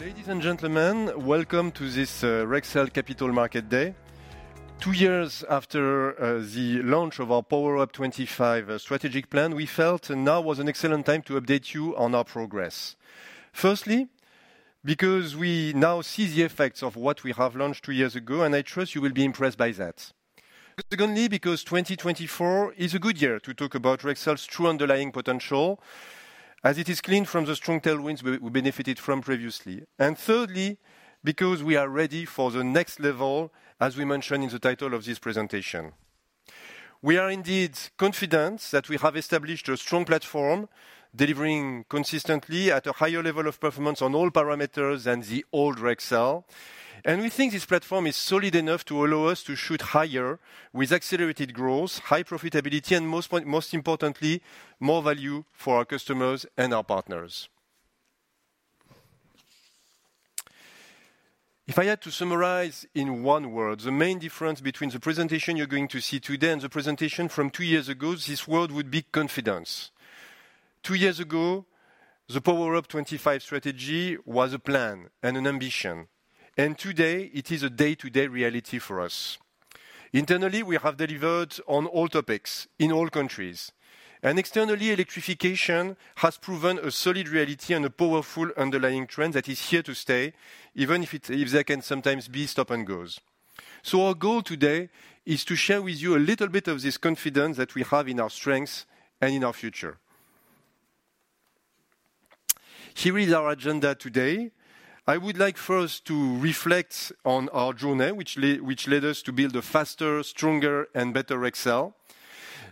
Ladies and gentlemen, welcome to this Rexel Capital Market Day. Two years after the launch of our Power Up 25 strategic plan, we felt now was an excellent time to update you on our progress. Firstly, because we now see the effects of what we have launched two years ago, and I trust you will be impressed by that. Secondly, because 2024 is a good year to talk about Rexel's true underlying potential, as it is clean from the strong tailwinds we benefited from previously. Thirdly, because we are ready for the next level, as we mentioned in the title of this presentation. We are indeed confident that we have established a strong platform, delivering consistently at a higher level of performance on all parameters than the old Rexel. We think this platform is solid enough to allow us to shoot higher with accelerated growth, high profitability, and most importantly, more value for our customers and our partners. If I had to summarize in one word, the main difference between the presentation you're going to see today and the presentation from two years ago, this word would be confidence. Two years ago, the Power Up 25 strategy was a plan and an ambition, and today it is a day-to-day reality for us. Internally, we have delivered on all topics in all countries, and externally, electrification has proven a solid reality and a powerful underlying trend that is here to stay, even if there can sometimes be stop and goes. Our goal today is to share with you a little bit of this confidence that we have in our strengths and in our future. Here is our agenda today. I would like first to reflect on our journey, which led us to build a faster, stronger, and better Rexel.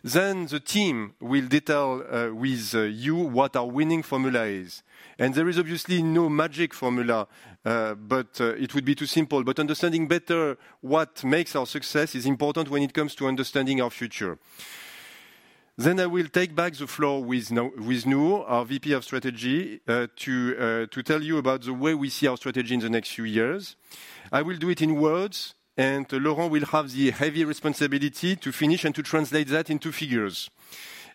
Then the team will detail with you what our winning formula is. And there is obviously no magic formula, but it would be too simple. But understanding better what makes our success is important when it comes to understanding our future. Then I will take back the floor with Nour, our VP of Strategy, to tell you about the way we see our strategy in the next few years. I will do it in words, and Laurent will have the heavy responsibility to finish and to translate that into figures.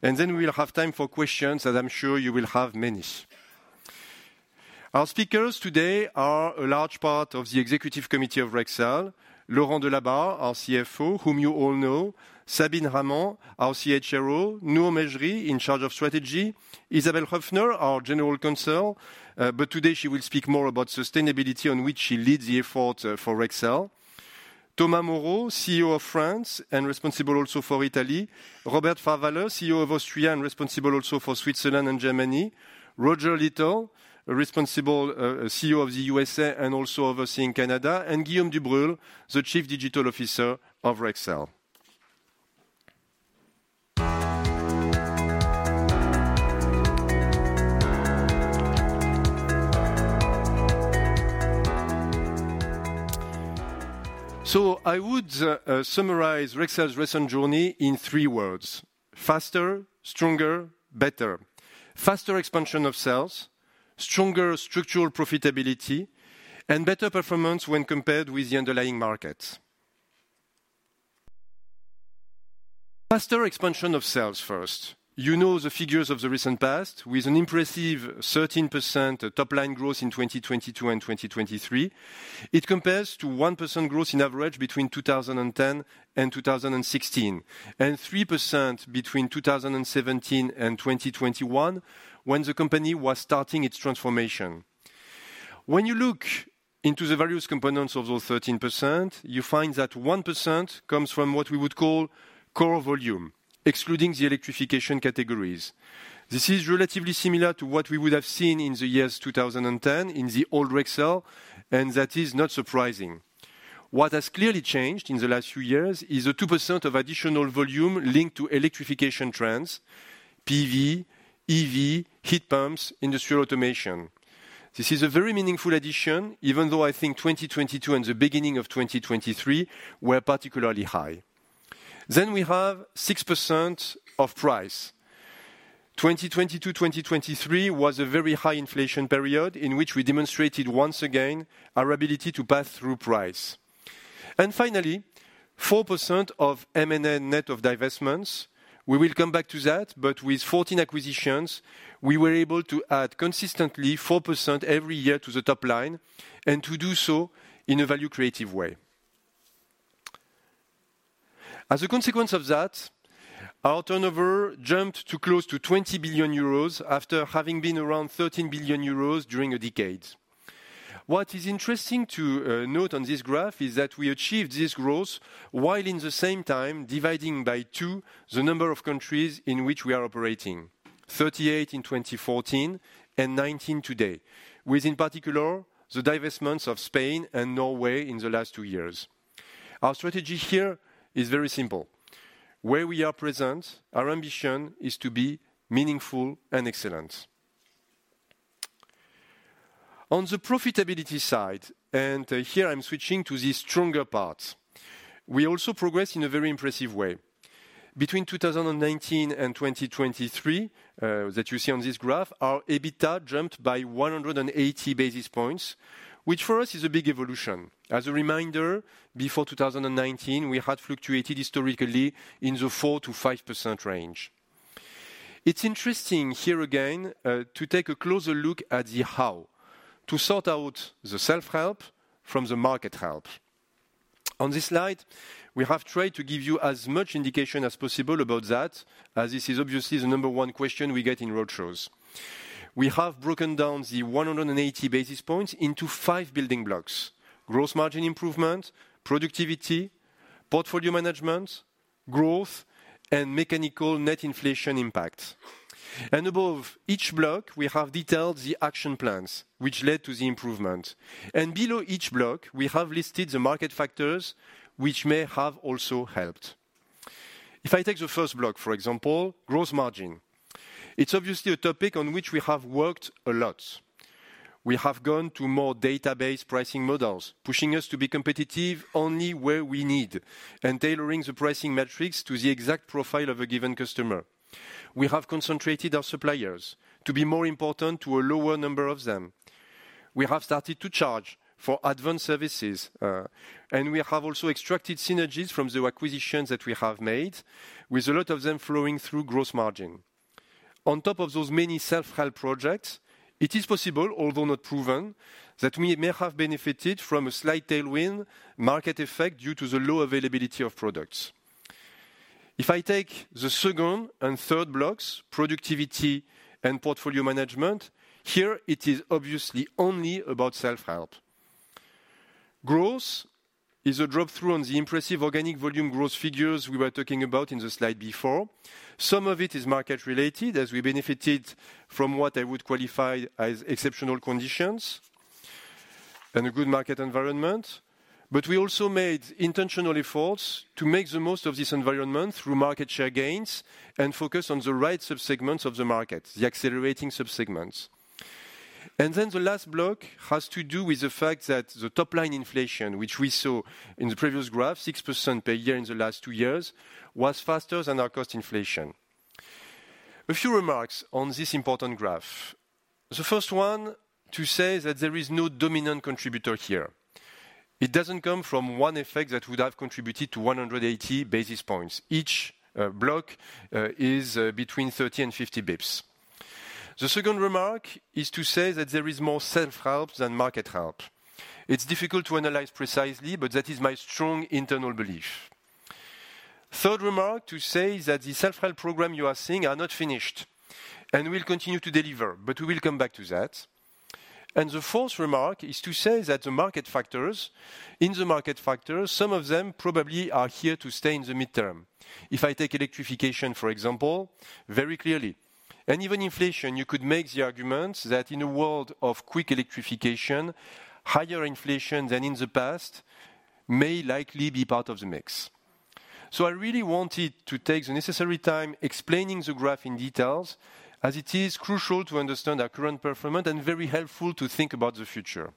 And then we'll have time for questions, as I'm sure you will have many. Our speakers today are a large part of the executive committee of Rexel: Laurent Delabarre, our CFO, whom you all know; Sabine Haman, our CHRO; Nour Mejri, in charge of Strategy; Isabelle Hoepfner-Léger, our general counsel, but today she will speak more about sustainability, on which she leads the effort, for Rexel; Thomas Moreau, CEO of France and responsible also for Italy; Robert Pfarrwaller, CEO of Austria and responsible also for Switzerland and Germany; Roger Little, responsible, CEO of the USA and also overseeing Canada; and Guillaume Dubreuil, the Chief Digital Officer of Rexel. So I would summarize Rexel's recent journey in three words: faster, stronger, better. Faster expansion of sales first. You know the figures of the recent past, with an impressive 13% top-line growth in 2022 and 2023. It compares to 1% growth on average between 2010 and 2016, and 3% between 2017 and 2021, when the company was starting its transformation. When you look into the various components of those 13%, you find that 1% comes from what we would call core volume, excluding the electrification categories. This is relatively similar to what we would have seen in the years 2010 in the old Rexel, and that is not surprising. What has clearly changed in the last few years is a 2% of additional volume linked to electrification trends, PV, EV, heat pumps, industrial automation. This is a very meaningful addition, even though I think 2022 and the beginning of 2023 were particularly high. Then we have 6% of price. 2022 to 2023 was a very high inflation period in which we demonstrated once again our ability to pass through price. And finally, 4% of M&A net of divestments. We will come back to that, but with 14 acquisitions, we were able to add consistently 4% every year to the top line and to do so in a value-creative way. As a consequence of that, our turnover jumped to close to 20 billion euros after having been around 13 billion euros during a decade. What is interesting to note on this graph is that we achieved this growth while in the same time dividing by 2 the number of countries in which we are operating: 38 in 2014 and 19 today, with, in particular, the divestments of Spain and Norway in the last 2 years. Our strategy here is very simple. Where we are present, our ambition is to be meaningful and excellent. On the profitability side, and here I'm switching to the stronger part, we also progress in a very impressive way. Between 2019 and 2023, that you see on this graph, our EBITDA jumped by 180 basis points, which for us is a big evolution. As a reminder, before 2019, we had fluctuated historically in the 4%-5% range. It's interesting here again to take a closer look at the how, to sort out the self-help from the market help. On this slide, we have tried to give you as much indication as possible about that, as this is obviously the number one question we get in roadshows. We have broken down the 180 basis points into five building blocks: gross margin improvement, productivity, portfolio management, growth, and mechanical net inflation impact. And above each block, we have detailed the action plans which led to the improvement, and below each block, we have listed the market factors which may have also helped. If I take the first block, for example, gross margin, it's obviously a topic on which we have worked a lot. We have gone to more database pricing models, pushing us to be competitive only where we need, and tailoring the pricing metrics to the exact profile of a given customer. We have concentrated our suppliers to be more important to a lower number of them. We have started to charge for advanced services, and we have also extracted synergies from the acquisitions that we have made, with a lot of them flowing through gross margin. On top of those many self-help projects, it is possible, although not proven, that we may have benefited from a slight tailwind market effect due to the low availability of products. If I take the second and third blocks, productivity and portfolio management, here it is obviously only about self-help. Growth is a drop through on the impressive organic volume growth figures we were talking about in the slide before. Some of it is market related, as we benefited from what I would qualify as exceptional conditions and a good market environment. But we also made intentional efforts to make the most of this environment through market share gains and focus on the right subsegments of the market, the accelerating subsegments. And then the last block has to do with the fact that the top line inflation, which we saw in the previous graph, 6% per year in the last two years, was faster than our cost inflation. A few remarks on this important graph. The first one, to say that there is no dominant contributor here. It doesn't come from one effect that would have contributed to 180 basis points. Each block is between 30 basis points and 50 basis points. The second remark is to say that there is more self-help than market help. It's difficult to analyze precisely, but that is my strong internal belief. Third remark, to say that the self-help program you are seeing are not finished and will continue to deliver, but we will come back to that. And the fourth remark is to say that the market factors, in the market factors, some of them probably are here to stay in the midterm. If I take electrification, for example, very clearly, and even inflation, you could make the argument that in a world of quick electrification, higher inflation than in the past may likely be part of the mix. So I really wanted to take the necessary time explaining the graph in details, as it is crucial to understand our current performance and very helpful to think about the future.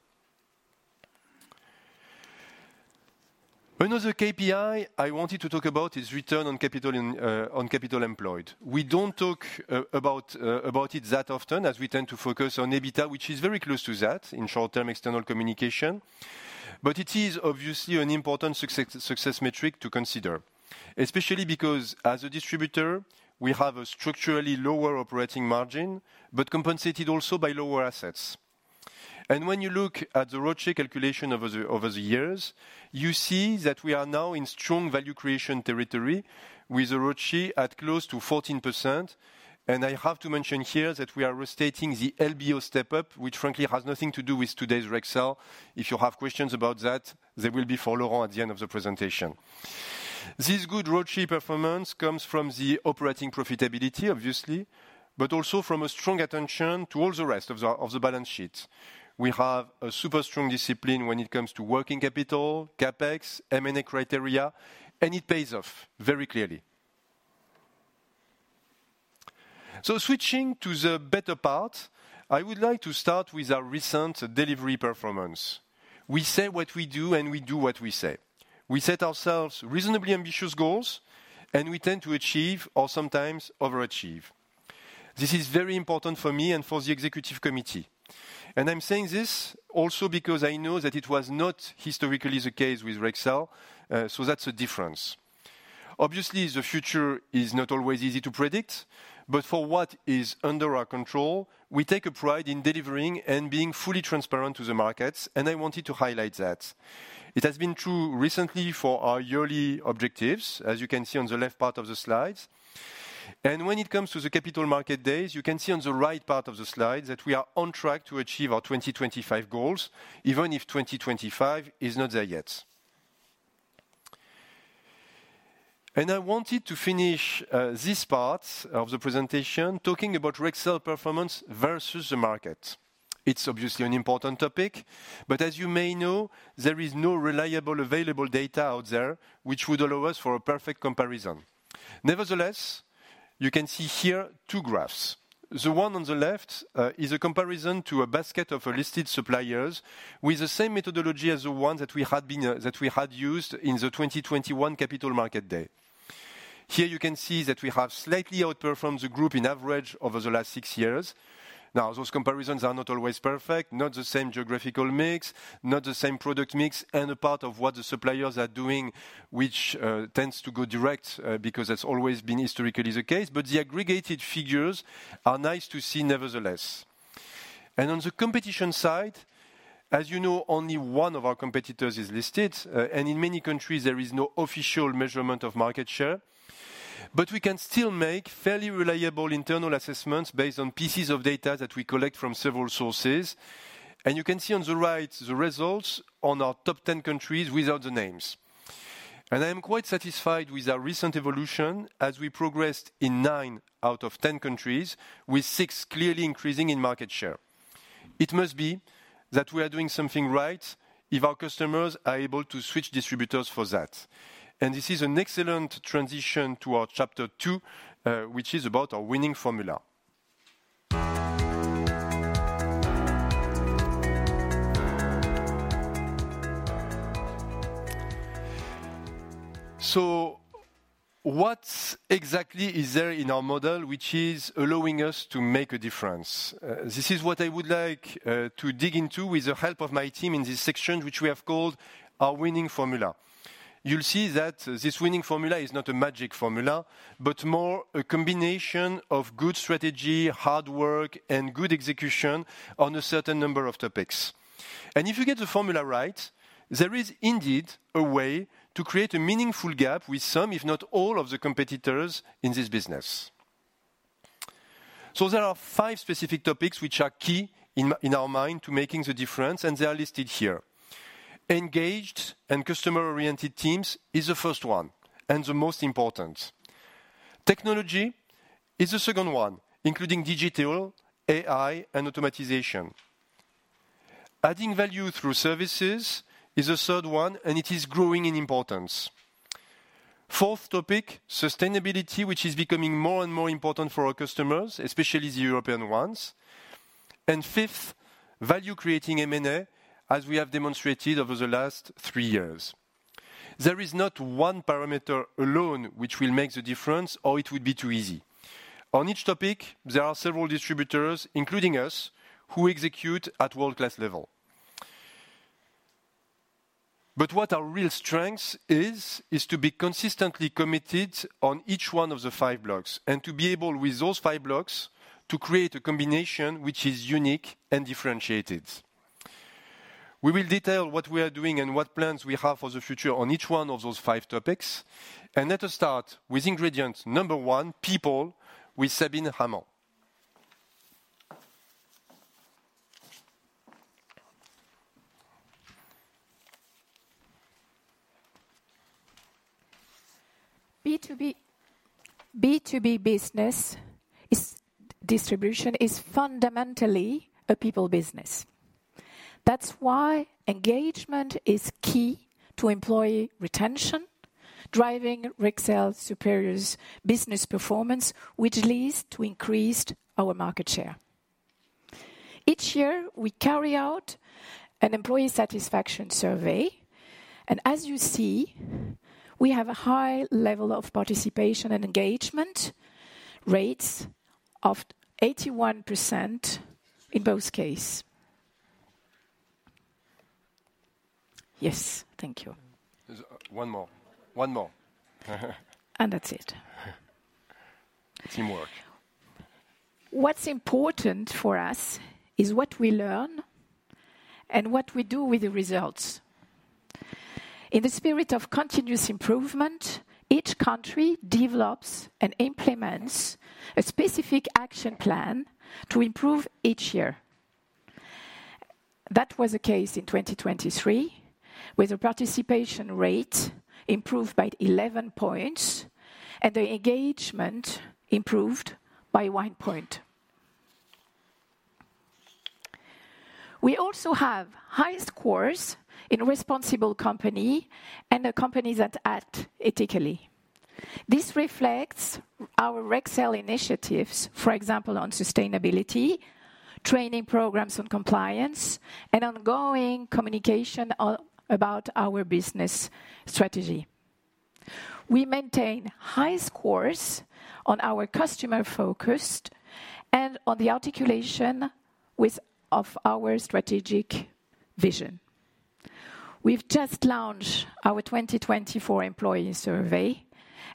Another KPI I wanted to talk about is return on capital in, on capital employed. We don't talk about it that often, as we tend to focus on EBITDA, which is very close to that in short-term external communication. But it is obviously an important success metric to consider, especially because as a distributor, we have a structurally lower operating margin, but compensated also by lower assets. And when you look at the ROCE calculation over the years, you see that we are now in strong value creation territory with the ROCE at close to 14%. And I have to mention here that we are restating the LBO step-up, which frankly has nothing to do with today's Rexel. If you have questions about that, they will be for Laurent at the end of the presentation. This good ROCE performance comes from the operating profitability, obviously, but also from a strong attention to all the rest of the balance sheet. We have a super strong discipline when it comes to working capital, CapEx, M&A criteria, and it pays off very clearly. So switching to the better part, I would like to start with our recent delivery performance. We say what we do, and we do what we say. We set ourselves reasonably ambitious goals, and we tend to achieve or sometimes overachieve. This is very important for me and for the executive committee, and I'm saying this also because I know that it was not historically the case with Rexel, so that's a difference. Obviously, the future is not always easy to predict, but for what is under our control, we take a pride in delivering and being fully transparent to the markets, and I wanted to highlight that. It has been true recently for our yearly objectives, as you can see on the left part of the slides. And when it comes to the capital market days, you can see on the right part of the slide that we are on track to achieve our 2025 goals, even if 2025 is not there yet. And I wanted to finish this part of the presentation talking about Rexel performance versus the market. It's obviously an important topic, but as you may know, there is no reliable, available data out there which would allow us for a perfect comparison. Nevertheless, you can see here two graphs. The one on the left is a comparison to a basket of listed suppliers with the same methodology as the one that we had used in the 2021 capital market day. Here you can see that we have slightly outperformed the group in average over the last 6 years. Now, those comparisons are not always perfect, not the same geographical mix, not the same product mix, and a part of what the suppliers are doing, which tends to go direct because that's always been historically the case, but the aggregated figures are nice to see nevertheless. On the competition side, as you know, only one of our competitors is listed, and in many countries, there is no official measurement of market share. But we can still make fairly reliable internal assessments based on pieces of data that we collect from several sources. You can see on the right, the results on our top 10 countries without the names. I am quite satisfied with our recent evolution as we progressed in 9 out of 10 countries, with 6 clearly increasing in market share. It must be that we are doing something right if our customers are able to switch distributors for that. This is an excellent transition to our chapter 2, which is about our winning formula. What exactly is there in our model which is allowing us to make a difference? This is what I would like to dig into with the help of my team in this section, which we have called Our Winning Formula. You'll see that this winning formula is not a magic formula, but more a combination of good strategy, hard work, and good execution on a certain number of topics. And if you get the formula right, there is indeed a way to create a meaningful gap with some, if not all, of the competitors in this business. So there are five specific topics which are key in our mind to making the difference, and they are listed here. Engaged and customer-oriented teams is the first one, and the most important. Technology is the second one, including digital, AI, and automation. Adding value through services is the third one, and it is growing in importance. Fourth topic, sustainability, which is becoming more and more important for our customers, especially the European ones. And fifth, value creating M&A, as we have demonstrated over the last three years. There is not one parameter alone which will make the difference, or it would be too easy. On each topic, there are several distributors, including us, who execute at world-class level. But what our real strength is, is to be consistently committed on each one of the five blocks, and to be able, with those five blocks, to create a combination which is unique and differentiated. We will detail what we are doing and what plans we have for the future on each one of those five topics. Let us start with ingredient number one, people, with Sabine Haman. B2B, B2B business is distribution is fundamentally a people business. That's why engagement is key to employee retention, driving Rexel superiors business performance, which leads to increased our market share. Each year, we carry out an employee satisfaction survey, and as you see, we have a high level of participation and engagement rates of 81% in both case. Yes, thank you. There's one more, one more. That's it. Teamwork. What's important for us is what we learn and what we do with the results. In the spirit of continuous improvement, each country develops and implements a specific action plan to improve each year. That was the case in 2023, with a participation rate improved by 11 points, and the engagement improved by 1 point. We also have high scores in responsible company and the companies that act ethically. This reflects our Rexel initiatives, for example, on sustainability, training programs on compliance, and ongoing communication on, about our business strategy. We maintain high scores on our customer-focused and on the articulation with, of our strategic vision. We've just launched our 2024 employee survey,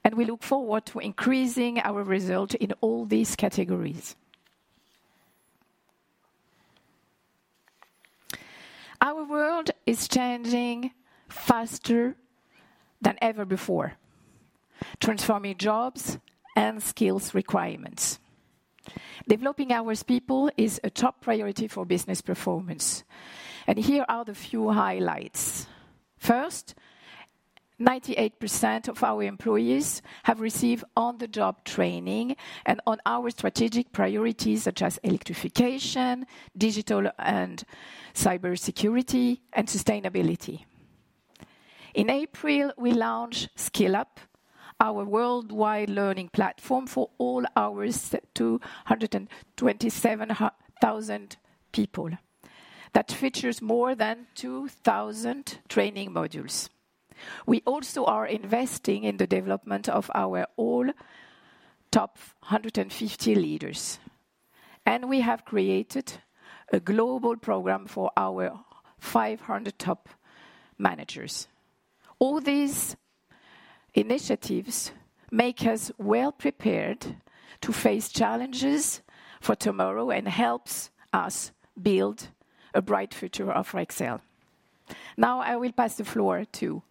and we look forward to increasing our result in all these categories. Our world is changing faster than ever before, transforming jobs and skills requirements. Developing our people is a top priority for business performance, and here are the few highlights. First, 98% of our employees have received on-the-job training and on our strategic priorities, such as electrification, digital and cybersecurity, and sustainability. In April, we launched Skill Up, our worldwide learning platform for all our 227,000 people, that features more than 2,000 training modules. We also are investing in the development of our all top 150 leaders, and we have created a global program for our 500 top managers. All these initiatives make us well prepared to face challenges for tomorrow and helps us build a bright future of Rexel. Now, I will pass the floor to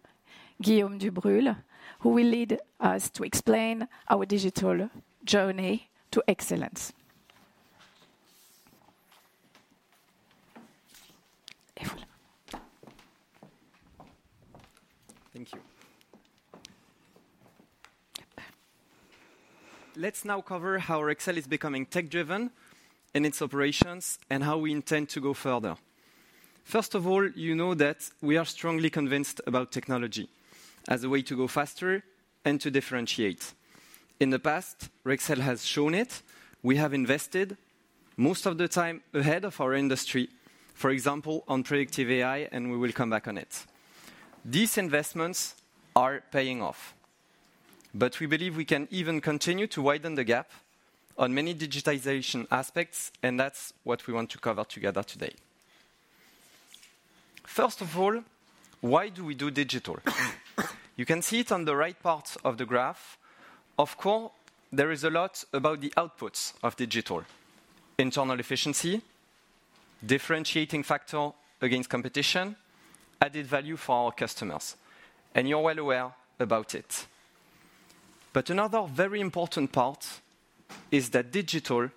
Guillaume Dubreuil, who will lead us to explain our digital journey to excellence. Thank you. Let's now cover how Rexel is becoming tech-driven in its operations and how we intend to go further. First of all, you know that we are strongly convinced about technology as a way to go faster and to differentiate. In the past, Rexel has shown it. We have invested most of the time ahead of our industry, for example, on predictive AI, and we will come back on it. These investments are paying off, but we believe we can even continue to widen the gap on many digitization aspects, and that's what we want to cover together today. First of all, why do we do digital? You can see it on the right part of the graph. Of course, there is a lot about the outputs of digital: internal efficiency, differentiating factor against competition, added value for our customers, and you're well aware about it. But another very important part is that digital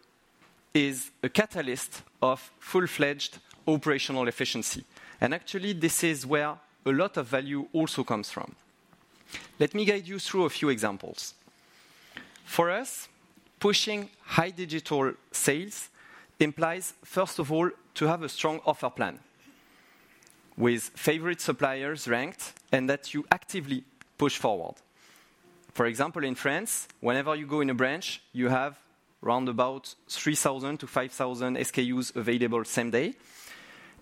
is a catalyst of full-fledged operational efficiency, and actually, this is where a lot of value also comes from. Let me guide you through a few examples. For us, pushing high digital sales implies, first of all, to have a strong offer plan with favorite suppliers ranked and that you actively push forward. For example, in France, whenever you go in a branch, you have around 3,000 SKUs-5,000 SKUs available same day,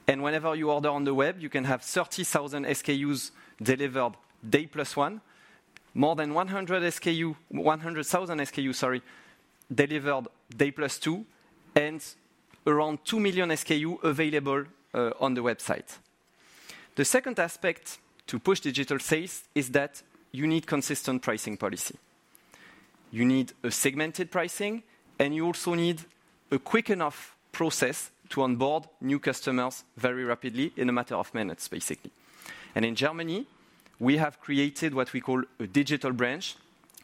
and whenever you order on the web, you can have 30,000 SKUs delivered day plus one, more than 100,000 SKUs, sorry, delivered day plus two, and around 2 million SKUs available on the website. The second aspect to push digital sales is that you need consistent pricing policy. You need a segmented pricing, and you also need a quick enough process to onboard new customers very rapidly in a matter of minutes, basically. In Germany, we have created what we call a digital branch,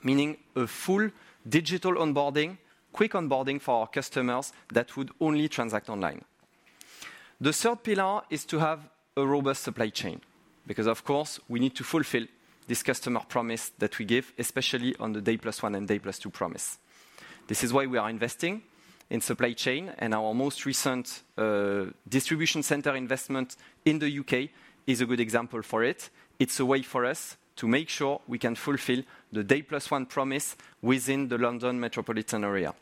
meaning a full digital onboarding, quick onboarding for our customers that would only transact online. The third pillar is to have a robust supply chain, because of course, we need to fulfill this customer promise that we give, especially on the day plus one and day plus two promise. This is why we are investing in supply chain, and our most recent distribution center investment in the UK is a good example for it. It's a way for us to make sure we can fulfill the day plus one promise within the London metropolitan area.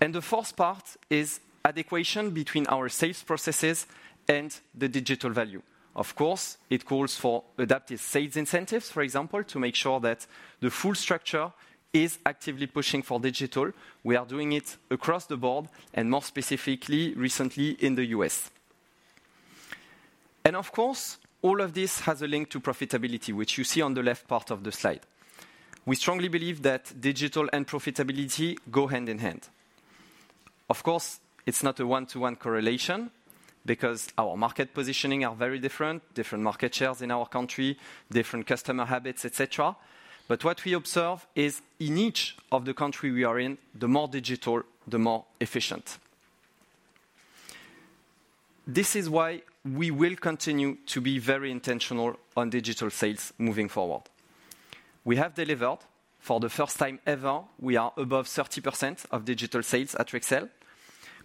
The fourth part is adequation between our sales processes and the digital value. Of course, it calls for adaptive sales incentives, for example, to make sure that the full structure is actively pushing for digital. We are doing it across the board and more specifically recently in the U.S. Of course, all of this has a link to profitability, which you see on the left part of the slide. We strongly believe that digital and profitability go hand in hand. Of course, it's not a one-to-one correlation because our market positioning are very different, different market shares in our country, different customer habits, et cetera. What we observe is in each of the country we are in, the more digital, the more efficient. This is why we will continue to be very intentional on digital sales moving forward. We have delivered. For the first time ever, we are above 30% of digital sales at Rexel.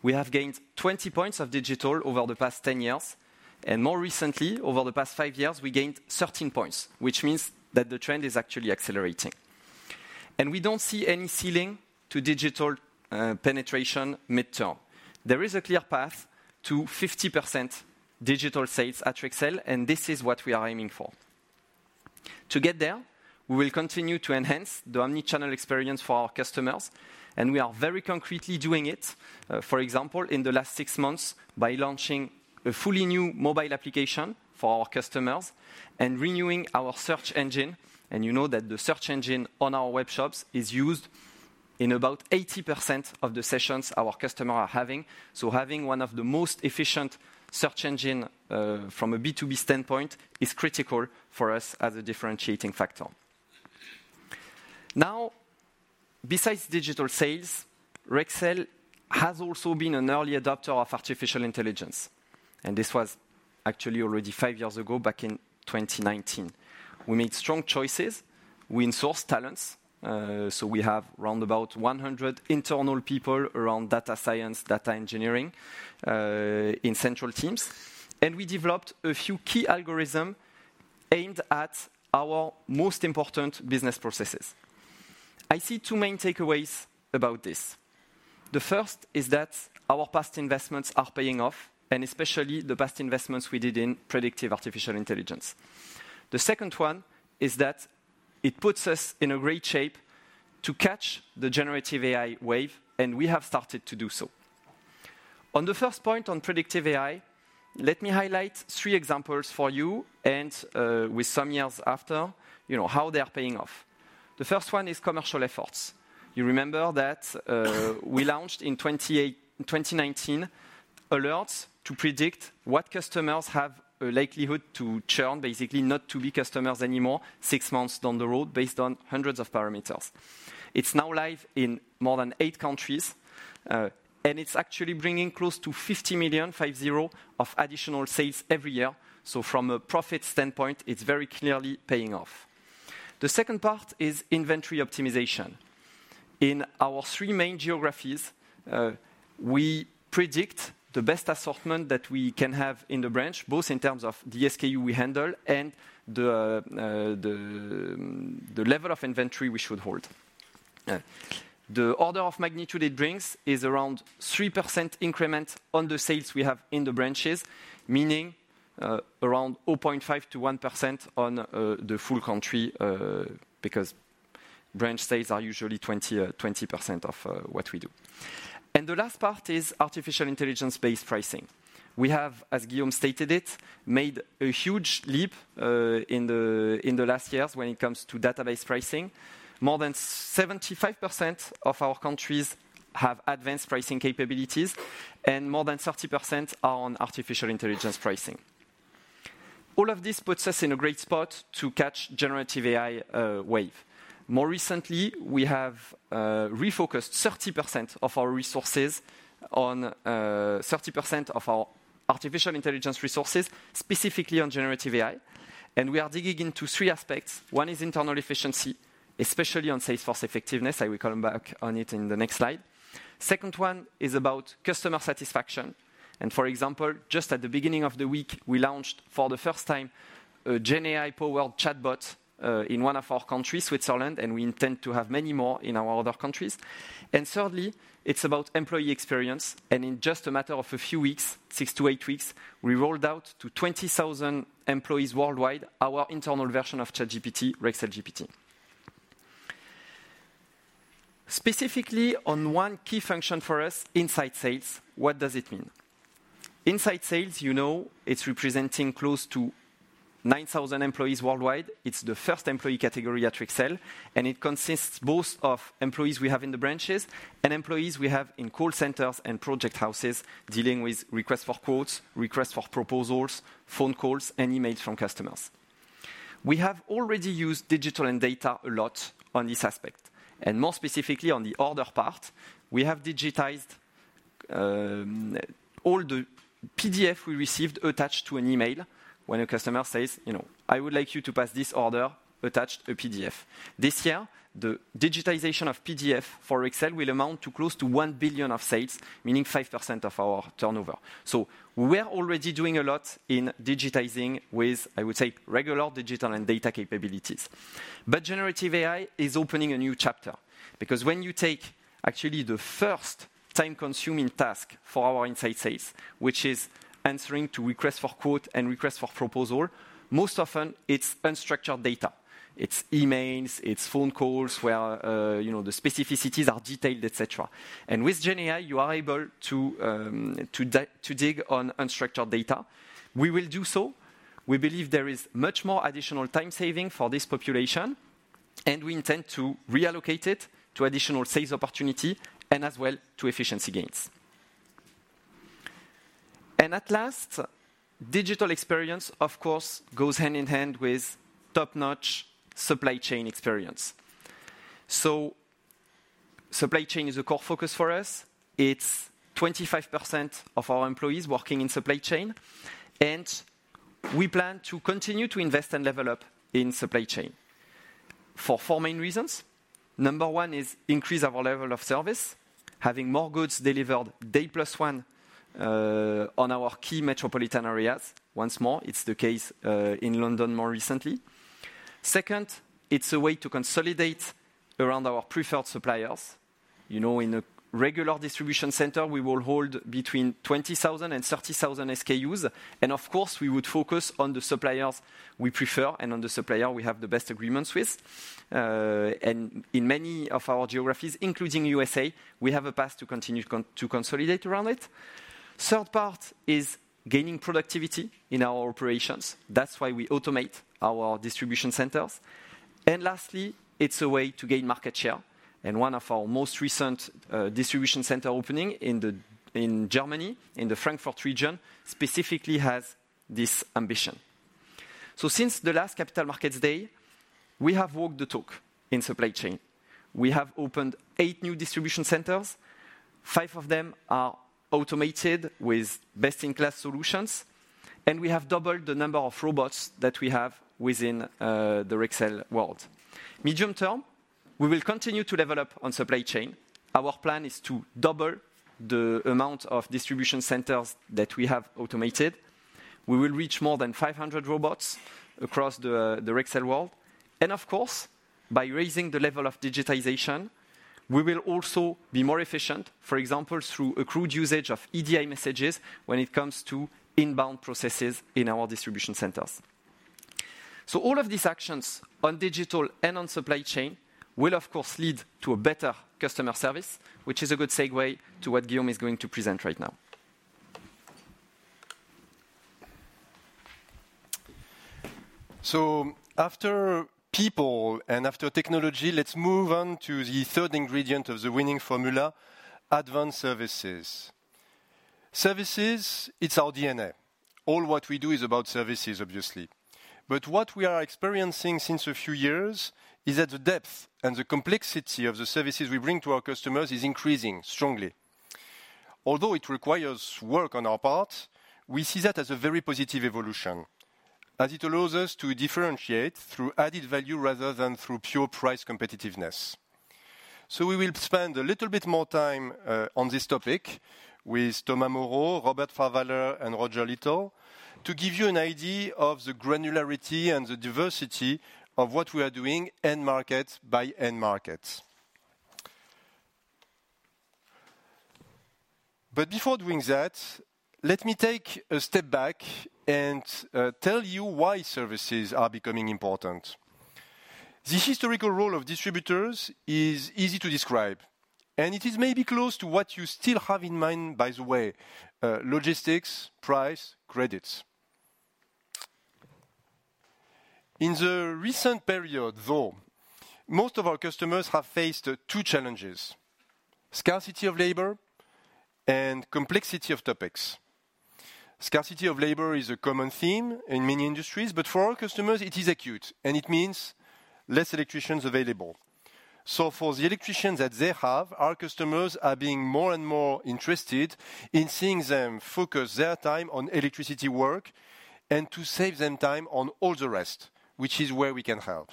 We have gained 20 points of digital over the past 10 years, and more recently, over the past 5 years, we gained 13 points, which means that the trend is actually accelerating. We don't see any ceiling to digital penetration mid-term. There is a clear path to 50% digital sales at Rexel, and this is what we are aiming for. To get there, we will continue to enhance the omni-channel experience for our customers, and we are very concretely doing it, for example, in the last 6 months by launching a fully new mobile application for our customers and renewing our search engine. You know that the search engine on our web shops is used in about 80% of the sessions our customer are having. So having one of the most efficient search engine, from a B2B standpoint is critical for us as a differentiating factor. Now, besides digital sales, Rexel has also been an early adopter of artificial intelligence, and this was actually already 5 years ago, back in 2019. We made strong choices. We insourced talents, so we have round about 100 internal people around data science, data engineering, in central teams, and we developed a few key algorithm aimed at our most important business processes. I see 2 main takeaways about this. The first is that our past investments are paying off, and especially the past investments we did in predictive artificial intelligence. The second one is that it puts us in a great shape to catch the generative AI wave, and we have started to do so. On the first point on predictive AI, let me highlight three examples for you, and, with some years after, you know, how they are paying off. The first one is commercial efforts. You remember that, we launched in 2019, alerts to predict what customers have a likelihood to churn, basically not to be customers anymore six months down the road, based on hundreds of parameters. It's now live in more than eight countries, and it's actually bringing close to 50 million of additional sales every year. So from a profit standpoint, it's very clearly paying off. The second part is inventory optimization. In our three main geographies, we predict the best assortment that we can have in the branch, both in terms of the SKU we handle and the level of inventory we should hold. The order of magnitude it brings is around 3% increment on the sales we have in the branches, meaning, around 0.5%-1% on the full country, because branch sales are usually 20% of what we do. And the last part is artificial intelligence-based pricing. We have, as Guillaume stated it, made a huge leap in the last years when it comes to database pricing. More than 75% of our countries have advanced pricing capabilities, and more than 30% are on artificial intelligence pricing. All of this puts us in a great spot to catch generative AI wave. More recently, we have refocused 30% of our resources on 30% of our artificial intelligence resources, specifically on generative AI, and we are digging into three aspects. One is internal efficiency, especially on sales force effectiveness. I will come back on it in the next slide. Second one is about customer satisfaction, and for example, just at the beginning of the week, we launched for the first time a GenAI-powered chatbot in one of our countries, Switzerland, and we intend to have many more in our other countries. And thirdly, it's about employee experience, and in just a matter of a few weeks, six to eight weeks, we rolled out to 20,000 employees worldwide our internal version of ChatGPT, RexelGPT. Specifically, on one key function for us, inside sales, what does it mean? Inside sales, you know, it's representing close to 9,000 employees worldwide. It's the first employee category at Rexel, and it consists both of employees we have in the branches and employees we have in call centers and project houses, dealing with requests for quotes, requests for proposals, phone calls, and emails from customers. We have already used digital and data a lot on this aspect, and more specifically, on the order part, we have digitized all the PDFs we received attached to an email when a customer says, "You know, I would like you to pass this order, attached a PDF." This year, the digitization of PDFs for Rexel will amount to close to 1 billion of sales, meaning 5% of our turnover. So we are already doing a lot in digitizing with, I would say, regular digital and data capabilities. But generative AI is opening a new chapter, because when you take actually the first time-consuming task for our inside sales, which is answering to request for quote and request for proposal, most often it's unstructured data. It's emails, it's phone calls, where you know the specificities are detailed, et cetera. And with GenAI, you are able to to dig on unstructured data. We will do so. We believe there is much more additional time saving for this population, and we intend to reallocate it to additional sales opportunity and as well, to efficiency gains. And at last, digital experience, of course, goes hand in hand with top-notch supply chain experience. So supply chain is a core focus for us. It's 25% of our employees working in supply chain, and we plan to continue to invest and level up in supply chain for four main reasons. Number one is increase our level of service, having more goods delivered day plus one on our key metropolitan areas. Once more, it's the case in London, more recently. Second, it's a way to consolidate around our preferred suppliers. You know, in a regular distribution center, we will hold between 20,000 SKUs and 30,000 SKUs, and of course, we would focus on the suppliers we prefer and on the supplier we have the best agreements with. And in many of our geographies, including USA, we have a path to continue to consolidate around it. Third part is gaining productivity in our operations. That's why we automate our distribution centers. And lastly, it's a way to gain market share, and one of our most recent distribution center opening in Germany, in the Frankfurt region, specifically has this ambition. So since the last Capital Markets Day, we have walked the talk in supply chain. We have opened 8 new distribution centers. 5 of them are automated with best-in-class solutions, and we have doubled the number of robots that we have within the Rexel world. Medium term, we will continue to develop on supply chain. Our plan is to double the amount of distribution centers that we have automated. We will reach more than 500 robots across the Rexel world. And of course, by raising the level of digitization, we will also be more efficient, for example, through accrued usage of EDI messages when it comes to inbound processes in our distribution centers. All of these actions on digital and on supply chain will, of course, lead to a better customer service, which is a good segue to what Guillaume is going to present right now. So after people and after technology, let's move on to the third ingredient of the winning formula: advanced services. Services, it's our DNA. All what we do is about services, obviously. But what we are experiencing since a few years is that the depth and the complexity of the services we bring to our customers is increasing strongly. Although it requires work on our part, we see that as a very positive evolution, as it allows us to differentiate through added value rather than through pure price competitiveness. So we will spend a little bit more time on this topic with Thomas Moreau, Robert Pfarrwaller, and Roger Little, to give you an idea of the granularity and the diversity of what we are doing end market by end market. But before doing that, let me take a step back and tell you why services are becoming important. The historical role of distributors is easy to describe, and it is maybe close to what you still have in mind, by the way: logistics, price, credits. In the recent period, though, most of our customers have faced two challenges: scarcity of labor and complexity of topics. Scarcity of labor is a common theme in many industries, but for our customers it is acute, and it means less electricians available. So for the electricians that they have, our customers are being more and more interested in seeing them focus their time on electricity work and to save them time on all the rest, which is where we can help.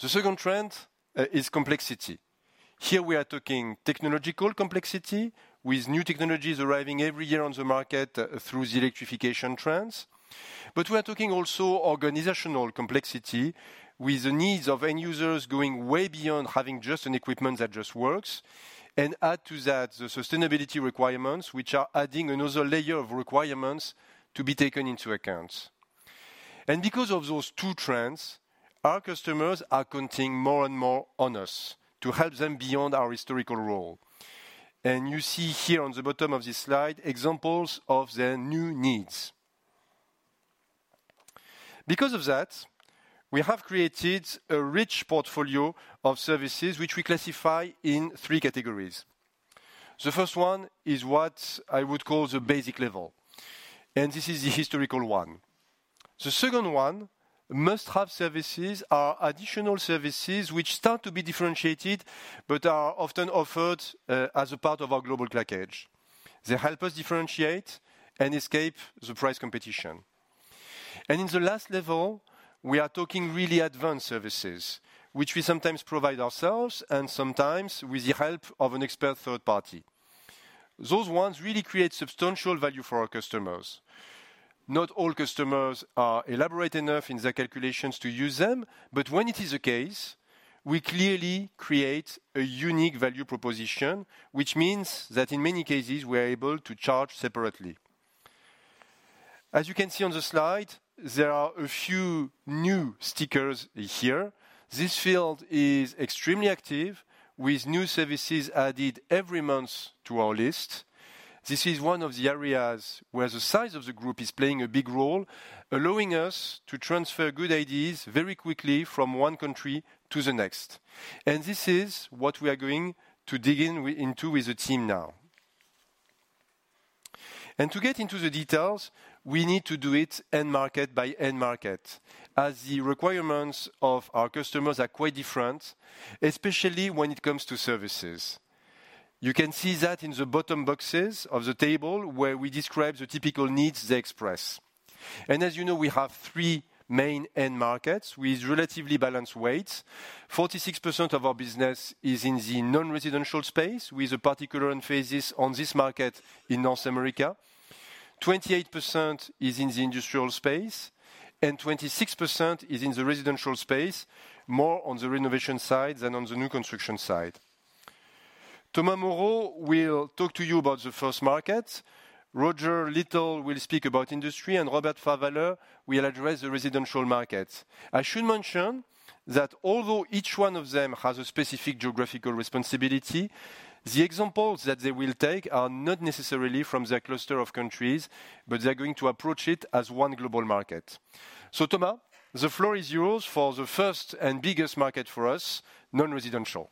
The second trend is complexity. Here we are talking technological complexity, with new technologies arriving every year on the market through the electrification trends. But we are talking also organizational complexity, with the needs of end users going way beyond having just an equipment that just works, and add to that the sustainability requirements, which are adding another layer of requirements to be taken into account. And because of those two trends, our customers are counting more and more on us to help them beyond our historical role. And you see here on the bottom of this slide, examples of their new needs. Because of that, we have created a rich portfolio of services, which we classify in three categories. The first one is what I would call the basic level, and this is the historical one. The second one, must-have services, are additional services which start to be differentiated, but are often offered as a part of our global package. They help us differentiate and escape the price competition. In the last level, we are talking really advanced services, which we sometimes provide ourselves and sometimes with the help of an expert third party. Those ones really create substantial value for our customers. Not all customers are elaborate enough in their calculations to use them, but when it is the case, we clearly create a unique value proposition, which means that in many cases we are able to charge separately. As you can see on the slide, there are a few new stickers here. This field is extremely active, with new services added every month to our list. This is one of the areas where the size of the group is playing a big role, allowing us to transfer good ideas very quickly from one country to the next. This is what we are going to dig into with the team now. To get into the details, we need to do it end market by end market, as the requirements of our customers are quite different, especially when it comes to services. You can see that in the bottom boxes of the table, where we describe the typical needs they express. As you know, we have three main end markets, with relatively balanced weights. 46% of our business is in the non-residential space, with a particular emphasis on this market in North America. 28% is in the industrial space, and 26% is in the residential space, more on the renovation side than on the new construction side. Thomas Moreau will talk to you about the first market. Roger Little will speak about industry, and Robert Pfarrwaller will address the residential market. I should mention that although each one of them has a specific geographical responsibility, the examples that they will take are not necessarily from their cluster of countries, but they're going to approach it as one global market. So, Thomas, the floor is yours for the first and biggest market for us, non-residential.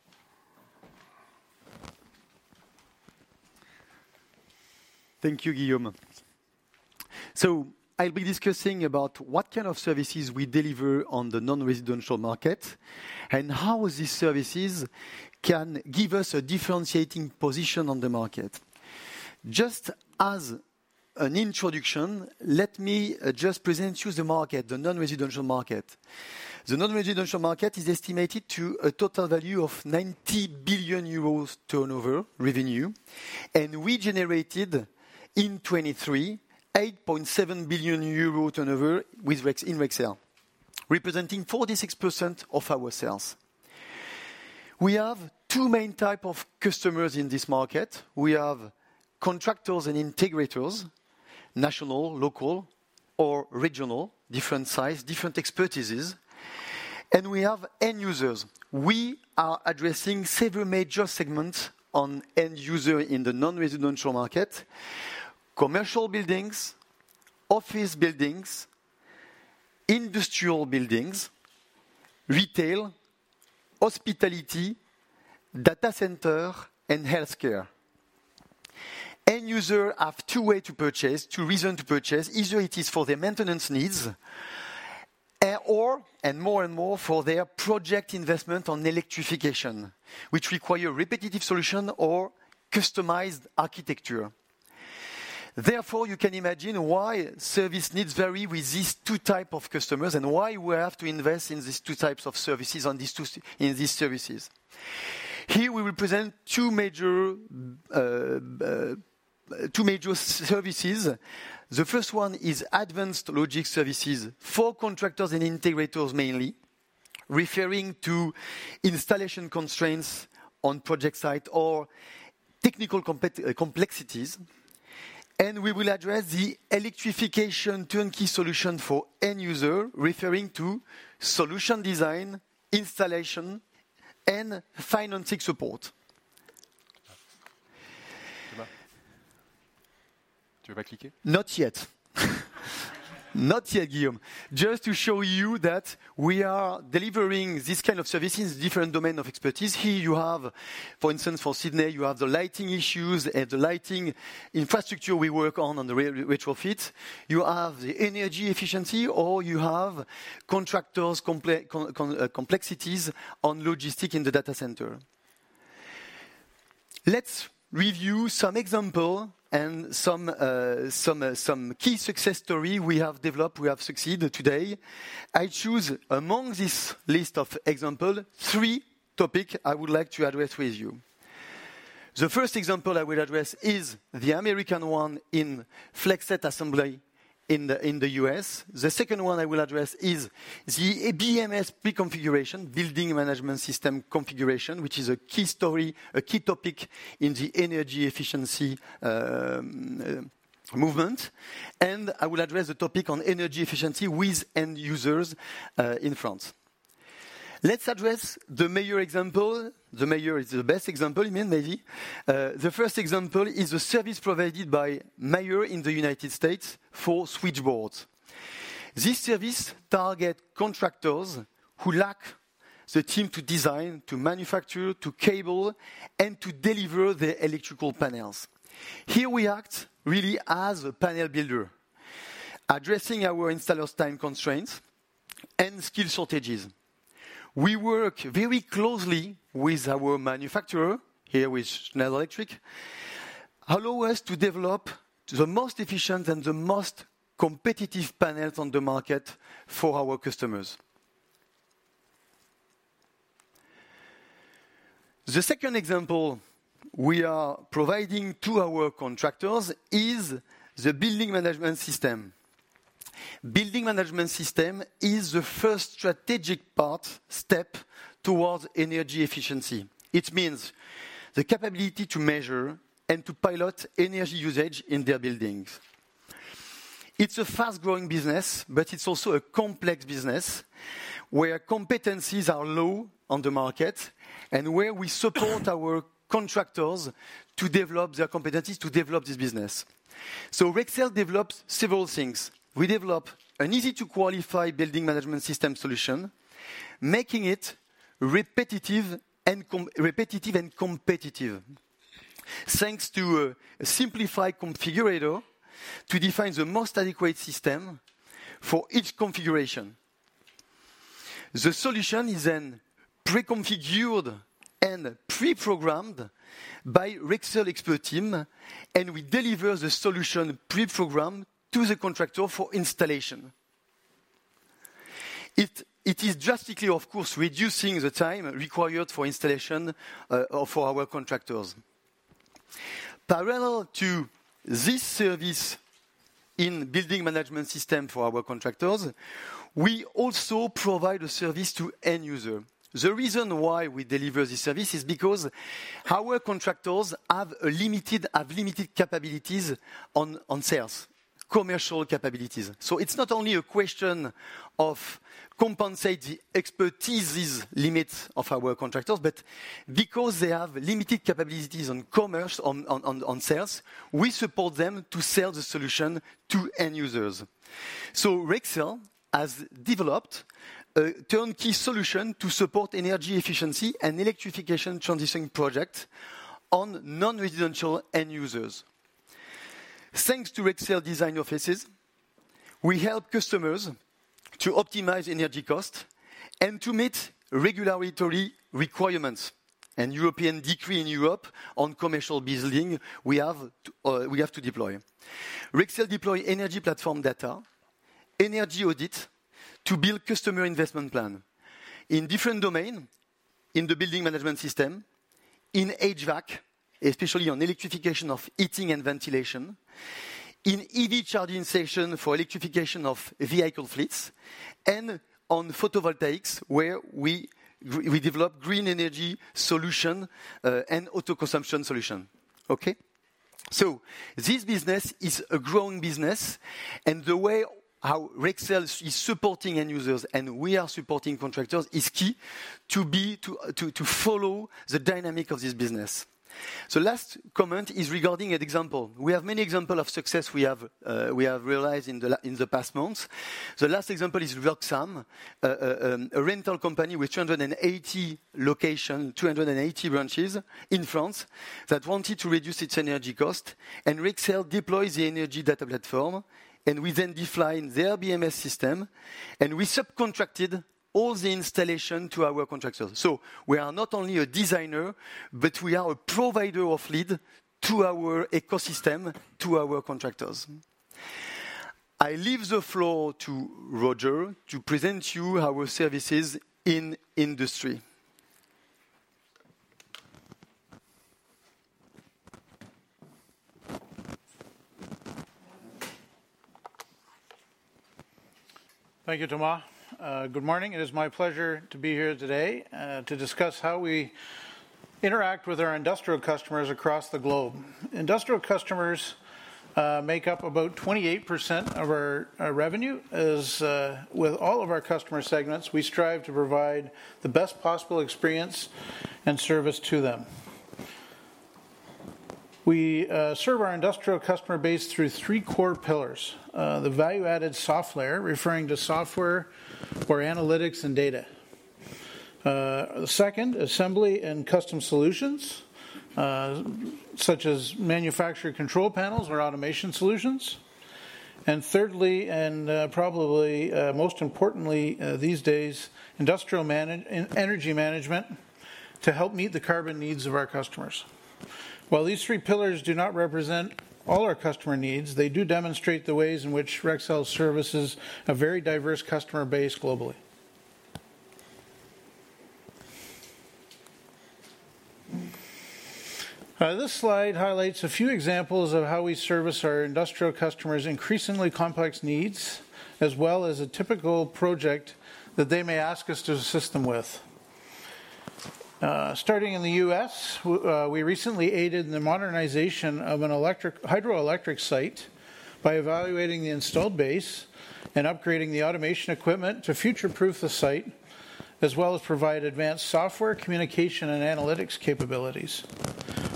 Thank you, Guillaume. I'll be discussing about what kind of services we deliver on the non-residential market and how these services can give us a differentiating position on the market. Just as an introduction, let me just present to you the market, the non-residential market. The non-residential market is estimated to a total value of 90 billion euros turnover revenue, and we generated, in 2023, 8.7 billion euro turnover with Rexel, representing 46% of our sales. We have two main type of customers in this market. We have contractors and integrators, national, local, or regional, different size, different expertises, and we have end users. We are addressing several major segments on end user in the non-residential market: commercial buildings, office buildings, industrial buildings, retail, hospitality, data center, and healthcare. End user have two way to purchase, two reason to purchase. Either it is for their maintenance needs, or, and more and more, for their project investment on electrification, which require repetitive solution or customized architecture. Therefore, you can imagine why service needs vary with these two type of customers and why we have to invest in these two types of services, in these services. Here, we will present two major services. The first one is advanced logistics services for contractors and integrators, mainly, referring to installation constraints on project site or technical complexities. And we will address the electrification turnkey solution for end user, referring to solution design, installation, and financing support Not yet. Not yet, Guillaume. Just to show you that we are delivering this kind of services, different domain of expertise. Here you have, for instance, for Sydney, you have the lighting issues and the lighting infrastructure we work on, on the retrofit. You have the energy efficiency, or you have contractors compliance complexities on logistics in the data center. Let's review some example and some key success story we have developed, we have succeeded today. I choose among this list of example, three topic I would like to address with you. The first example I will address is the American one in FlexSet Assembly in the US. The second one I will address is the BMS pre-configuration, Building Management System configuration, which is a key story, a key topic in the energy efficiency movement. I will address the topic on energy efficiency with end users in France. Let's address the Mayer example. The Mayer is the best example, maybe. The first example is a service provided by Mayer in the United States for switchboards. This service target contractors who lack the team to design, to manufacture, to cable, and to deliver the electrical panels. Here we act really as a panel builder, addressing our installers' time constraints and skill shortages. We work very closely with our manufacturer, here with Schneider Electric, allow us to develop the most efficient and the most competitive panels on the market for our customers. The second example we are providing to our contractors is the Building Management System. Building Management System is the first strategic part, step towards energy efficiency. It means the capability to measure and to pilot energy usage in their buildings. It's a fast-growing business, but it's also a complex business, where competencies are low on the market, and where we support our contractors to develop their competencies to develop this business. So Rexel develops several things. We develop an easy-to-qualify Building Management System solution, making it repetitive and competitive, thanks to a simplified configurator to define the most adequate system for each configuration. The solution is then pre-configured and pre-programmed by Rexel expert team, and we deliver the solution pre-programmed to the contractor for installation. It, it is drastically, of course, reducing the time required for installation, for our contractors. Parallel to this service in Building Management System for our contractors, we also provide a service to end user. The reason why we deliver this service is because our contractors have a limited, have limited capabilities on, on sales, commercial capabilities. So it's not only a question of compensate the expertises limits of our contractors, but because they have limited capabilities on sales, we support them to sell the solution to end users. So Rexel has developed a turnkey solution to support energy efficiency and electrification transitioning project on non-residential end users. Thanks to Rexel design offices, we help customers to optimize energy cost and to meet regulatory requirements and European decree in Europe on commercial building, we have to deploy. Rexel deploy energy platform data, energy audit, to build customer investment plan. In different domain, in the Building Management System in HVAC, especially on electrification of heating and ventilation, in EV charging station for electrification of vehicle fleets, and on photovoltaics, where we develop green energy solution and auto consumption solution. Okay? So this business is a growing business, and the way how Rexel is supporting end users and we are supporting contractors is key to follow the dynamic of this business. So last comment is regarding an example. We have many examples of success we have realized in the past months. The last example is Loxam, a rental company with 280 locations, 280 branches in France, that wanted to reduce its energy cost. And Rexel deployed the energy data platform, and we then defined their BMS system, and we subcontracted all the installation to our contractors. So we are not only a designer, but we are a provider of lead to our ecosystem, to our contractors. I leave the floor to Roger, to present you our services in industry. Thank you, Thomas. Good morning. It is my pleasure to be here today to discuss how we interact with our industrial customers across the globe. Industrial customers make up about 28% of our revenue. As with all of our customer segments, we strive to provide the best possible experience and service to them. We serve our industrial customer base through three core pillars: the value-added software, referring to software for analytics and data. Second, assembly and custom solutions, such as manufacturer control panels or automation solutions. And thirdly, and probably most importantly these days, industrial energy management to help meet the carbon needs of our customers. While these three pillars do not represent all our customer needs, they do demonstrate the ways in which Rexel services a very diverse customer base globally. This slide highlights a few examples of how we service our industrial customers' increasingly complex needs, as well as a typical project that they may ask us to assist them with. Starting in the U.S., we recently aided in the modernization of a hydroelectric site by evaluating the installed base and upgrading the automation equipment to future-proof the site, as well as provide advanced software, communication, and analytics capabilities.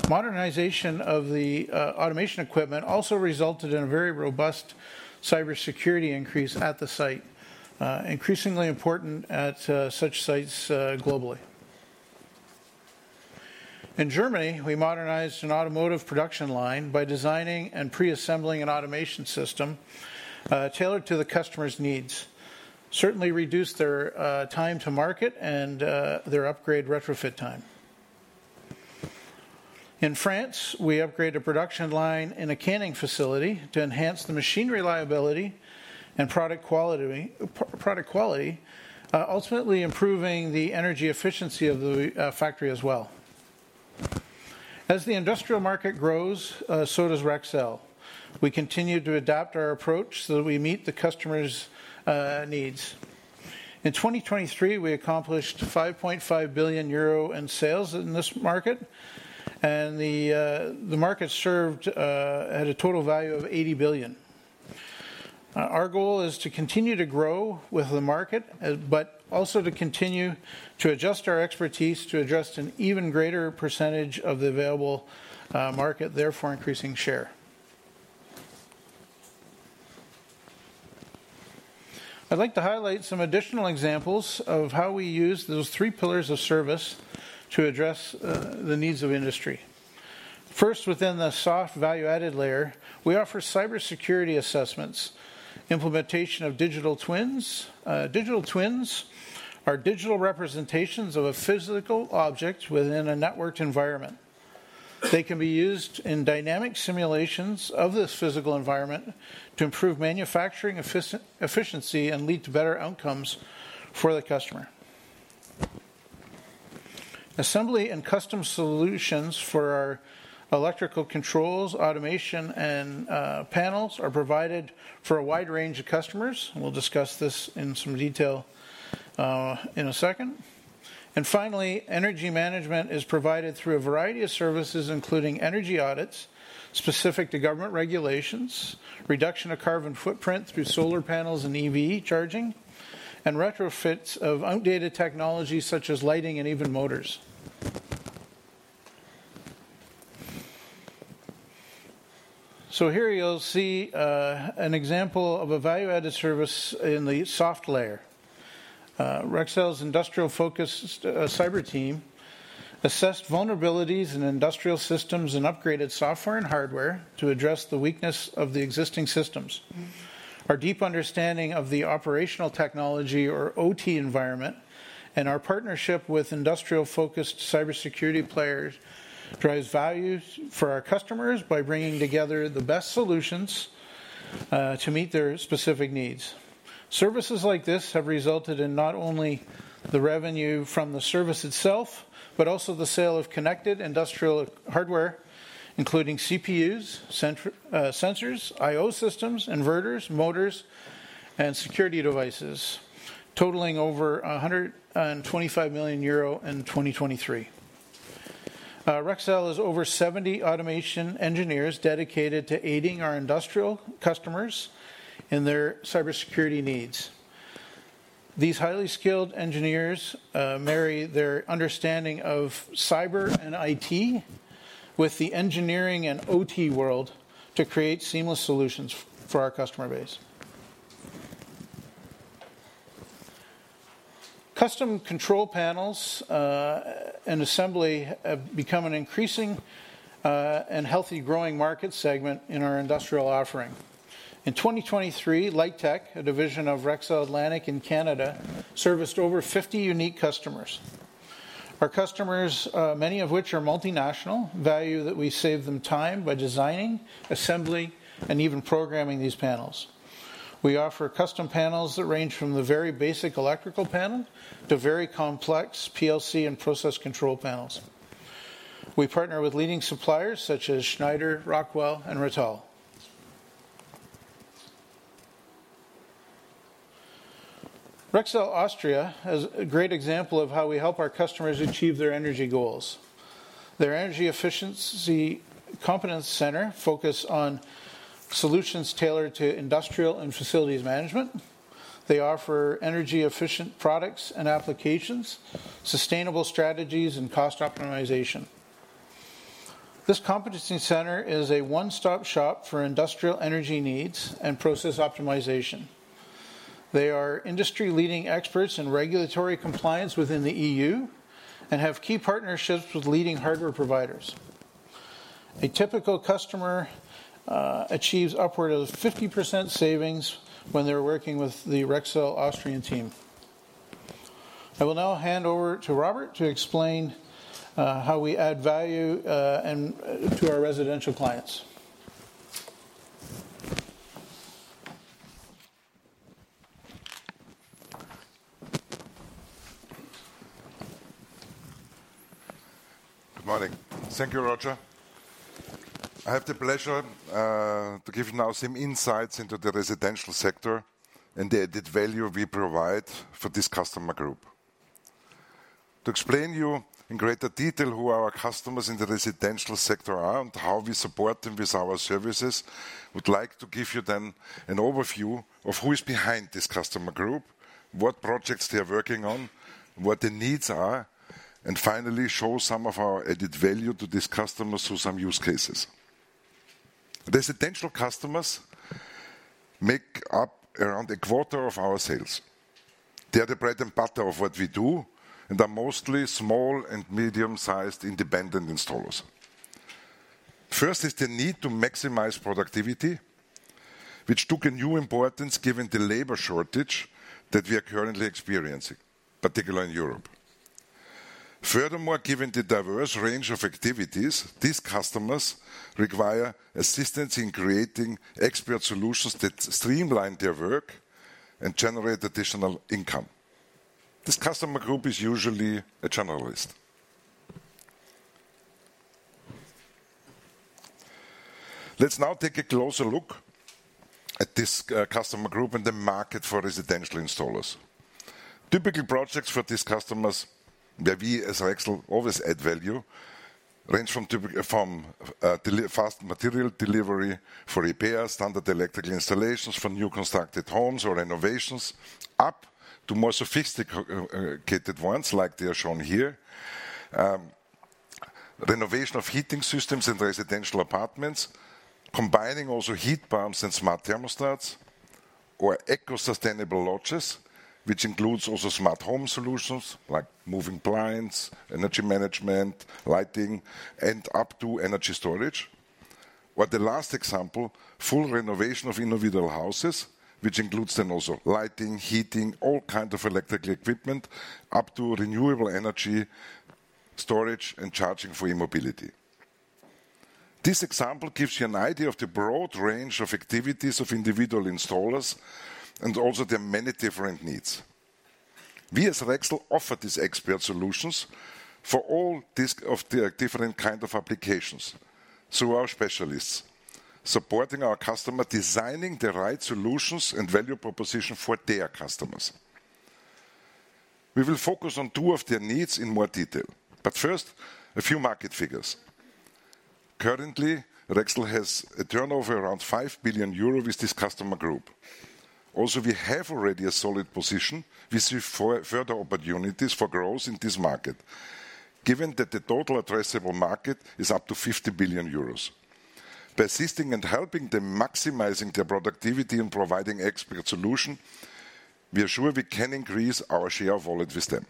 Modernization of the automation equipment also resulted in a very robust cybersecurity increase at the site, increasingly important at such sites globally. In Germany, we modernized an automotive production line by designing and pre-assembling an automation system tailored to the customer's needs. Certainly reduced their time to market and their upgrade retrofit time. In France, we upgraded a production line in a canning facility to enhance the machine reliability and product quality, ultimately improving the energy efficiency of the factory as well. As the industrial market grows, so does Rexel. We continue to adapt our approach so that we meet the customers' needs. In 2023, we accomplished 5.5 billion euro in sales in this market, and the market served at a total value of 80 billion. Our goal is to continue to grow with the market, but also to continue to adjust our expertise to address an even greater percentage of the available market, therefore, increasing share. I'd like to highlight some additional examples of how we use those three pillars of service to address the needs of industry. First, within the soft value-added layer, we offer cybersecurity assessments, implementation of digital twins. Digital twins are digital representations of a physical object within a networked environment. They can be used in dynamic simulations of this physical environment to improve manufacturing efficiency and lead to better outcomes for the customer. Assembly and custom solutions for our electrical controls, automation and panels are provided for a wide range of customers, and we'll discuss this in some detail in a second. And finally, energy management is provided through a variety of services, including energy audits specific to government regulations, reduction of carbon footprint through solar panels and EV charging, and retrofits of outdated technologies such as lighting and even motors. So here you'll see an example of a value-added service in the soft layer. Rexel's industrial-focused cyber team assessed vulnerabilities in industrial systems and upgraded software and hardware to address the weakness of the existing systems. Our deep understanding of the operational technology, or OT environment, and our partnership with industrial-focused cybersecurity players, drives values for our customers by bringing together the best solutions to meet their specific needs. Services like this have resulted in not only the revenue from the service itself, but also the sale of connected industrial hardware, including CPUs, sensors, I/O systems, inverters, motors, and security devices, totaling over 125 million euro in 2023. Rexel has over 70 automation engineers dedicated to aiding our industrial customers in their cybersecurity needs. These highly skilled engineers marry their understanding of cyber and IT with the engineering and OT world to create seamless solutions for our customer base. Custom control panels and assembly have become an increasing and healthy growing market segment in our industrial offering. In 2023, Lite Tech, a division of Rexel Atlantic in Canada, serviced over 50 unique customers. Our customers, many of which are multinational, value that we save them time by designing, assembling, and even programming these panels. We offer custom panels that range from the very basic electrical panel to very complex PLC and process control panels. We partner with leading suppliers such as Schneider, Rockwell, and Rittal. Rexel Austria has a great example of how we help our customers achieve their energy goals. Their energy efficiency competence center focus on solutions tailored to industrial and facilities management. They offer energy-efficient products and applications, sustainable strategies, and cost optimization. This competency center is a one-stop shop for industrial energy needs and process optimization. They are industry-leading experts in regulatory compliance within the EU and have key partnerships with leading hardware providers. A typical customer achieves upward of 50% savings when they're working with the Rexel Austrian team. I will now hand over to Robert to explain how we add value and to our residential clients. Good morning. Thank you, Roger. I have the pleasure to give now some insights into the residential sector and the added value we provide for this customer group. To explain you in greater detail who our customers in the residential sector are and how we support them with our services, I would like to give you then an overview of who is behind this customer group, what projects they are working on, what their needs are, and finally, show some of our added value to these customers through some use cases. Residential customers make up around a quarter of our sales. They are the bread and butter of what we do and are mostly small- and medium-sized independent installers. First is the need to maximize productivity, which took a new importance given the labor shortage that we are currently experiencing, particularly in Europe. Furthermore, given the diverse range of activities, these customers require assistance in creating expert solutions that streamline their work and generate additional income. This customer group is usually a generalist. Let's now take a closer look at this customer group and the market for residential installers. Typical projects for these customers, where we as Rexel always add value, range from typical fast material delivery for repairs, standard electrical installations for new constructed homes or renovations, up to more sophisticated ones, like they are shown here. Renovation of heating systems in residential apartments, combining also heat pumps and smart thermostats or eco-sustainable lodges, which includes also smart home solutions like moving blinds, energy management, lighting, and up to energy storage. While the last example, full renovation of individual houses, which includes then also lighting, heating, all kinds of electrical equipment, up to renewable energy storage and charging for e-mobility. This example gives you an idea of the broad range of activities of individual installers and also their many different needs. We, as Rexel, offer these expert solutions for all these of the different kind of applications through our specialists, supporting our customer, designing the right solutions and value proposition for their customers. We will focus on two of their needs in more detail, but first, a few market figures. Currently, Rexel has a turnover around 5 billion euro with this customer group. Also, we have already a solid position. We see further opportunities for growth in this market, given that the total addressable market is up to 50 billion euros. By assisting and helping them, maximizing their productivity, and providing expert solution, we are sure we can increase our share of wallet with them.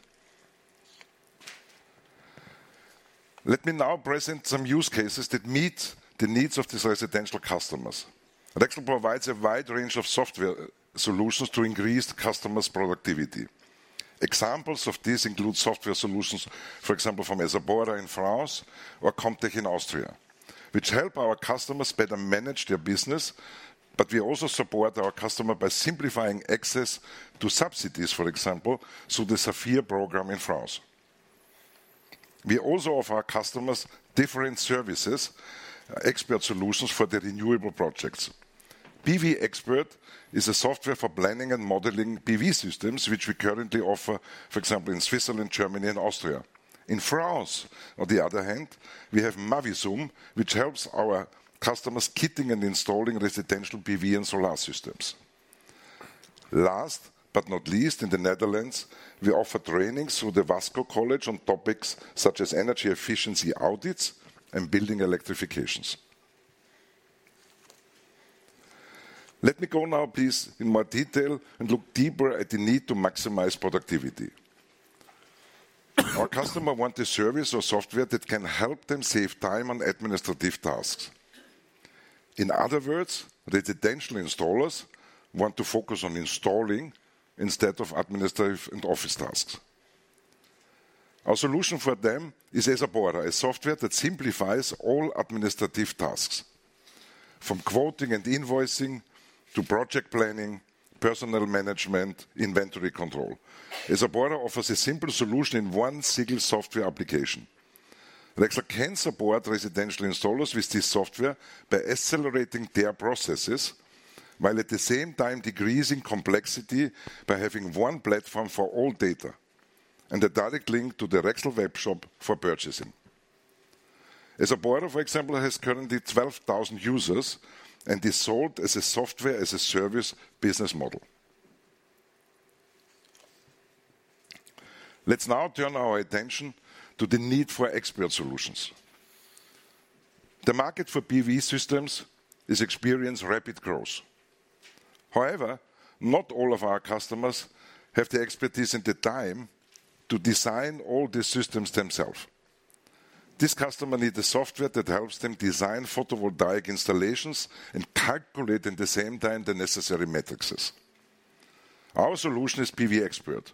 Let me now present some use cases that meet the needs of these residential customers. Rexel provides a wide range of software solutions to increase the customers' productivity.... Examples of this include software solutions, for example, from Esabora in France or Comtech in Austria, which help our customers better manage their business. But we also support our customer by simplifying access to subsidies, for example, so the Saphir program in France. We also offer our customers different services, expert solutions for their renewable projects. PV Expert is a software for planning and modeling PV systems, which we currently offer, for example, in Switzerland, Germany, and Austria. In France, on the other hand, we have Mavisun, which helps our customers kitting and installing residential PV and solar systems. Last but not least, in the Netherlands, we offer training through the Wasco College on topics such as energy efficiency audits and building electrifications. Let me go now, please, in more detail and look deeper at the need to maximize productivity. Our customer want a service or software that can help them save time on administrative tasks. In other words, residential installers want to focus on installing instead of administrative and office tasks. Our solution for them is EsaBoarder, a software that simplifies all administrative tasks, from quoting and invoicing to project planning, personnel management, inventory control. EsaBoarder offers a simple solution in one single software application. Rexel can support residential installers with this software by accelerating their processes, while at the same time decreasing complexity by having one platform for all data, and a direct link to the Rexel web shop for purchasing. EsaBoarder, for example, has currently 12,000 users and is sold as a software, as a service business model. Let's now turn our attention to the need for expert solutions. The market for PV systems is experiencing rapid growth. However, not all of our customers have the expertise and the time to design all these systems themselves. These customers need a software that helps them design photovoltaic installations and calculate, at the same time, the necessary metrics. Our solution is PV expert.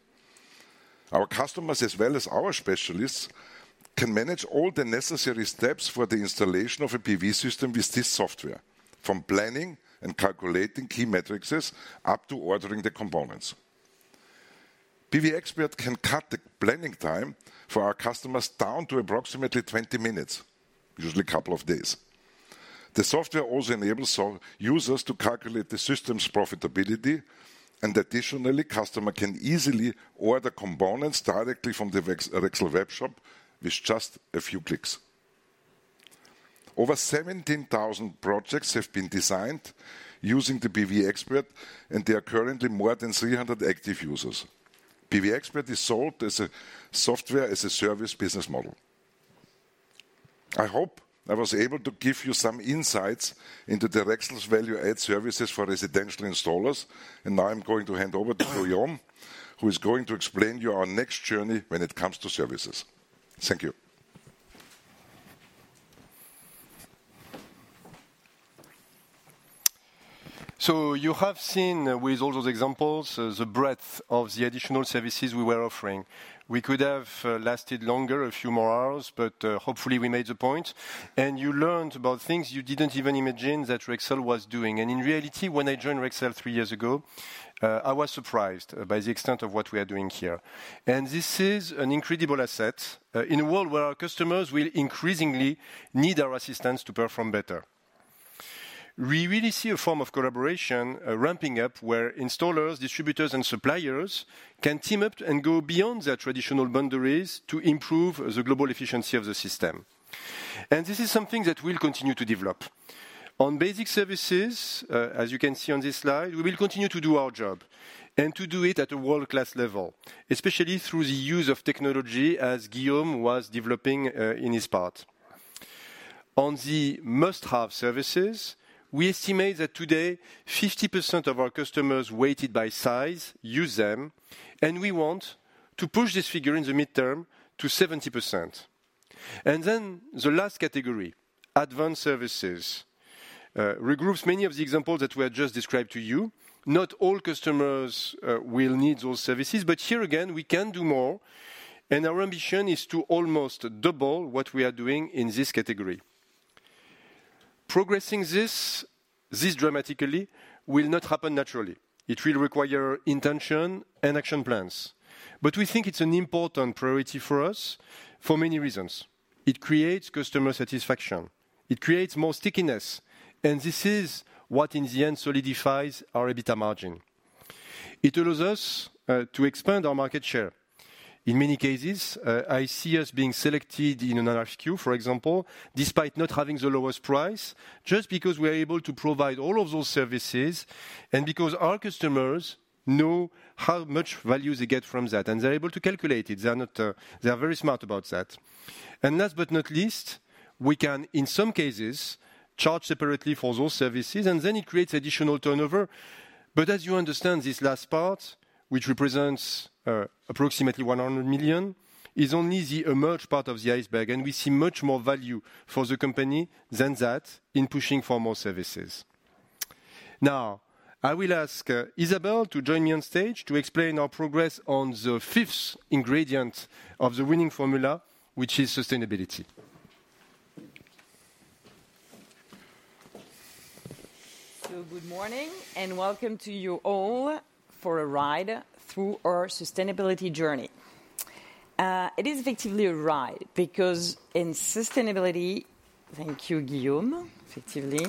Our customers, as well as our specialists, can manage all the necessary steps for the installation of a PV system with this software, from planning and calculating key metrics, up to ordering the components. PV expert can cut the planning time for our customers down to approximately 20 minutes, usually a couple of days. The software also enables users to calculate the system's profitability, and additionally, customers can easily order components directly from the Rexel web shop with just a few clicks. Over 17,000 projects have been designed using the PV expert, and there are currently more than 300 active users. PV expert is sold as a software as a service business model. I hope I was able to give you some insights into Rexel's value-add services for residential installers, and now I'm going to hand over to Guillaume, who is going to explain you our next journey when it comes to services. Thank you. You have seen with all those examples, the breadth of the additional services we were offering. We could have lasted longer, a few more hours, but hopefully we made the point, and you learned about things you didn't even imagine that Rexel was doing. In reality, when I joined Rexel three years ago, I was surprised by the extent of what we are doing here. This is an incredible asset in a world where our customers will increasingly need our assistance to perform better. We really see a form of collaboration ramping up where installers, distributors, and suppliers can team up and go beyond their traditional boundaries to improve the global efficiency of the system. This is something that we'll continue to develop. On basic services, as you can see on this slide, we will continue to do our job and to do it at a world-class level, especially through the use of technology, as Guillaume was developing in his part. On the must-have services, we estimate that today, 50% of our customers, weighted by size, use them, and we want to push this figure in the midterm to 70%. And then the last category, advanced services, regroups many of the examples that were just described to you. Not all customers will need those services, but here, again, we can do more, and our ambition is to almost double what we are doing in this category. Progressing this dramatically will not happen naturally. It will require intention and action plans. But we think it's an important priority for us for many reasons. It creates customer satisfaction, it creates more stickiness, and this is what, in the end, solidifies our EBITDA margin. It allows us to expand our market share. In many cases, I see us being selected in an RFQ, for example, despite not having the lowest price, just because we are able to provide all of those services and because our customers know how much value they get from that, and they're able to calculate it. They are not... They are very smart about that. And last but not least, we can, in some cases, charge separately for those services, and then it creates additional turnover. But as you understand, this last part, which represents approximately 100 million, is only the emerged part of the iceberg, and we see much more value for the company than that in pushing for more services. Now, I will ask, Isabelle to join me on stage to explain our progress on the fifth ingredient of the winning formula, which is sustainability. Good morning, and welcome to you all for a ride through our sustainability journey. It is effectively a ride, because in sustainability, thank you, Guillaume, effectively,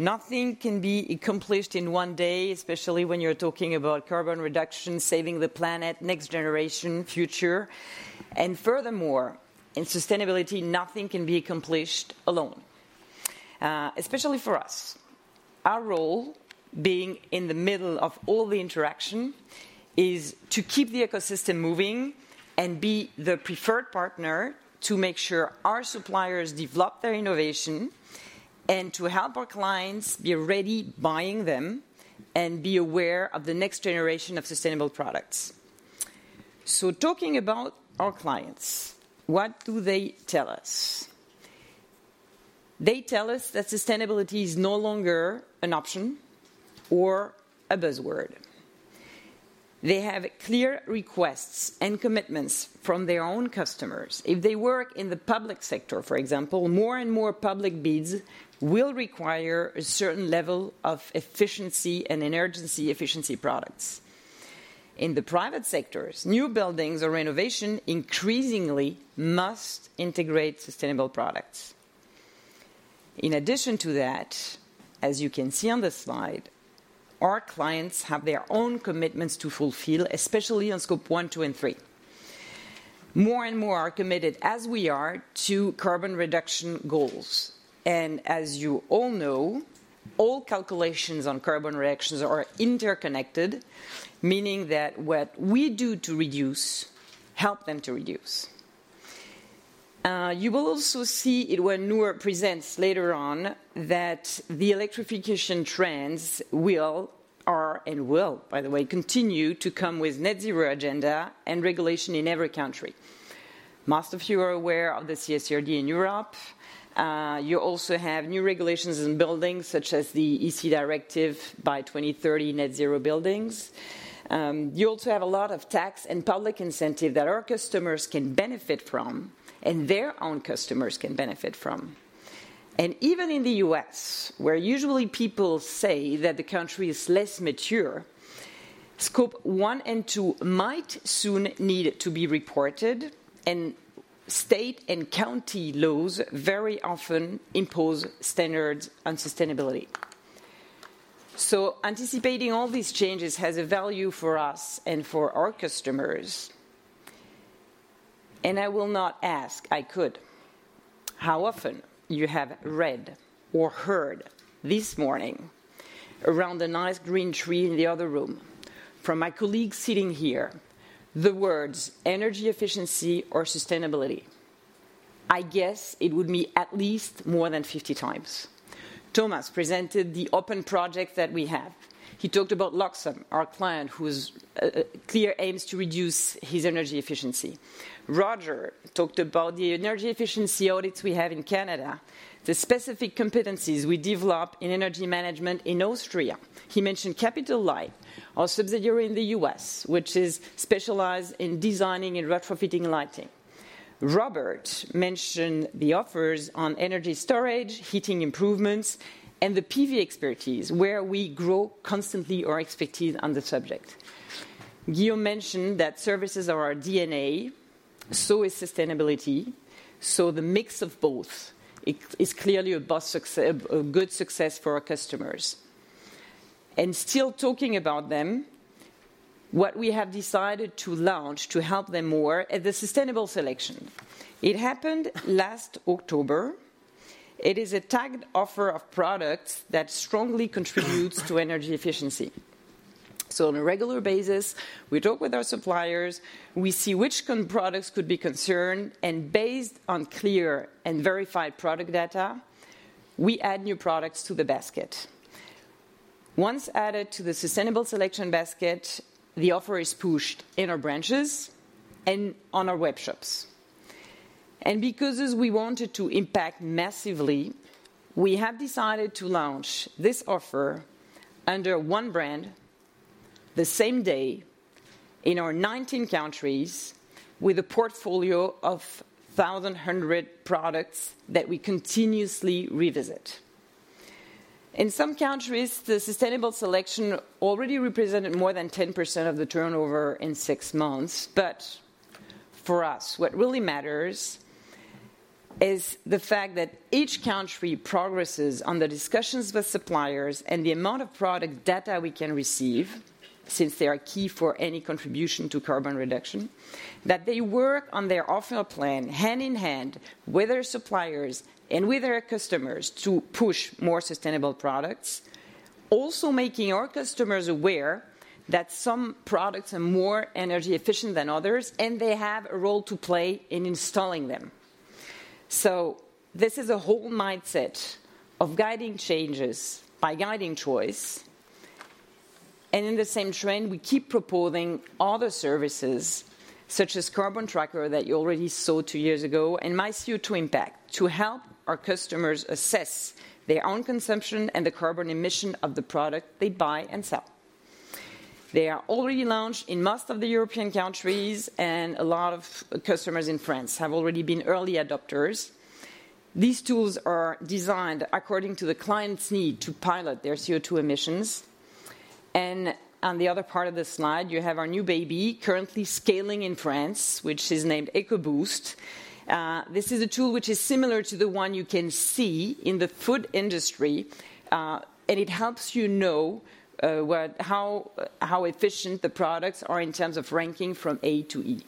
nothing can be accomplished in one day, especially when you're talking about carbon reduction, saving the planet, next generation, future. Furthermore, in sustainability, nothing can be accomplished alone, especially for us. Our role, being in the middle of all the interaction, is to keep the ecosystem moving and be the preferred partner to make sure our suppliers develop their innovation, and to help our clients be ready buying them, and be aware of the next generation of sustainable products. Talking about our clients, what do they tell us? They tell us that sustainability is no longer an option or a buzzword. They have clear requests and commitments from their own customers. If they work in the public sector, for example, more and more public bids will require a certain level of efficiency and energy efficiency products. In the private sectors, new buildings or renovation increasingly must integrate sustainable products. In addition to that, as you can see on the slide, our clients have their own commitments to fulfill, especially on Scope 1, 2, and 3. More and more are committed, as we are, to carbon reduction goals. As you all know, all calculations on carbon reductions are interconnected, meaning that what we do to reduce, help them to reduce. You will also see it when Noor presents later on, that the electrification trends will, are, and will, by the way, continue to come with net zero agenda and regulation in every country. Most of you are aware of the CSRD in Europe. You also have new regulations in buildings, such as the EC directive by 2030 net zero buildings. You also have a lot of tax and public incentive that our customers can benefit from, and their own customers can benefit from. And even in the U.S., where usually people say that the country is less mature, Scope 1 and 2 might soon need to be reported, and state and county laws very often impose standards on sustainability. So anticipating all these changes has a value for us and for our customers. And I will not ask, I could, how often you have read or heard this morning, around the nice green tree in the other room, from my colleagues sitting here, the words energy efficiency or sustainability. I guess it would be at least more than 50 times. Thomas presented the open project that we have. He talked about Loxam, our client, whose clear aims to reduce his energy efficiency. Roger talked about the energy efficiency audits we have in Canada, the specific competencies we develop in energy management in Austria. He mentioned Capitol Light, our subsidiary in the U.S., which is specialized in designing and retrofitting lighting. Robert mentioned the offers on energy storage, heating improvements, and the PV expertise, where we grow constantly our expertise on the subject. Guillaume mentioned that services are our DNA, so is sustainability, so the mix of both is, is clearly a good success for our customers. Still talking about them, what we have decided to launch to help them more is the Sustainable Selection. It happened last October. It is a tagged offer of products that strongly contributes to energy efficiency. So on a regular basis, we talk with our suppliers, we see which connected products could be concerned, and based on clear and verified product data, we add new products to the basket. Once added to the Sustainable Selection basket, the offer is pushed in our branches and on our web shops. And because as we wanted to impact massively, we have decided to launch this offer under one brand, the same day, in our 19 countries, with a portfolio of 1,100 products that we continuously revisit. In some countries, the Sustainable Selection already represented more than 10% of the turnover in six months. But for us, what really matters is the fact that each country progresses on the discussions with suppliers and the amount of product data we can receive, since they are key for any contribution to carbon reduction, that they work on their offer plan hand in hand with their suppliers and with their customers to push more sustainable products. Also making our customers aware that some products are more energy efficient than others, and they have a role to play in installing them. So this is a whole mindset of guiding changes by guiding choice.... And in the same trend, we keep proposing other services, such as Carbon Tracker, that you already saw two years ago, and My CO₂ Impact, to help our customers assess their own consumption and the carbon emission of the product they buy and sell. They are already launched in most of the European countries, and a lot of customers in France have already been early adopters. These tools are designed according to the client's need to pilot their CO₂ emissions. On the other part of the slide, you have our new baby, currently scaling in France, which is named EcoBoost. This is a tool which is similar to the one you can see in the food industry, and it helps you know, how efficient the products are in terms of ranking from A to E.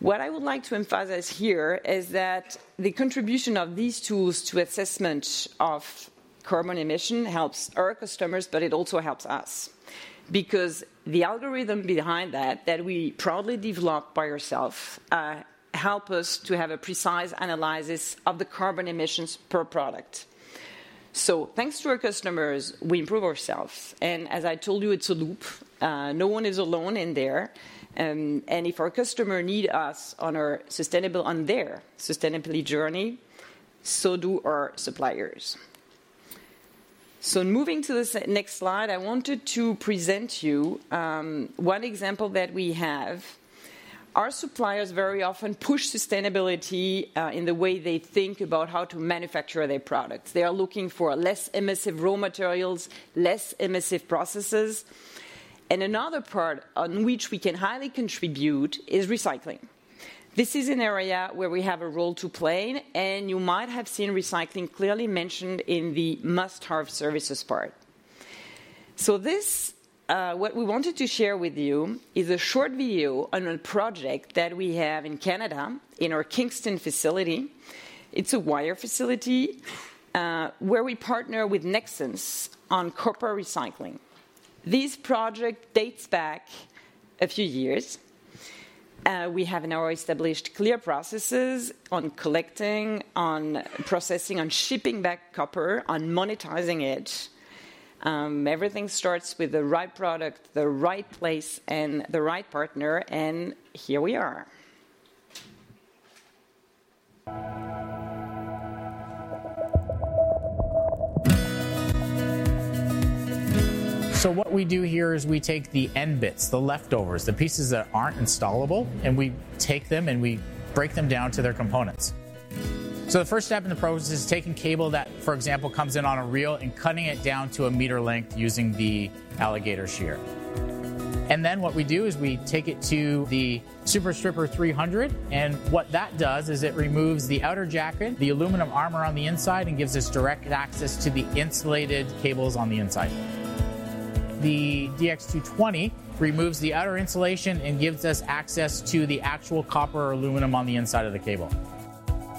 What I would like to emphasize here is that the contribution of these tools to assessment of carbon emission helps our customers, but it also helps us. Because the algorithm behind that, that we proudly developed by ourself, help us to have a precise analysis of the carbon emissions per product. So thanks to our customers, we improve ourself, and as I told you, it's a loop. No one is alone in there. And if our customer need us on their sustainability journey, so do our suppliers. So moving to the next slide, I wanted to present you one example that we have. Our suppliers very often push sustainability in the way they think about how to manufacture their products. They are looking for less emissive raw materials, less emissive processes. And another part on which we can highly contribute is recycling. This is an area where we have a role to play, and you might have seen recycling clearly mentioned in the must-have services part. So this, what we wanted to share with you is a short video on a project that we have in Canada, in our Kingston facility. It's a wire facility, where we partner with Nexans on copper recycling. This project dates back a few years. We have now established clear processes on collecting, on processing, on shipping back copper, on monetizing it. Everything starts with the right product, the right place, and the right partner, and here we are. So what we do here is we take the end bits, the leftovers, the pieces that aren't installable, and we take them, and we break them down to their components. So the first step in the process is taking cable that, for example, comes in on a reel, and cutting it down to a meter length using the alligator shear. And then what we do is we take it to the Super Stripper 300, and what that does is it removes the outer jacket, the aluminum armor on the inside, and gives us direct access to the insulated cables on the inside. The DX220 removes the outer insulation and gives us access to the actual copper or aluminum on the inside of the cable.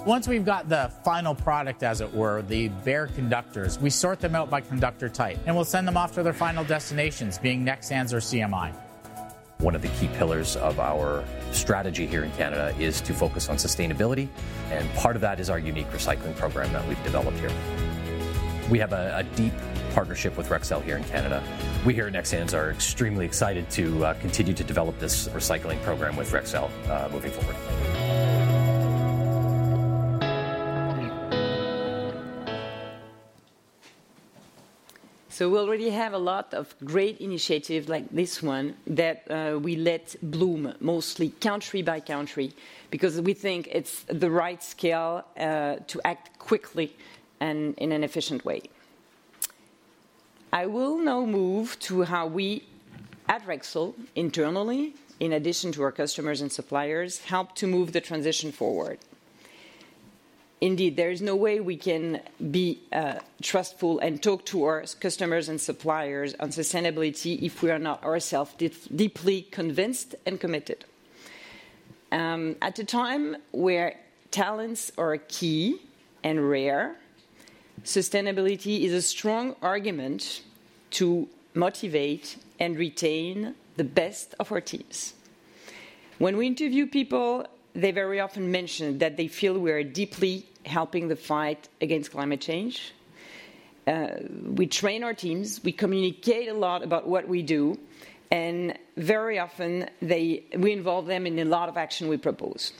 Once we've got the final product, as it were, the bare conductors, we sort them out by conductor type, and we'll send them off to their final destinations, being Nexans or CMI. One of the key pillars of our strategy here in Canada is to focus on sustainability, and part of that is our unique recycling program that we've developed here. We have a deep partnership with Rexel here in Canada. We here at Nexans are extremely excited to continue to develop this recycling program with Rexel moving forward. So we already have a lot of great initiatives like this one that we let bloom, mostly country by country, because we think it's the right scale to act quickly and in an efficient way. I will now move to how we at Rexel, internally, in addition to our customers and suppliers, help to move the transition forward. Indeed, there is no way we can be trustful and talk to our customers and suppliers on sustainability if we are not ourselves deeply convinced and committed. At a time where talents are key and rare, sustainability is a strong argument to motivate and retain the best of our teams. When we interview people, they very often mention that they feel we are deeply helping the fight against climate change. We train our teams, we communicate a lot about what we do, and very often they... We involve them in a lot of action we propose.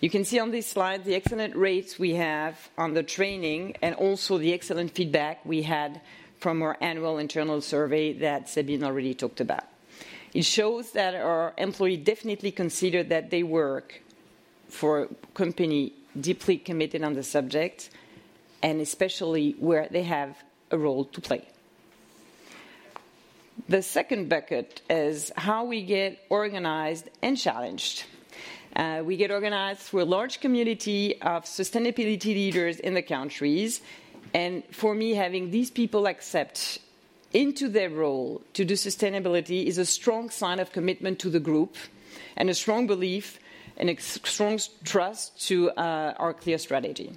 You can see on this slide the excellent rates we have on the training, and also the excellent feedback we had from our annual internal survey that Sabine already talked about. It shows that our employee definitely consider that they work for a company deeply committed on the subject, and especially where they have a role to play. The second bucket is how we get organized and challenged. We get organized through a large community of sustainability leaders in the countries. And for me, having these people accept into their role to do sustainability is a strong sign of commitment to the group, and a strong belief and a strong trust to our clear strategy.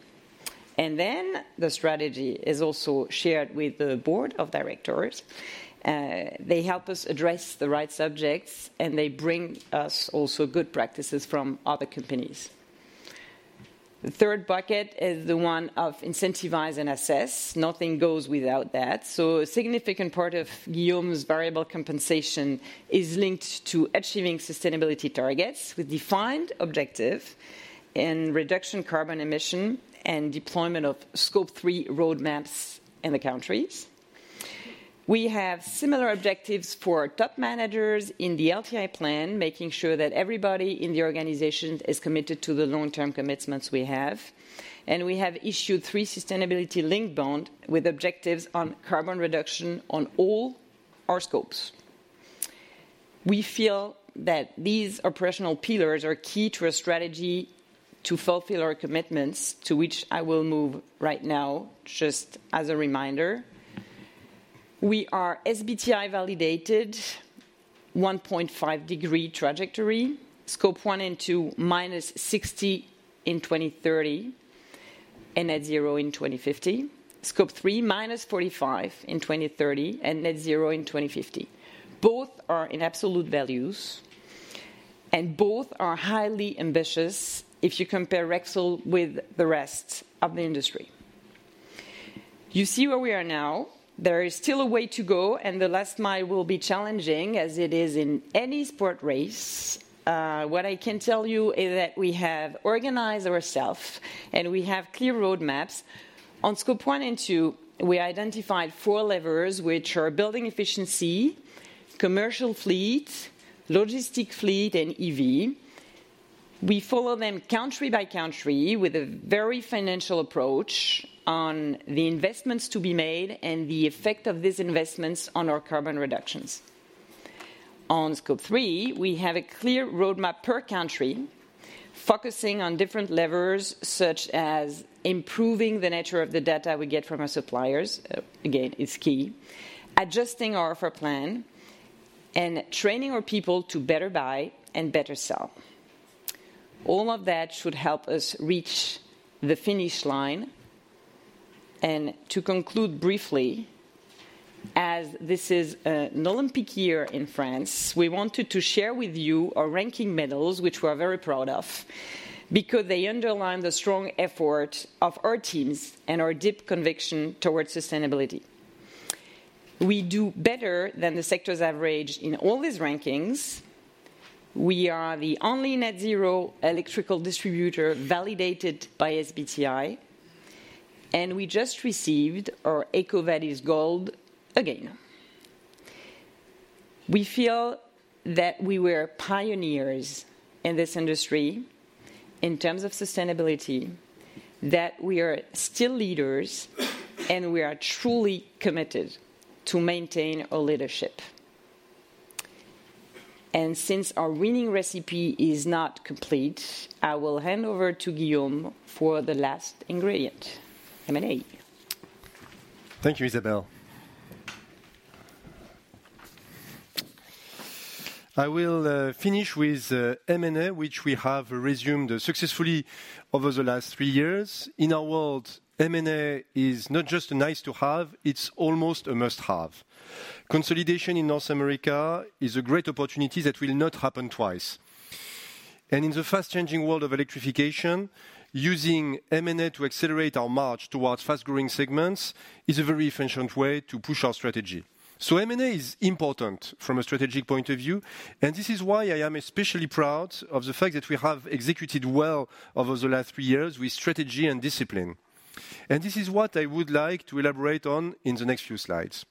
And then the strategy is also shared with the board of directors. They help us address the right subjects, and they bring us also good practices from other companies. The third bucket is the one of incentivize and assess. Nothing goes without that. So a significant part of Guillaume's variable compensation is linked to achieving sustainability targets with defined objective in reduction carbon emission and deployment of Scope 3 roadmaps in the countries. We have similar objectives for top managers in the LTI plan, making sure that everybody in the organization is committed to the long-term commitments we have. And we have issued three sustainability-linked bond with objectives on carbon reduction on all our scopes. We feel that these operational pillars are key to a strategy to fulfill our commitments, to which I will move right now just as a reminder. We are SBTi validated, 1.5 degree trajectory, Scope 1 and 2, -60 in 2030, and net zero in 2050. Scope 3, -45 in 2030, and net zero in 2050. Both are in absolute values, and both are highly ambitious if you compare Rexel with the rest of the industry. You see where we are now. There is still a way to go, and the last mile will be challenging, as it is in any sport race. What I can tell you is that we have organized ourselves, and we have clear roadmaps. On Scope 1 and 2, we identified four levers, which are building efficiency, commercial fleet, logistic fleet, and EV. We follow them country by country with a very financial approach on the investments to be made and the effect of these investments on our carbon reductions. On Scope 3, we have a clear roadmap per country, focusing on different levers, such as improving the nature of the data we get from our suppliers, again, is key, adjusting our offer plan, and training our people to better buy and better sell. All of that should help us reach the finish line. To conclude briefly, as this is an Olympic year in France, we wanted to share with you our ranking medals, which we are very proud of because they underline the strong effort of our teams and our deep conviction towards sustainability. We do better than the sector's average in all these rankings. We are the only net zero electrical distributor validated by SBTi, and we just received our EcoVadis Gold again. We feel that we were pioneers in this industry in terms of sustainability, that we are still leaders, and we are truly committed to maintain our leadership. Since our winning recipe is not complete, I will hand over to Guillaume for the last ingredient, M&A. Thank you, Isabelle. I will finish with M&A, which we have resumed successfully over the last three years. In our world, M&A is not just a nice to have, it's almost a must-have. Consolidation in North America is a great opportunity that will not happen twice. In the fast-changing world of electrification, using M&A to accelerate our march towards fast-growing segments is a very efficient way to push our strategy. M&A is important from a strategic point of view, and this is why I am especially proud of the fact that we have executed well over the last three years with strategy and discipline. This is what I would like to elaborate on in the next few slides.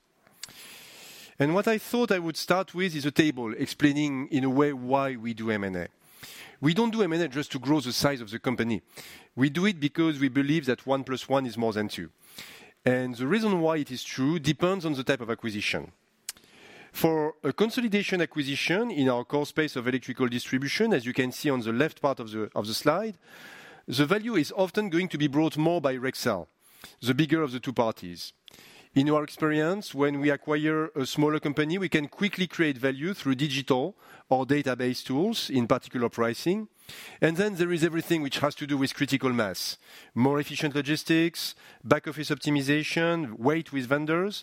What I thought I would start with is a table explaining, in a way, why we do M&A. We don't do M&A just to grow the size of the company. We do it because we believe that one plus one is more than two. The reason why it is true depends on the type of acquisition. For a consolidation acquisition in our core space of electrical distribution, as you can see on the left part of the slide, the value is often going to be brought more by Rexel, the bigger of the two parties. In our experience, when we acquire a smaller company, we can quickly create value through digital or database tools, in particular pricing. And then there is everything which has to do with critical mass: more efficient logistics, back-office optimization, weight with vendors.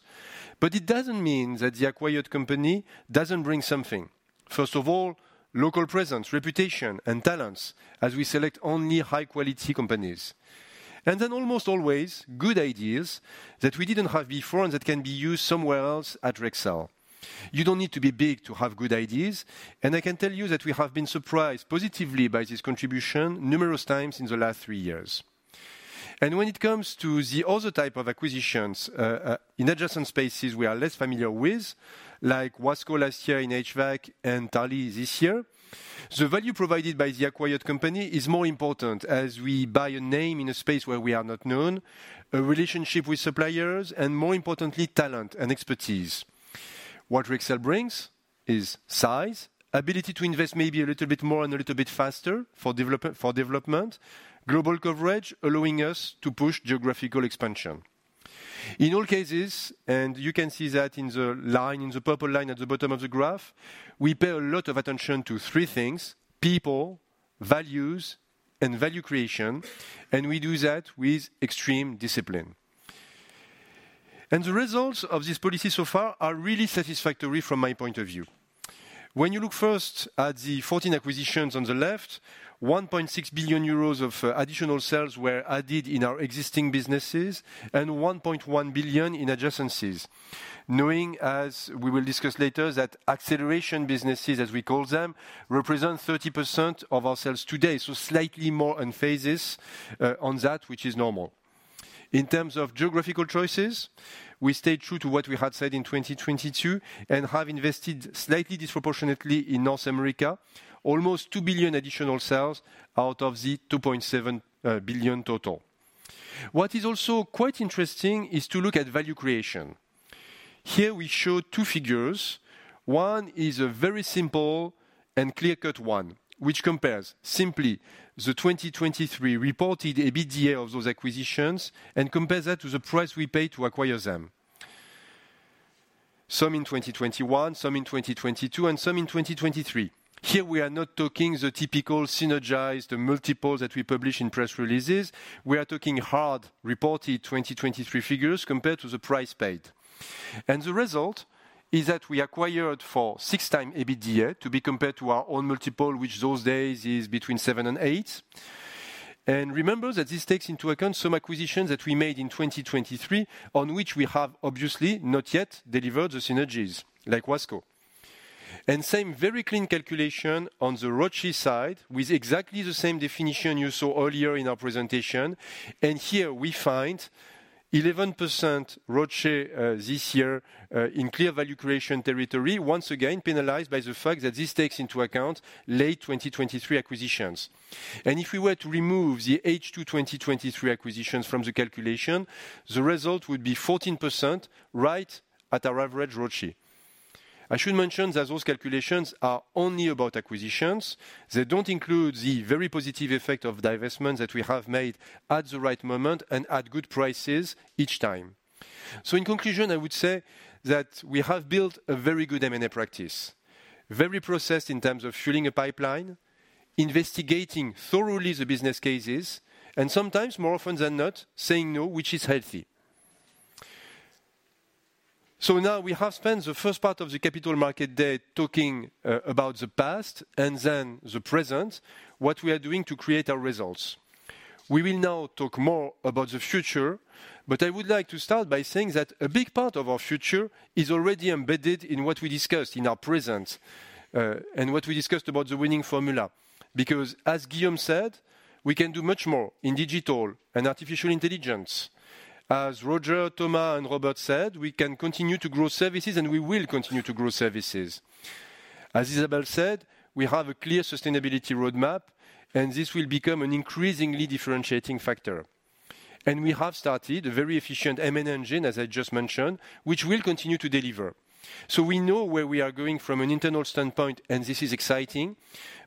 It doesn't mean that the acquired company doesn't bring something. First of all, local presence, reputation, and talents, as we select only high-quality companies. And then almost always, good ideas that we didn't have before and that can be used somewhere else at Rexel. You don't need to be big to have good ideas, and I can tell you that we have been surprised positively by this contribution numerous times in the last three years. And when it comes to the other type of acquisitions, in adjacent spaces we are less familiar with, like Wasco last year in HVAC and Talley this year, the value provided by the acquired company is more important as we buy a name in a space where we are not known, a relationship with suppliers, and more importantly, talent and expertise. What Rexel brings is size, ability to invest maybe a little bit more and a little bit faster for development, global coverage, allowing us to push geographical expansion. In all cases, and you can see that in the line, in the purple line at the bottom of the graph, we pay a lot of attention to three things: people, values, and value creation, and we do that with extreme discipline. The results of this policy so far are really satisfactory from my point of view. When you look first at the 14 acquisitions on the left, 1.6 billion euros of additional sales were added in our existing businesses, and 1.1 billion in adjacencies. Knowing, as we will discuss later, that acceleration businesses, as we call them, represent 30% of our sales today, so slightly more in phases, on that, which is normal. In terms of geographical choices, we stayed true to what we had said in 2022, and have invested slightly disproportionately in North America. 2 billion additional sales out of the 2.7 billion total. What is also quite interesting is to look at value creation. Here we show two figures. One is a very simple and clear-cut one, which compares simply the 2023 reported EBITDA of those acquisitions and compare that to the price we paid to acquire them. Some in 2021, some in 2022, and some in 2023. Here we are not talking the typical synergized multiples that we publish in press releases. We are talking hard, reported 2023 figures compared to the price paid. And the result is that we acquired for 6x EBITDA to be compared to our own multiple, which those days is between 7 and 8. And remember that this takes into account some acquisitions that we made in 2023, on which we have obviously not yet delivered the synergies, like Wasco. And same very clean calculation on the ROCE side, with exactly the same definition you saw earlier in our presentation, and here we find 11% ROCE, this year, in clear value creation territory, once again, penalized by the fact that this takes into account late 2023 acquisitions. And if we were to remove the H2 2023 acquisitions from the calculation, the result would be 14% right at our average ROCE. I should mention that those calculations are only about acquisitions. They don't include the very positive effect of divestment that we have made at the right moment and at good prices each time. So in conclusion, I would say that we have built a very good M&A practice, very processed in terms of filling a pipeline, investigating thoroughly the business cases, and sometimes, more often than not, saying no, which is healthy. Now we have spent the first part of the capital market day talking about the past and then the present, what we are doing to create our results. We will now talk more about the future, but I would like to start by saying that a big part of our future is already embedded in what we discussed in our present, and what we discussed about the winning formula. Because, as Guillaume said, we can do much more in digital and artificial intelligence. As Roger, Thomas, and Robert said, we can continue to grow services, and we will continue to grow services. As Isabelle said, we have a clear sustainability roadmap, and this will become an increasingly differentiating factor. And we have started a very efficient M&A engine, as I just mentioned, which will continue to deliver. So we know where we are going from an internal standpoint, and this is exciting.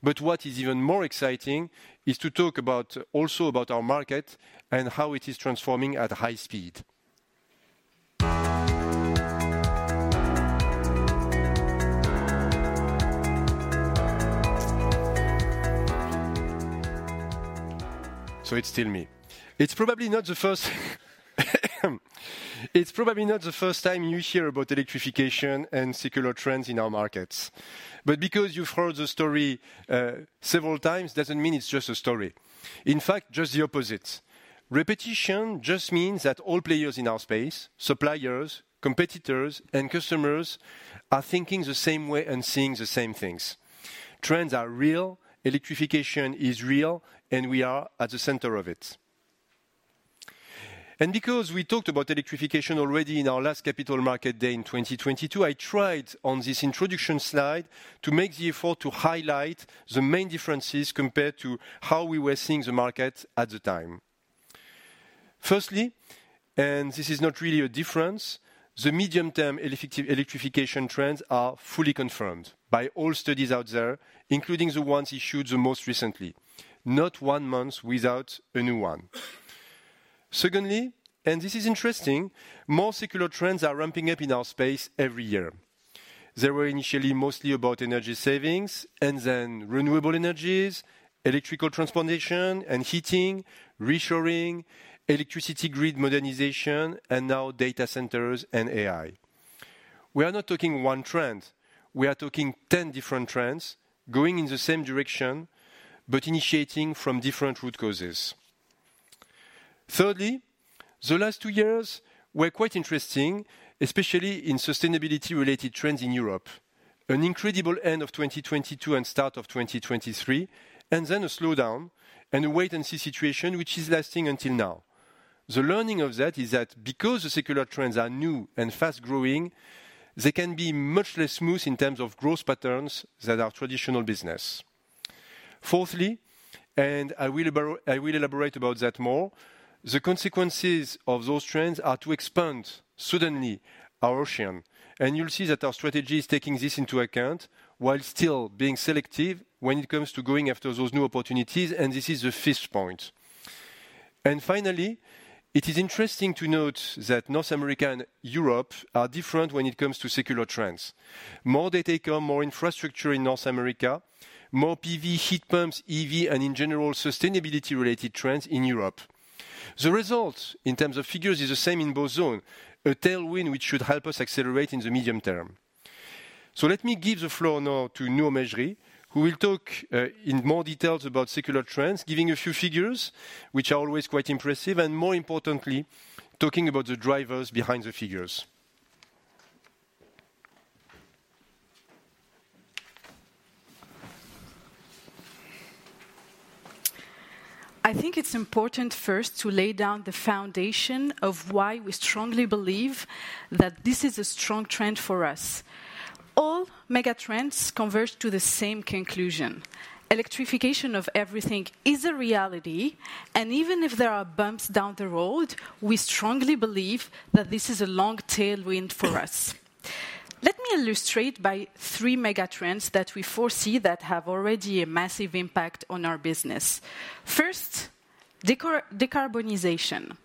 But what is even more exciting is to talk about, also about our market and how it is transforming at high speed. So it's still me. It's probably not the first time you hear about electrification and secular trends in our markets. But because you've heard the story several times, doesn't mean it's just a story. In fact, just the opposite. Repetition just means that all players in our space, suppliers, competitors, and customers, are thinking the same way and seeing the same things. Trends are real, electrification is real, and we are at the center of it. Because we talked about electrification already in our last capital market day in 2022, I tried on this introduction slide to make the effort to highlight the main differences compared to how we were seeing the market at the time. Firstly, and this is not really a difference, the medium-term electrification trends are fully confirmed by all studies out there, including the ones issued the most recently, not one month without a new one. Secondly, and this is interesting, more secular trends are ramping up in our space every year. They were initially mostly about energy savings and then renewable energies, electrical transportation and heating, reshoring, electricity grid modernization, and now data centers and AI. We are not talking one trend, we are talking 10 different trends going in the same direction, but initiating from different root causes. Thirdly, the last two years were quite interesting, especially in sustainability-related trends in Europe. An incredible end of 2022 and start of 2023, and then a slowdown and a wait-and-see situation, which is lasting until now. The learning of that is that because the secular trends are new and fast-growing, they can be much less smooth in terms of growth patterns than our traditional business. Fourthly, and I will elaborate about that more, the consequences of those trends are to expand suddenly our ocean, and you'll see that our strategy is taking this into account while still being selective when it comes to going after those new opportunities, and this is the fifth point. And finally, it is interesting to note that North America and Europe are different when it comes to secular trends. More data come, more infrastructure in North America, more PV, heat pumps, EV, and in general, sustainability-related trends in Europe. The result, in terms of figures, is the same in both zones, a tailwind which should help us accelerate in the medium term. So let me give the floor now to Nour Mejri, who will talk in more details about secular trends, giving a few figures, which are always quite impressive, and more importantly, talking about the drivers behind the figures. I think it's important first to lay down the foundation of why we strongly believe that this is a strong trend for us. All mega trends converge to the same conclusion. Electrification of everything is a reality, and even if there are bumps down the road, we strongly believe that this is a long tailwind for us. Let me illustrate by three mega trends that we foresee that have already a massive impact on our business. First, decarbonization.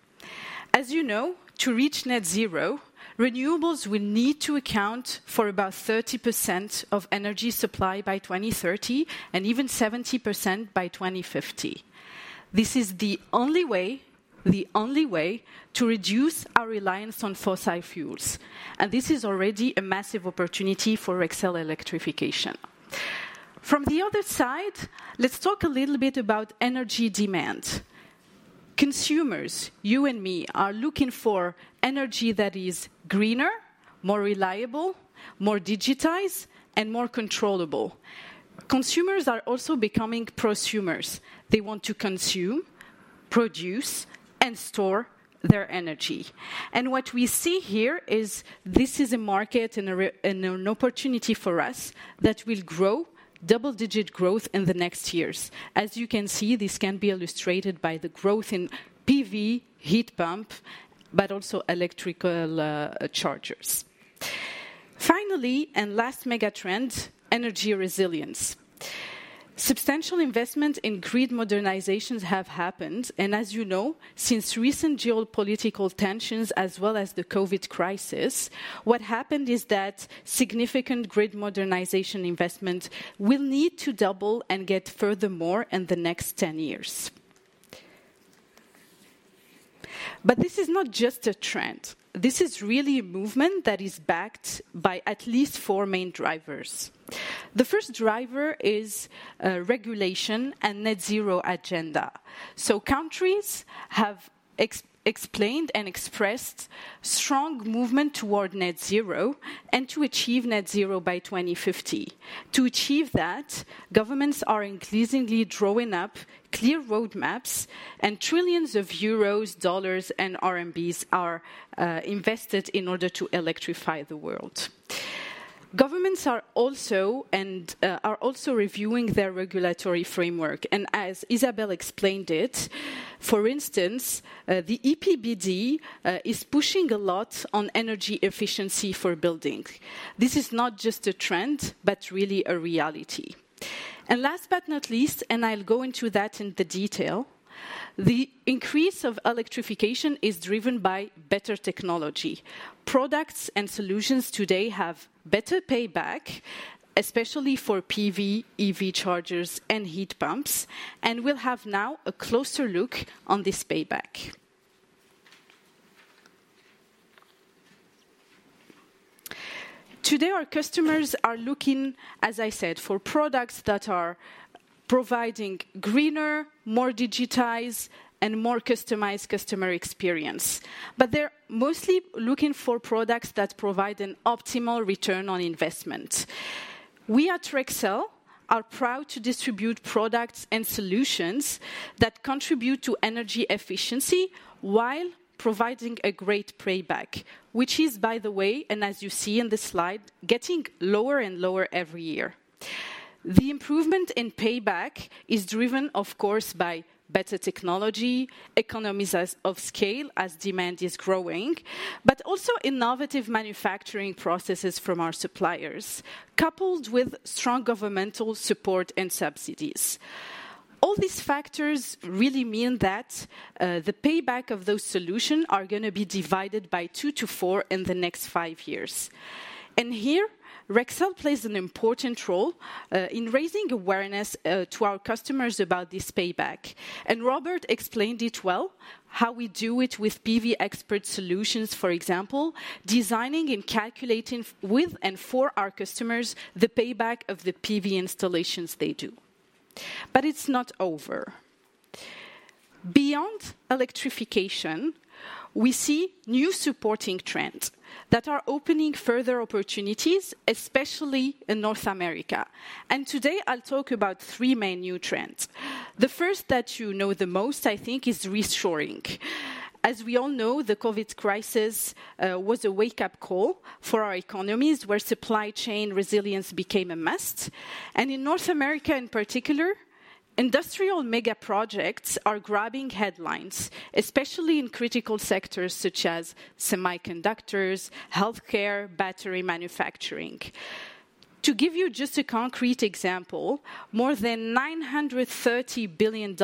As you know, to reach net zero, renewables will need to account for about 30% of energy supply by 2030, and even 70% by 2050. This is the only way, the only way, to reduce our reliance on fossil fuels, and this is already a massive opportunity for Rexel electrification. From the other side, let's talk a little bit about energy demand. Consumers, you and me, are looking for energy that is greener, more reliable, more digitized, and more controllable. Consumers are also becoming prosumers. They want to consume, produce, and store their energy. And what we see here is this is a market and an opportunity for us that will grow double-digit growth in the next years. As you can see, this can be illustrated by the growth in PV, heat pump, but also electrical chargers. Finally, and last mega trend, energy resilience. Substantial investment in grid modernizations have happened, and as you know, since recent geopolitical tensions, as well as the COVID crisis, what happened is that significant grid modernization investment will need to double and get furthermore in the next 10 years. But this is not just a trend. This is really a movement that is backed by at least 4 main drivers. The first driver is regulation and net zero agenda. So countries have explained and expressed strong movement toward net zero, and to achieve net zero by 2050. To achieve that, governments are increasingly drawing up clear roadmaps and trillions of EUR, USD, and CNY are invested in order to electrify the world. Governments are also reviewing their regulatory framework, and as Isabelle explained it, for instance, the EPBD is pushing a lot on energy efficiency for building. This is not just a trend, but really a reality. And last but not least, I'll go into that in the detail, the increase of electrification is driven by better technology. Products and solutions today have better payback, especially for PV, EV chargers, and heat pumps, and we'll have now a closer look on this payback. Today, our customers are looking, as I said, for products that are providing greener, more digitized, and more customized customer experience. But they're mostly looking for products that provide an optimal return on investment. We at Rexel are proud to distribute products and solutions that contribute to energy efficiency while providing a great payback, which is, by the way, and as you see in the slide, getting lower and lower every year. The improvement in payback is driven, of course, by better technology, economies of scale, as demand is growing, but also innovative manufacturing processes from our suppliers, coupled with strong governmental support and subsidies. All these factors really mean that the payback of those solutions are gonna be divided by 2-4 in the next five years. And here, Rexel plays an important role in raising awareness to our customers about this payback. Robert explained it well, how we do it with PV Expert solutions, for example, designing and calculating with and for our customers, the payback of the PV installations they do. But it's not over. Beyond electrification, we see new supporting trends that are opening further opportunities, especially in North America. And today, I'll talk about three main new trends. The first that you know the most, I think, is reshoring. As we all know, the COVID crisis was a wake-up call for our economies, where supply chain resilience became a must. And in North America, in particular, industrial mega projects are grabbing headlines, especially in critical sectors such as semiconductors, healthcare, battery manufacturing. To give you just a concrete example, more than $930 billion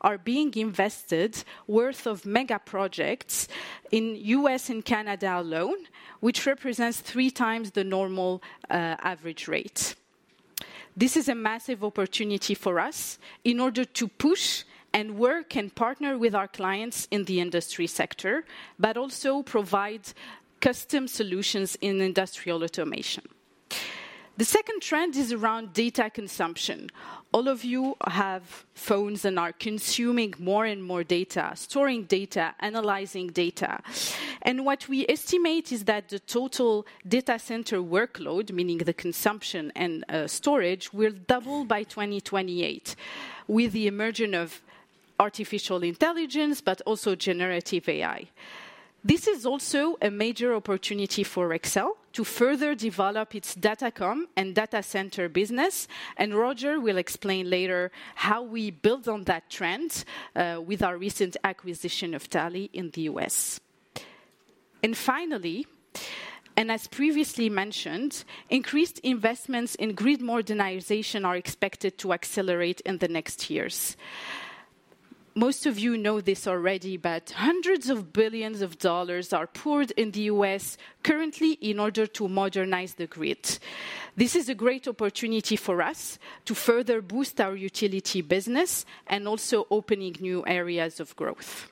are being invested worth of mega projects in the U.S. and Canada alone, which represents three times the normal average rate. This is a massive opportunity for us in order to push, and work, and partner with our clients in the industry sector, but also provide custom solutions in industrial automation. The second trend is around data consumption. All of you have phones and are consuming more and more data, storing data, analyzing data. And what we estimate is that the total data center workload, meaning the consumption and storage, will double by 2028, with the emergence of artificial intelligence, but also generative AI. This is also a major opportunity for Rexel to further develop its Datacom and data center business, and Roger will explain later how we build on that trend with our recent acquisition of Talley in the U.S. And finally, and as previously mentioned, increased investments in grid modernization are expected to accelerate in the next years. Most of you know this already, but hundreds of billions of dollars are poured in the U.S. currently in order to modernize the grid. This is a great opportunity for us to further boost our utility business and also opening new areas of growth.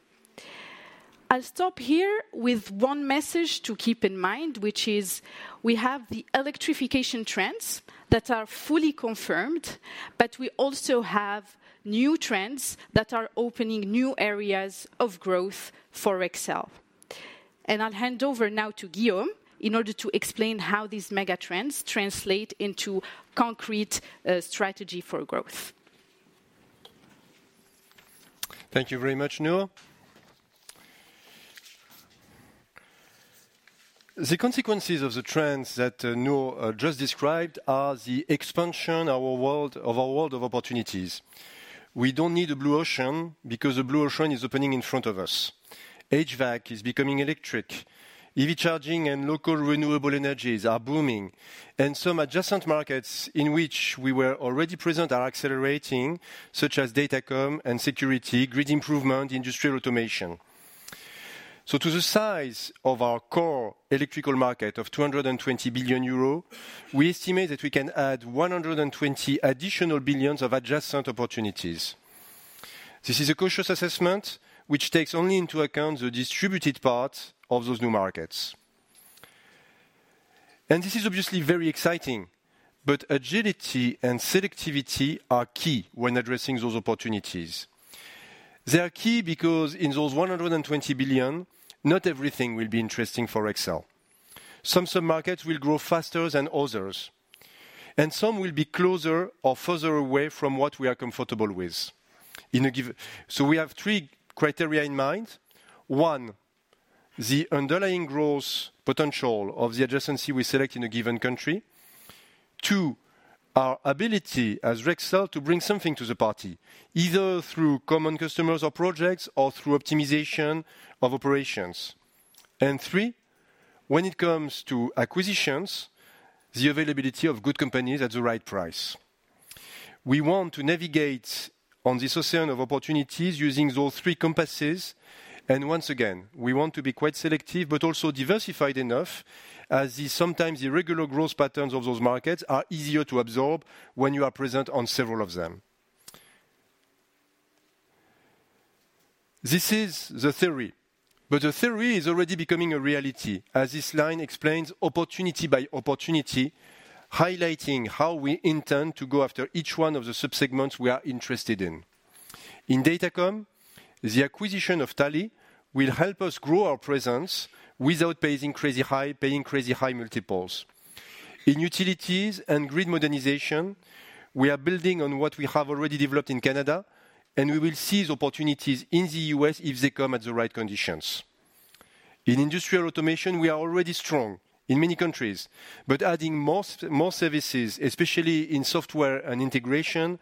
I'll stop here with one message to keep in mind, which is we have the electrification trends that are fully confirmed, but we also have new trends that are opening new areas of growth for Rexel. I'll hand over now to Guillaume in order to explain how these mega trends translate into concrete strategy for growth. Thank you very much, Nour. The consequences of the trends that Nour just described are the expansion of our world of opportunities. We don't need a blue ocean because a blue ocean is opening in front of us. HVAC is becoming electric, EV charging and local renewable energies are booming, and some adjacent markets in which we were already present are accelerating, such as Datacom and security, grid improvement, industrial automation. So to the size of our core electrical market of 220 billion euro, we estimate that we can add 120 billion of adjacent opportunities. This is a cautious assessment which takes only into account the distributed parts of those new markets. And this is obviously very exciting, but agility and selectivity are key when addressing those opportunities. They are key because in those 120 billion, not everything will be interesting for Rexel. Some markets will grow faster than others, and some will be closer or further away from what we are comfortable with. So we have three criteria in mind: One, the underlying growth potential of the adjacency we select in a given country. Two, our ability as Rexel to bring something to the party, either through common customers or projects, or through optimization of operations. And three, when it comes to acquisitions, the availability of good companies at the right price. We want to navigate on this ocean of opportunities using those three compasses, and once again, we want to be quite selective, but also diversified enough, as the sometimes irregular growth patterns of those markets are easier to absorb when you are present on several of them. This is the theory, but the theory is already becoming a reality, as this line explains opportunity by opportunity, highlighting how we intend to go after each one of the sub-segments we are interested in. In Datacom, the acquisition of Talley will help us grow our presence without paying crazy high, paying crazy high multiples. In utilities and grid modernization, we are building on what we have already developed in Canada, and we will seize opportunities in the U.S. if they come at the right conditions. In industrial automation, we are already strong in many countries, but adding more services, especially in software and integration,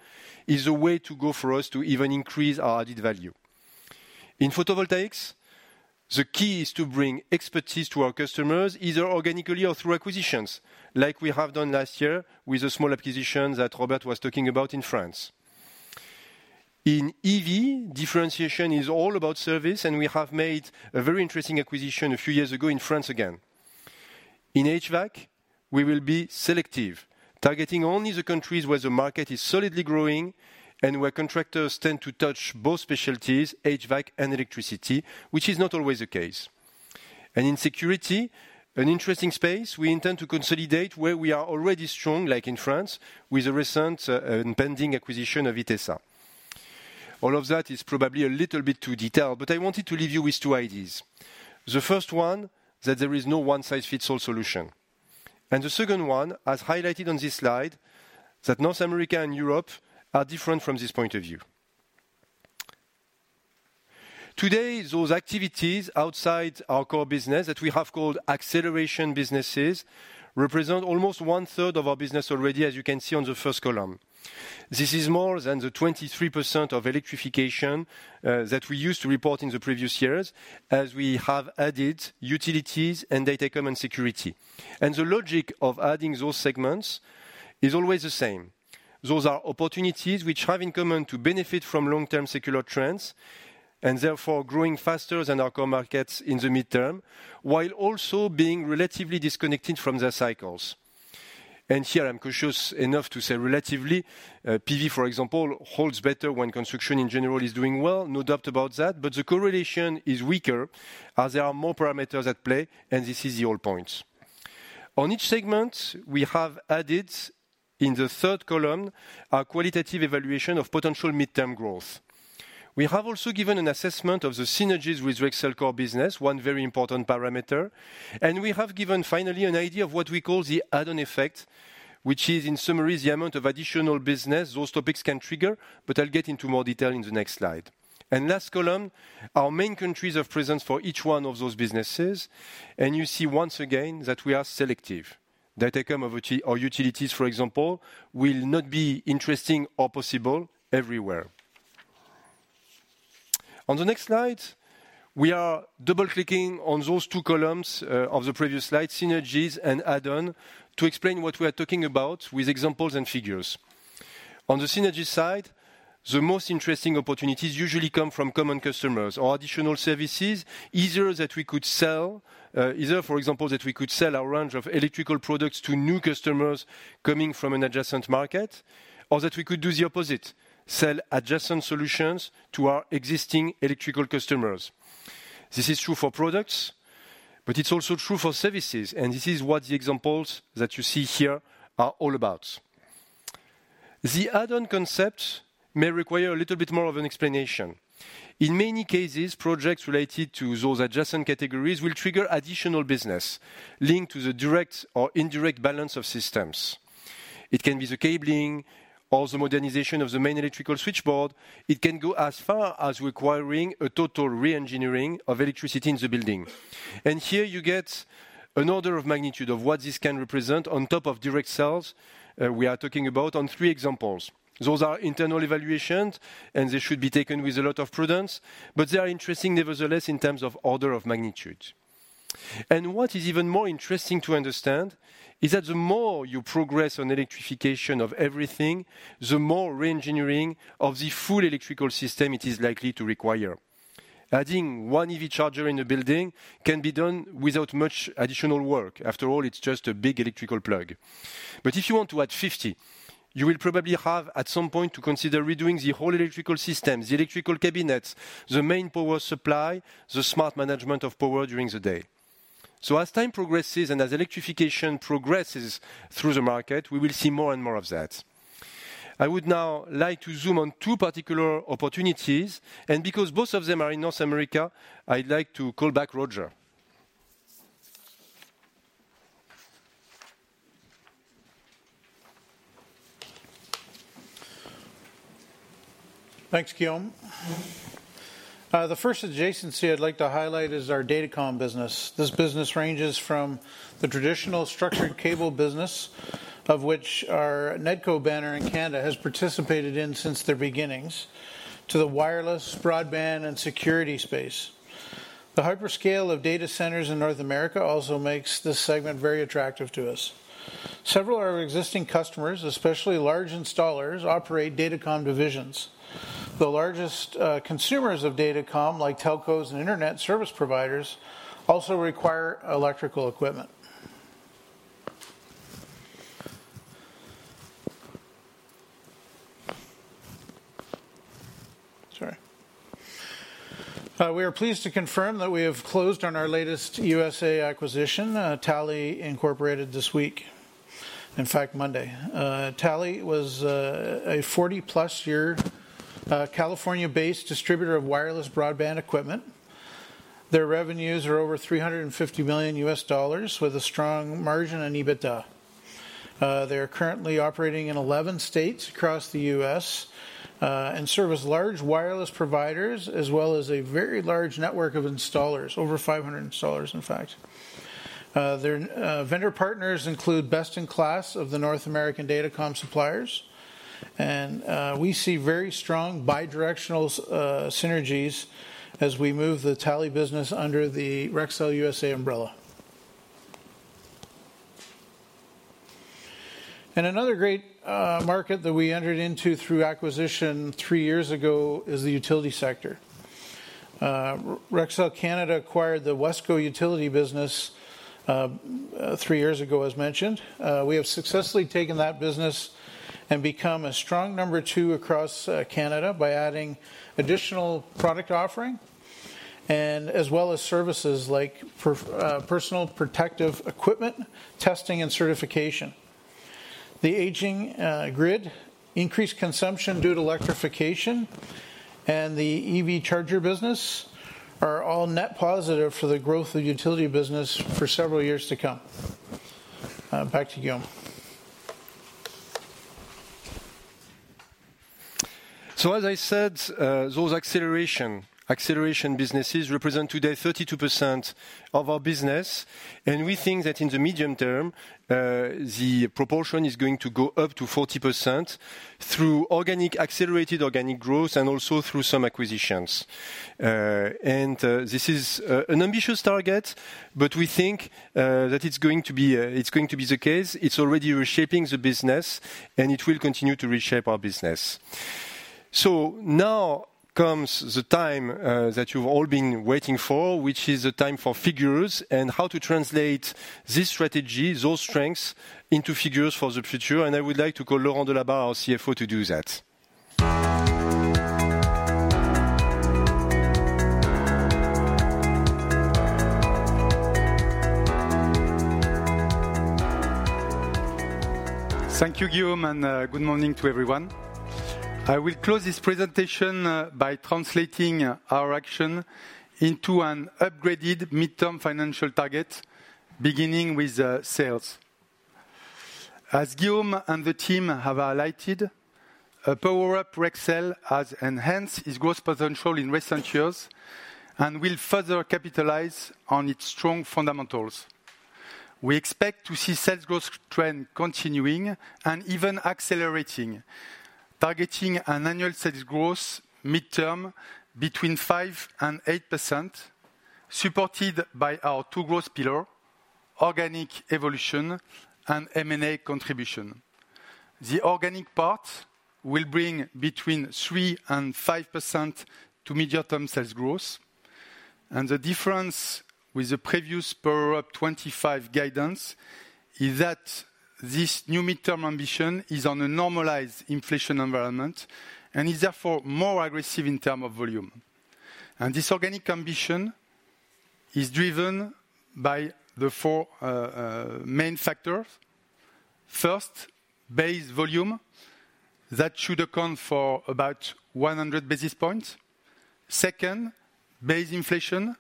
is the way to go for us to even increase our added value. In photovoltaics, the key is to bring expertise to our customers, either organically or through acquisitions, like we have done last year with a small acquisition that Robert was talking about in France. In EV, differentiation is all about service, and we have made a very interesting acquisition a few years ago in France again. In HVAC, we will be selective, targeting only the countries where the market is solidly growing and where contractors tend to touch both specialties, HVAC and electricity, which is not always the case. And in security, an interesting space, we intend to consolidate where we are already strong, like in France, with a recent, impending acquisition of Itesa. All of that is probably a little bit too detailed, but I wanted to leave you with two ideas. The first one, that there is no one-size-fits-all solution. And the second one, as highlighted on this slide, that North America and Europe are different from this point of view. Today, those activities outside our core business that we have called acceleration businesses, represent almost one third of our business already, as you can see on the first column. This is more than the 23% of electrification, that we used to report in the previous years, as we have added utilities and Datacom and security. And the logic of adding those segments is always the same. Those are opportunities which have in common to benefit from long-term secular trends.... and therefore growing faster than our core markets in the midterm, while also being relatively disconnected from their cycles. And here, I'm cautious enough to say relatively. PV, for example, holds better when construction, in general, is doing well, no doubt about that. But the correlation is weaker as there are more parameters at play, and this is the whole point. On each segment, we have added, in the third column, a qualitative evaluation of potential midterm growth. We have also given an assessment of the synergies with Rexel core business, one very important parameter, and we have given, finally, an idea of what we call the add-on effect, which is, in summary, the amount of additional business those topics can trigger, but I'll get into more detail in the next slide. And last column, our main countries of presence for each one of those businesses, and you see once again that we are selective. Datacom or utilities, for example, will not be interesting or possible everywhere. On the next slide, we are double-clicking on those two columns of the previous slide, synergies and add-on, to explain what we are talking about with examples and figures. On the synergy side, the most interesting opportunities usually come from common customers or additional services easier that we could sell. Easier, for example, that we could sell our range of electrical products to new customers coming from an adjacent market, or that we could do the opposite: sell adjacent solutions to our existing electrical customers. This is true for products, but it's also true for services, and this is what the examples that you see here are all about. The add-on concept may require a little bit more of an explanation. In many cases, projects related to those adjacent categories will trigger additional business linked to the direct or indirect balance of systems. It can be the cabling or the modernization of the main electrical switchboard. It can go as far as requiring a total reengineering of electricity in the building. And here you get an order of magnitude of what this can represent on top of direct sales, we are talking about on three examples. Those are internal evaluations, and they should be taken with a lot of prudence, but they are interesting nevertheless, in terms of order of magnitude. And what is even more interesting to understand is that the more you progress on electrification of everything, the more reengineering of the full electrical system it is likely to require. Adding one EV charger in a building can be done without much additional work. After all, it's just a big electrical plug. But if you want to add 50, you will probably have, at some point, to consider redoing the whole electrical system, the electrical cabinets, the main power supply, the smart management of power during the day. So as time progresses and as electrification progresses through the market, we will see more and more of that. I would now like to zoom on two particular opportunities, and because both of them are in North America, I'd like to call back Roger. Thanks, Guillaume. The first adjacency I'd like to highlight is our datacom business. This business ranges from the traditional structured cable business, of which our Nedco banner in Canada has participated in since their beginnings, to the wireless, broadband, and security space. The hyperscale of data centers in North America also makes this segment very attractive to us. Several of our existing customers, especially large installers, operate datacom divisions. The largest consumers of datacom, like telcos and internet service providers, also require electrical equipment. Sorry. We are pleased to confirm that we have closed on our latest USA acquisition, Talley Incorporated, this week. In fact, Monday. Talley was a 40-plus year California-based distributor of wireless broadband equipment. Their revenues are over $350 million, with a strong margin on EBITDA. They are currently operating in 11 states across the U.S., and serve as large wireless providers, as well as a very large network of installers, over 500 installers, in fact. Their vendor partners include best-in-class of the North American Datacom suppliers, and we see very strong bidirectional synergies as we move the Talley business under the Rexel USA umbrella. Another great market that we entered into through acquisition 3 years ago is the utility sector. Rexel Canada acquired the WESCO utility business 3 years ago, as mentioned. We have successfully taken that business and become a strong No. 2 across Canada by adding additional product offering and as well as services like personal protective equipment, testing and certification. The aging grid, increased consumption due to electrification, and the EV charger business are all net positive for the growth of utility business for several years to come. Back to Guillaume. So, as I said, those acceleration businesses represent today 32% of our business, and we think that in the medium term, the proportion is going to go up to 40% through organic, accelerated organic growth and also through some acquisitions. And this is an ambitious target, but we think that it's going to be the case. It's already reshaping the business, and it will continue to reshape our business... So now comes the time that you've all been waiting for, which is the time for figures and how to translate this strategy, those strengths, into figures for the future, and I would like to call Laurent Delabarre, our CFO, to do that. Thank you, Guillaume, and good morning to everyone. I will close this presentation by translating our action into an upgraded midterm financial target, beginning with sales. As Guillaume and the team have highlighted, a Power Up 2025 has enhanced its growth potential in recent years and will further capitalize on its strong fundamentals. We expect to see sales growth trend continuing and even accelerating, targeting an annual sales growth midterm between 5% and 8%, supported by our two growth pillar: organic evolution and M&A contribution. The organic part will bring between 3% and 5% to medium-term sales growth, and the difference with the previous Power Up 2025 guidance is that this new midterm ambition is on a normalized inflation environment and is therefore more aggressive in terms of volume. This organic ambition is driven by the four main factors. First, base volume, that should account for about 100 basis points. Second, base inflation,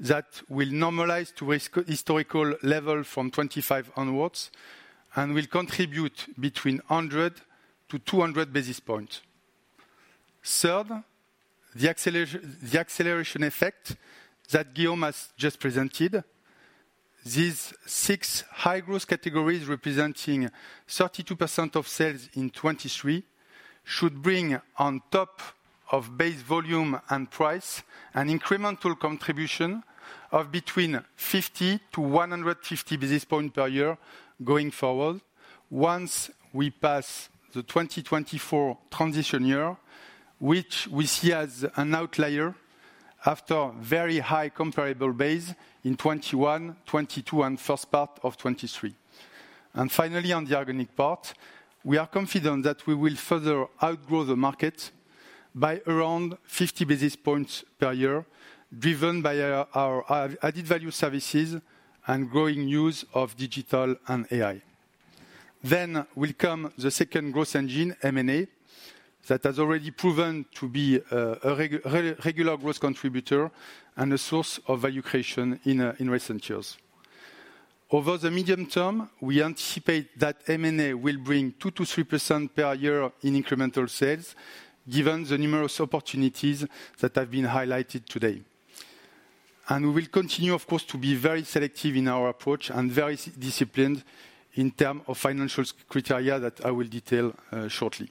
that will normalize to its historical level from 2025 onwards and will contribute between 100 basis points-200 basis points. Third, the acceleration effect that Guillaume has just presented. These six high-growth categories, representing 32% of sales in 2023, should bring on top of base volume and price an incremental contribution of between 50 basis points-150 basis points per year going forward, once we pass the 2024 transition year, which we see as an outlier after very high comparable base in 2021, 2022, and first part of 2023. And finally, on the organic part, we are confident that we will further outgrow the market by around 50 basis points per year, driven by our added-value services and growing use of digital and AI. Then will come the second growth engine, M&A, that has already proven to be a regular growth contributor and a source of value creation in recent years. Over the medium term, we anticipate that M&A will bring 2%-3% per year in incremental sales, given the numerous opportunities that have been highlighted today. And we will continue, of course, to be very selective in our approach and very disciplined in terms of financial criteria that I will detail shortly.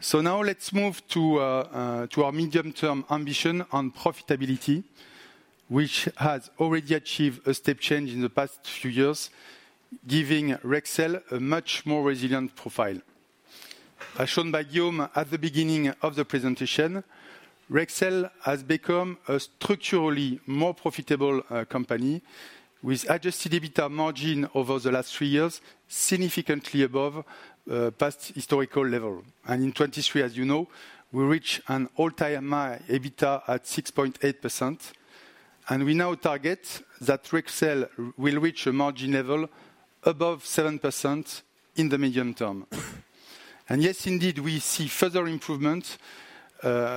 So now let's move to our medium-term ambition on profitability, which has already achieved a step change in the past few years, giving Rexel a much more resilient profile. As shown by Guillaume at the beginning of the presentation, Rexel has become a structurally more profitable company, with adjusted EBITDA margin over the last three years significantly above past historical level. In 2023, as you know, we reached an all-time high EBITDA at 6.8%, and we now target that Rexel will reach a margin level above 7% in the medium term. Yes, indeed, we see further improvement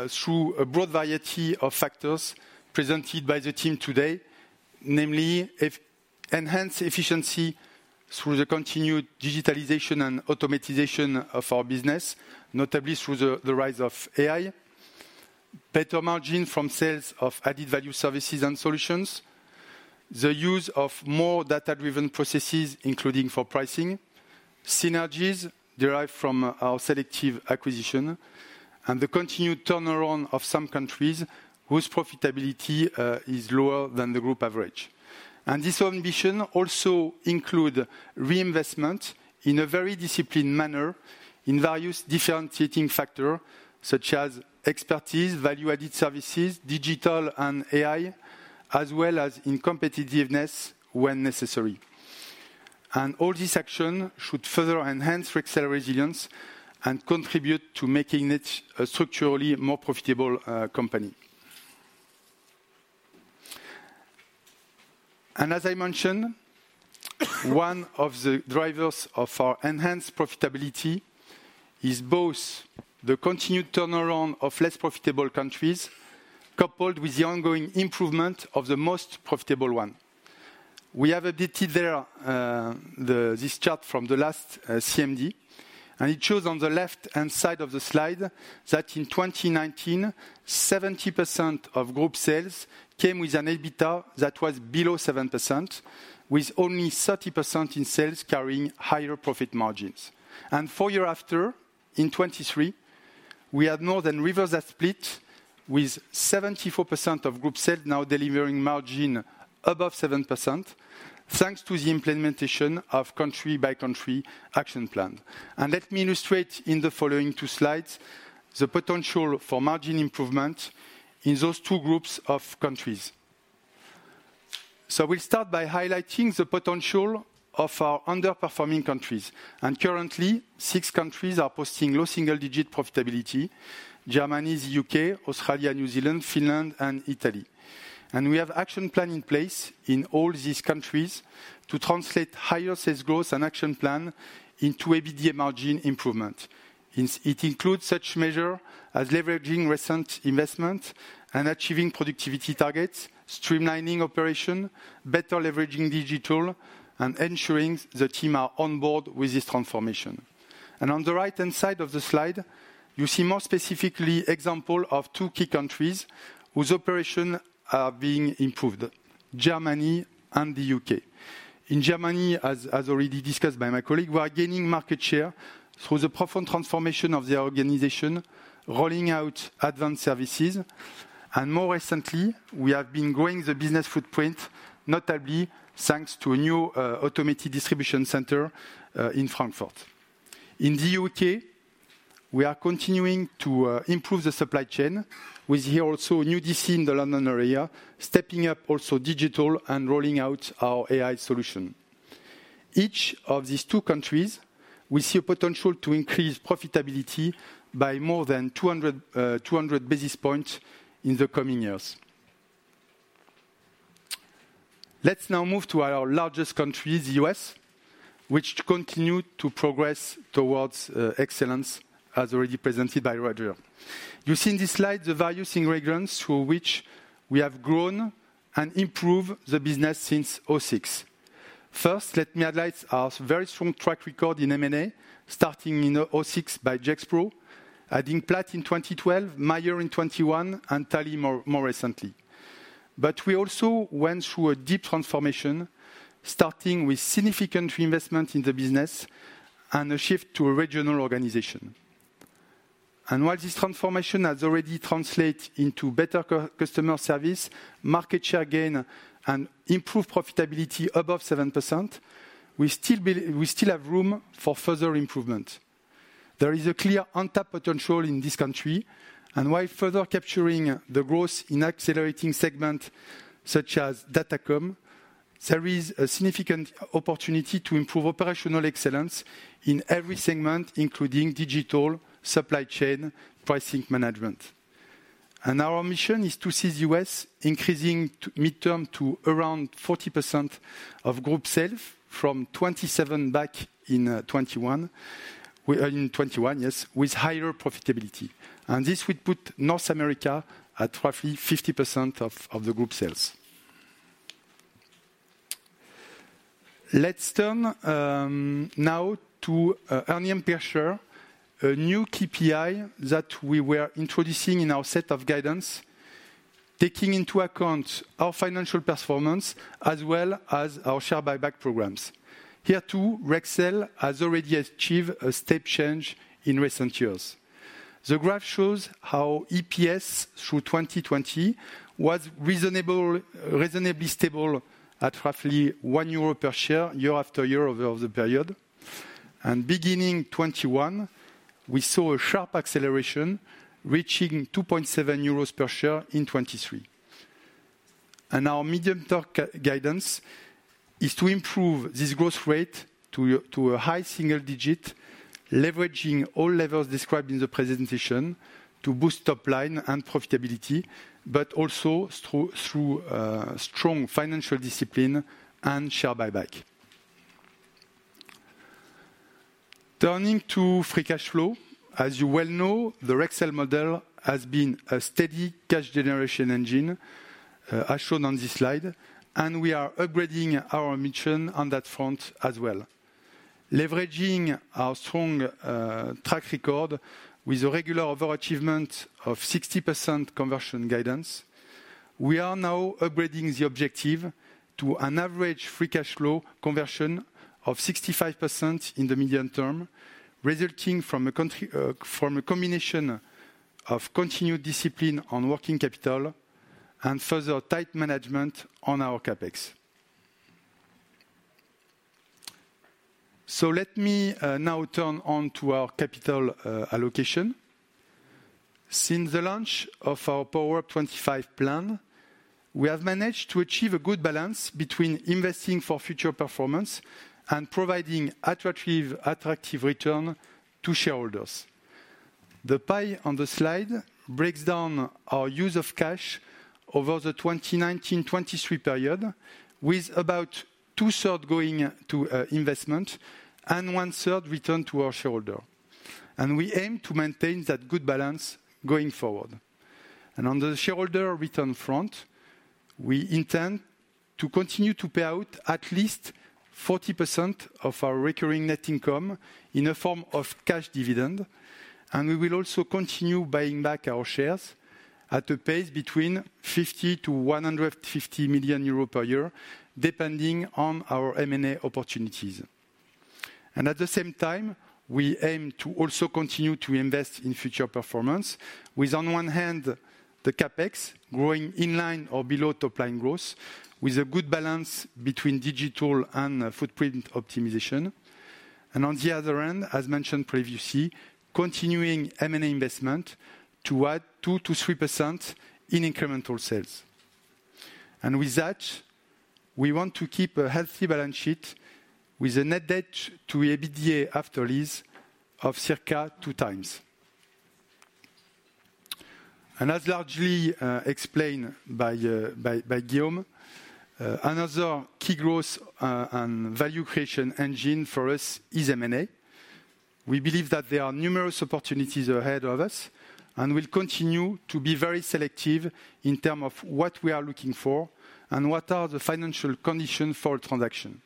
through a broad variety of factors presented by the team today, namely, enhance efficiency through the continued digitalization and automation of our business, notably through the rise of AI. Better margin from sales of added-value services and solutions. The use of more data-driven processes, including for pricing. Synergies derived from our selective acquisition, and the continued turnaround of some countries whose profitability is lower than the group average. This ambition also includes reinvestment in a very disciplined manner in various differentiating factors, such as expertise, value-added services, digital and AI, as well as in competitiveness, when necessary. All this action should further enhance Rexel's resilience and contribute to making it a structurally more profitable company. As I mentioned, one of the drivers of our enhanced profitability is both the continued turnaround of less profitable countries, coupled with the ongoing improvement of the most profitable one. We have updated this chart from the last CMD, and it shows on the left-hand side of the slide that in 2019, 70% of group sales came with an EBITDA that was below 7%, with only 30% in sales carrying higher profit margins. Four years after, in 2023, we had more than reversed that split. With 74% of group sales now delivering margin above 7%, thanks to the implementation of country-by-country action plan. Let me illustrate in the following two slides the potential for margin improvement in those two groups of countries. We'll start by highlighting the potential of our underperforming countries. Currently, six countries are posting low single-digit profitability: Germany, the U.K., Australia, New Zealand, Finland and Italy. We have action plan in place in all these countries to translate higher sales growth and action plan into EBITDA margin improvement. It includes such measure as leveraging recent investment and achieving productivity targets, streamlining operation, better leveraging digital, and ensuring the team are on board with this transformation. On the right-hand side of the slide, you see more specifically example of two key countries whose operation are being improved, Germany and the U.K. In Germany, as already discussed by my colleague, we are gaining market share through the profound transformation of the organization, rolling out advanced services, and more recently, we have been growing the business footprint, notably thanks to a new automated distribution center in Frankfurt. In the U.K., we are continuing to improve the supply chain with here also new DC in the London area, stepping up also digital and rolling out our AI solution. Each of these two countries, we see a potential to increase profitability by more than 200 basis points in the coming years. Let's now move to our largest country, the U.S., which continue to progress towards excellence, as already presented by Roger. You see in this slide the various ingredients through which we have grown and improved the business since 2006. First, let me highlight our very strong track record in M&A, starting in 2006 by Gexpro, adding Platt in 2012, Mayer in 2021, and Talley more recently. But we also went through a deep transformation, starting with significant investment in the business and a shift to a regional organization. And while this transformation has already translate into better customer service, market share gain, and improved profitability above 7%, we still have room for further improvement. There is a clear untapped potential in this country, and while further capturing the growth in accelerating segment, such as Datacom, there is a significant opportunity to improve operational excellence in every segment, including digital, supply chain, pricing management. And our mission is to see the US increasing to midterm to around 40% of group sales from 27% back in 2021. In 2021, yes, with higher profitability. This will put North America at roughly 50% of the group sales. Let's turn now to earnings per share, a new KPI that we were introducing in our set of guidance, taking into account our financial performance, as well as our share buyback programs. Here, too, Rexel has already achieved a step change in recent years. The graph shows how EPS through 2020 was reasonably stable at roughly 1 euro per share, year after year over the period. Beginning 2021, we saw a sharp acceleration, reaching 2.7 euros per share in 2023. Our medium-term guidance is to improve this growth rate to a high single digit, leveraging all levers described in the presentation to boost top line and profitability, but also through strong financial discipline and share buyback. Turning to free cash flow. As you well know, the Rexel model has been a steady cash generation engine, as shown on this slide, and we are upgrading our ambition on that front as well. Leveraging our strong track record with a regular overachievement of 60% conversion guidance, we are now upgrading the objective to an average free cash flow conversion of 65% in the medium term, resulting from a combination of continued discipline on working capital and further tight management on our CapEx. So let me now turn to our capital allocation. Since the launch of our Power 25 plan, we have managed to achieve a good balance between investing for future performance and providing attractive, attractive return to shareholders. The pie on the slide breaks down our use of cash over the 2019 to 2023 period, with about two-thirds going to investment and one-third return to our shareholder, and we aim to maintain that good balance going forward. On the shareholder return front, we intend to continue to pay out at least 40% of our recurring net income in a form of cash dividend, and we will also continue buying back our shares at a pace between 50 million-150 million euros per year, depending on our M&A opportunities. At the same time, we aim to also continue to invest in future performance, with, on one hand, the CapEx growing in line or below top line growth, with a good balance between digital and footprint optimization. On the other hand, as mentioned previously, continuing M&A investment to add 2%-3% in incremental sales. With that, we want to keep a healthy balance sheet with a net debt to EBITDA after lease of circa 2 times. As largely explained by Guillaume, another key growth and value creation engine for us is M&A. We believe that there are numerous opportunities ahead of us, and we'll continue to be very selective in term of what we are looking for and what are the financial conditions for transaction.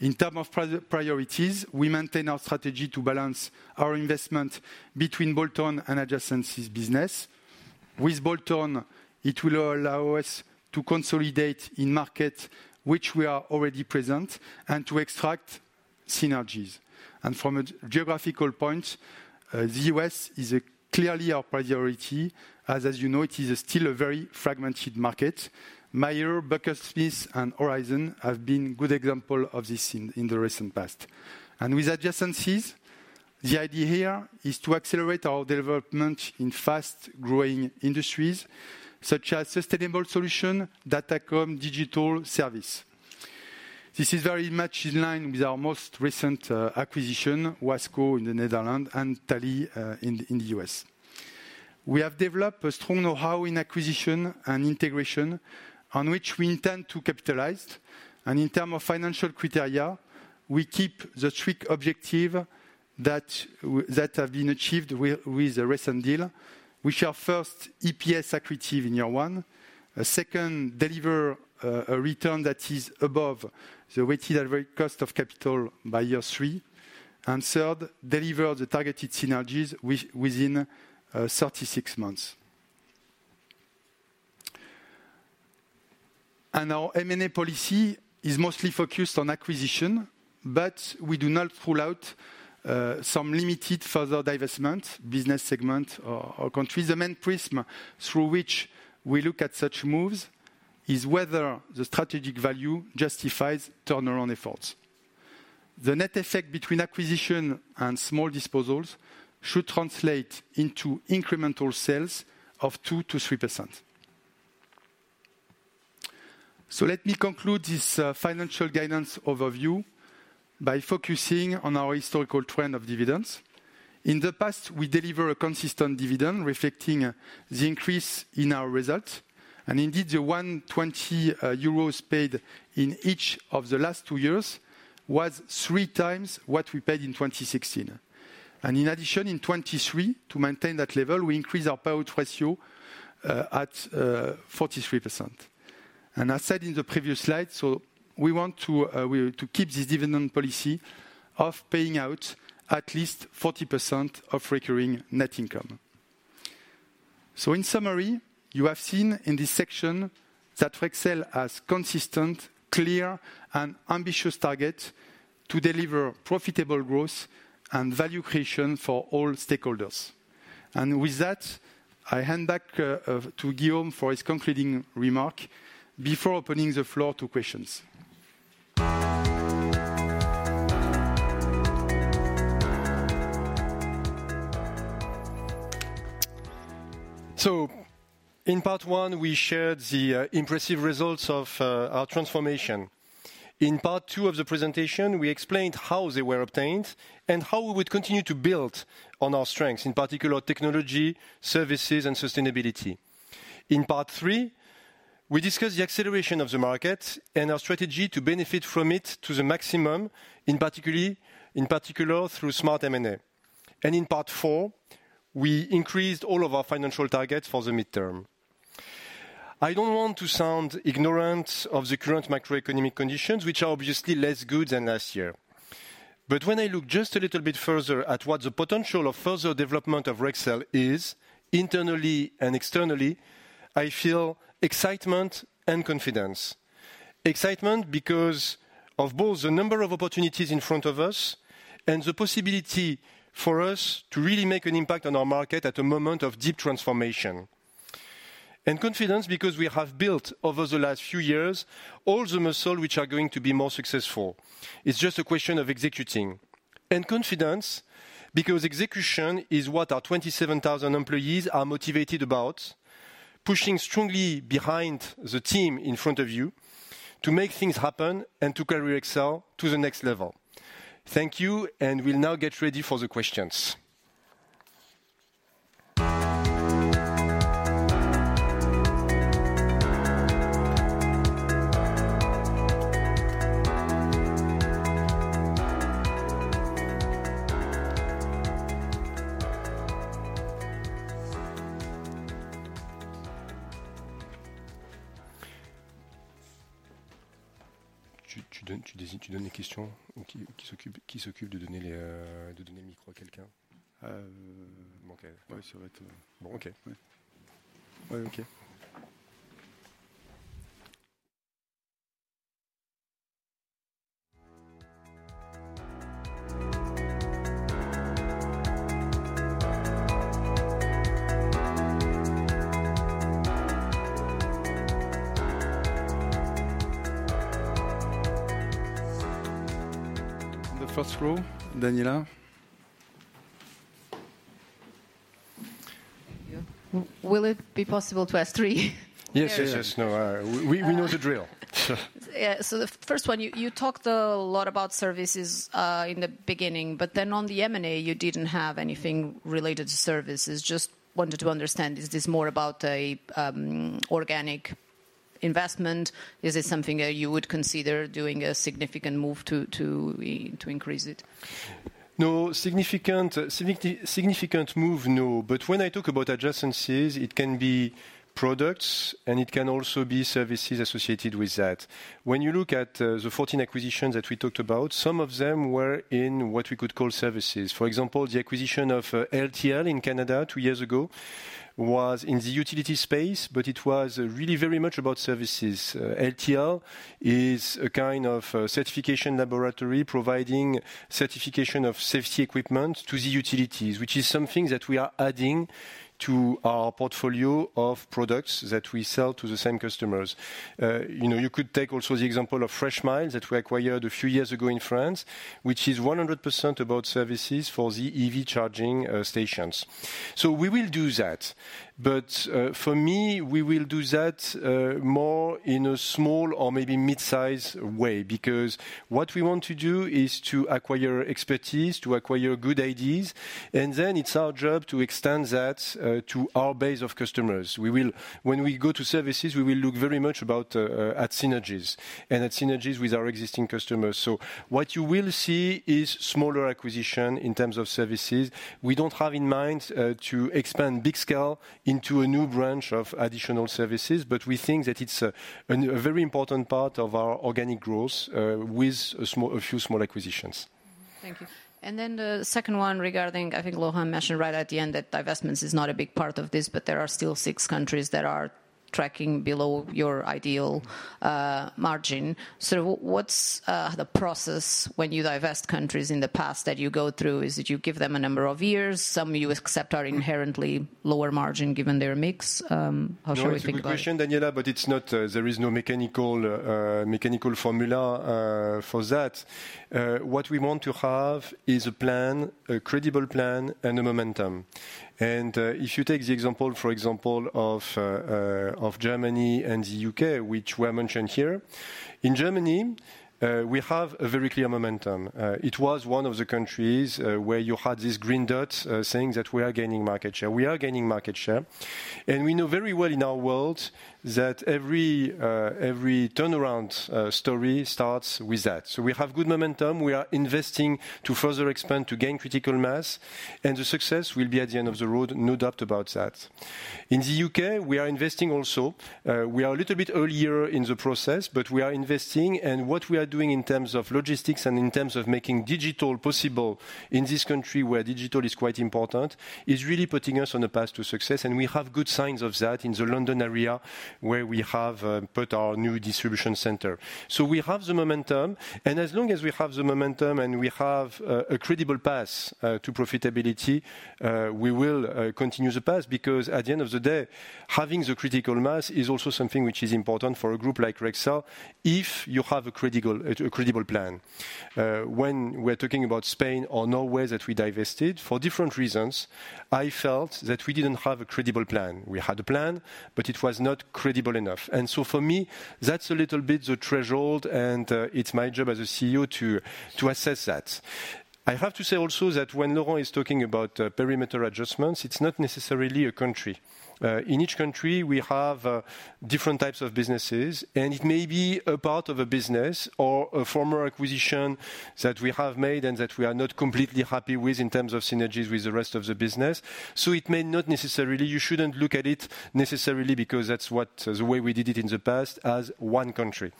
In terms of priorities, we maintain our strategy to balance our investment between bolt-on and adjacencies business. With bolt-on, it will allow us to consolidate in market which we are already present and to extract synergies. From a geographical point, the U.S. is clearly our priority, as you know, it is still a very fragmented market. Mayer, Buckles-Smith, and Horizon have been good example of this in the recent past. With adjacencies, the idea here is to accelerate our development in fast-growing industries such as sustainable solution, datacom, digital service. This is very much in line with our most recent acquisition, Wasco in the Netherlands and Talley in the U.S. We have developed a strong know-how in acquisition and integration, on which we intend to capitalize. In terms of financial criteria, we keep the strict objective that have been achieved with the recent deal, which are first, EPS accretive in year one. Second, deliver a return that is above the weighted average cost of capital by year three. And third, deliver the targeted synergies within 36 months. And our M&A policy is mostly focused on acquisition, but we do not rule out some limited further divestment, business segment or country. The main prism through which we look at such moves is whether the strategic value justifies turnaround efforts. The net effect between acquisition and small disposals should translate into incremental sales of 2%-3%. So let me conclude this financial guidance overview by focusing on our historical trend of dividends. In the past, we deliver a consistent dividend, reflecting the increase in our results. Indeed, the 120 euros paid in each of the last two years was three times what we paid in 2016. In addition, in 2023, to maintain that level, we increased our payout ratio at 43%. I said in the previous slide, so we want to keep this dividend policy of paying out at least 40% of recurring net income. In summary, you have seen in this section that Rexel has consistent, clear, and ambitious target to deliver profitable growth and value creation for all stakeholders. With that, I hand back to Guillaume for his concluding remark before opening the floor to questions. So in part one, we shared the impressive results of our transformation. In part two of the presentation, we explained how they were obtained and how we would continue to build on our strengths, in particular, technology, services, and sustainability. In part three, we discussed the acceleration of the market and our strategy to benefit from it to the maximum, in particular, through smart M&A. And in part four, we increased all of our financial targets for the midterm. I don't want to sound ignorant of the current macroeconomic conditions, which are obviously less good than last year. But when I look just a little bit further at what the potential of further development of Rexel is, internally and externally, I feel excitement and confidence. Excitement because of both the number of opportunities in front of us and the possibility for us to really make an impact on our market at a moment of deep transformation. And confidence because we have built, over the last few years, all the muscle which are going to be more successful. It's just a question of executing. And confidence because execution is what our 27,000 employees are motivated about, pushing strongly behind the team in front of you to make things happen and to carry Rexel to the next level. Thank you, and we'll now get ready for the questions. The first row, Daniela? Thank you. Will it be possible to ask three? Yes, yes, yes. No, we know the drill. Yeah, so the first one, you talked a lot about services in the beginning, but then on the M&A, you didn't have anything related to services. Just wanted to understand, is this more about an organic investment? Is it something that you would consider doing a significant move to increase it? No, significant move, no. But when I talk about adjacencies, it can be products, and it can also be services associated with that. When you look at the 14 acquisitions that we talked about, some of them were in what we could call services. For example, the acquisition of LTL in Canada two years ago was in the utility space, but it was really very much about services. LTL is a kind of certification laboratory providing certification of safety equipment to the utilities, which is something that we are adding to our portfolio of products that we sell to the same customers. You know, you could take also the example of Freshmile that we acquired a few years ago in France, which is 100% about services for the EV charging stations. So we will do that, but, for me, we will do that, more in a small or maybe mid-size way, because what we want to do is to acquire expertise, to acquire good ideas, and then it's our job to extend that, to our base of customers. We will. When we go to services, we will look very much about, at synergies, and at synergies with our existing customers. So what you will see is smaller acquisition in terms of services. We don't have in mind, to expand big scale into a new branch of additional services, but we think that it's a very important part of our organic growth, with a few small acquisitions. Mm-hmm. Thank you. And then the second one regarding, I think Laurent mentioned right at the end, that divestments is not a big part of this, but there are still six countries that are tracking below your ideal margin. So what's the process when you divest countries in the past that you go through? Is it you give them a number of years, some you accept are inherently lower margin, given their mix? How should we think about it? No, it's a good question, Daniela, but it's not. There is no mechanical formula for that. What we want to have is a plan, a credible plan, and a momentum. And if you take the example, for example, of Germany and the UK, which were mentioned here. In Germany, we have a very clear momentum. It was one of the countries where you had these green dots saying that we are gaining market share. We are gaining market share, and we know very well in our world that every turnaround story starts with that. So we have good momentum. We are investing to further expand, to gain critical mass, and the success will be at the end of the road, no doubt about that. In the UK, we are investing also. We are a little bit earlier in the process, but we are investing, and what we are doing in terms of logistics and in terms of making digital possible in this country where digital is quite important, is really putting us on the path to success. And we have good signs of that in the London area, where we have put our new distribution center. So we have the momentum, and as long as we have the momentum, and we have a credible path to profitability, we will continue the path. Because at the end of the day, having the critical mass is also something which is important for a group like Rexel, if you have a critical, a credible plan. When we're talking about Spain or Norway, that we divested for different reasons, I felt that we didn't have a credible plan. We had a plan, but it was not credible enough. And so for me, that's a little bit the threshold, and it's my job as a CEO to assess that. I have to say also that when Laurent is talking about perimeter adjustments, it's not necessarily a country. In each country, we have different types of businesses, and it may be a part of a business or a former acquisition that we have made and that we are not completely happy with in terms of synergies with the rest of the business. So it may not necessarily. You shouldn't look at it necessarily because that's what the way we did it in the past as one country.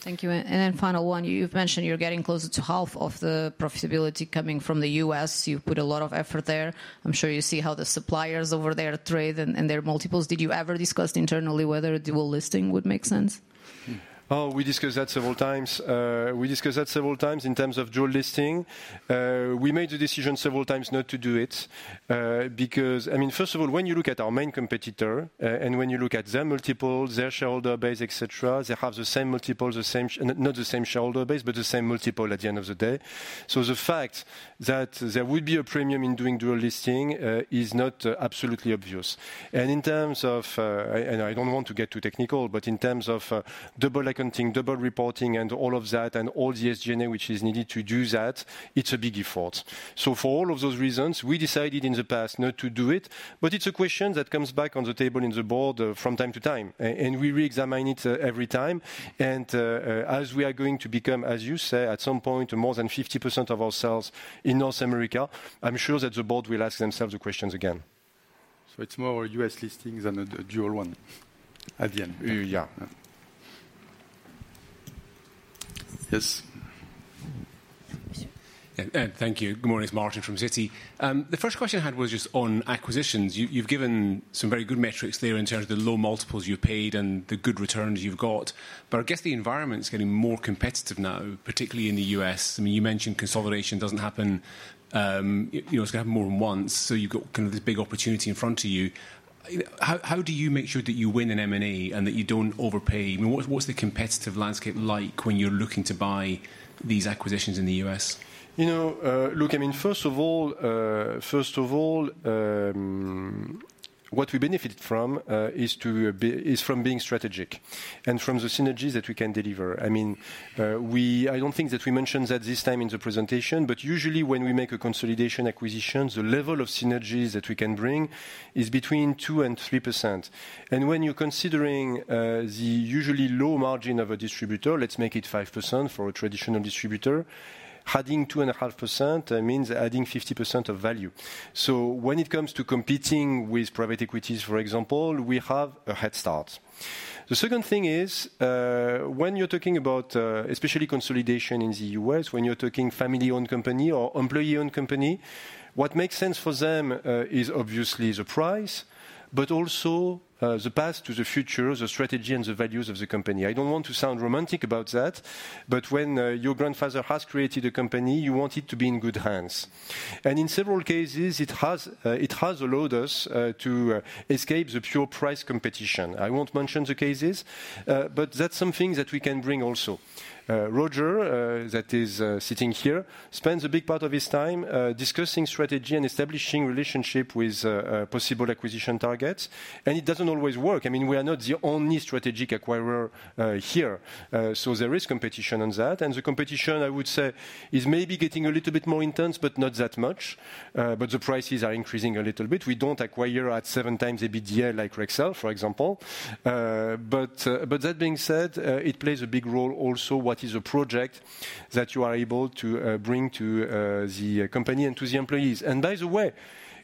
Thank you. And then final one, you've mentioned you're getting closer to half of the profitability coming from the U.S. You've put a lot of effort there. I'm sure you see how the suppliers over there trade and their multiples. Did you ever discuss internally whether a dual listing would make sense? Oh, we discussed that several times. We discussed that several times in terms of dual listing. We made the decision several times not to do it, because... I mean, first of all, when you look at our main competitor, and when you look at their multiples, their shareholder base, et cetera, they have the same multiples, the same, not the same shareholder base, but the same multiple at the end of the day. So the fact that there would be a premium in doing dual listing is not absolutely obvious. And in terms of, and I don't want to get too technical, but in terms of double accounting, double reporting, and all of that, and all the SG&A which is needed to do that, it's a big effort. So for all of those reasons, we decided in the past not to do it, but it's a question that comes back on the table in the board from time to time. And we re-examine it every time. And as we are going to become, as you say, at some point, more than 50% of our sales in North America, I'm sure that the board will ask themselves the questions again. So it's more a U.S. listing than a dual one at the end? Uh, yeah. Yes. Thank you. Good morning, it's Martin from Citi. The first question I had was just on acquisitions. You, you've given some very good metrics there in terms of the low multiples you've paid and the good returns you've got. But I guess the environment's getting more competitive now, particularly in the US. I mean, you mentioned consolidation doesn't happen, you know, it's gonna happen more than once, so you've got kind of this big opportunity in front of you. How, how do you make sure that you win in M&A and that you don't overpay? I mean, what is, what's the competitive landscape like when you're looking to buy these acquisitions in the US? You know, look, I mean, first of all, first of all, what we benefit from is from being strategic and from the synergies that we can deliver. I mean, we... I don't think that we mentioned that this time in the presentation, but usually when we make a consolidation acquisition, the level of synergies that we can bring is between 2% and 3%. And when you're considering, the usually low margin of a distributor, let's make it 5% for a traditional distributor, adding 2.5%, that means adding 50% of value. So when it comes to competing with private equities, for example, we have a head start. The second thing is, when you're talking about, especially consolidation in the U.S., when you're talking family-owned company or employee-owned company, what makes sense for them, is obviously the price, but also, the path to the future, the strategy, and the values of the company. I don't want to sound romantic about that, but when, your grandfather has created a company, you want it to be in good hands. And in several cases, it has, it has allowed us, to escape the pure price competition. I won't mention the cases, but that's something that we can bring also. Roger, that is, sitting here, spends a big part of his time, discussing strategy and establishing relationship with, possible acquisition targets, and it doesn't always work. I mean, we are not the only strategic acquirer, here. So there is competition on that. The competition, I would say, is maybe getting a little bit more intense, but not that much. The prices are increasing a little bit. We don't acquire at 7x EBITDA, like Rexel, for example. That being said, it plays a big role also, what is a project that you are able to bring to the company and to the employees? By the way,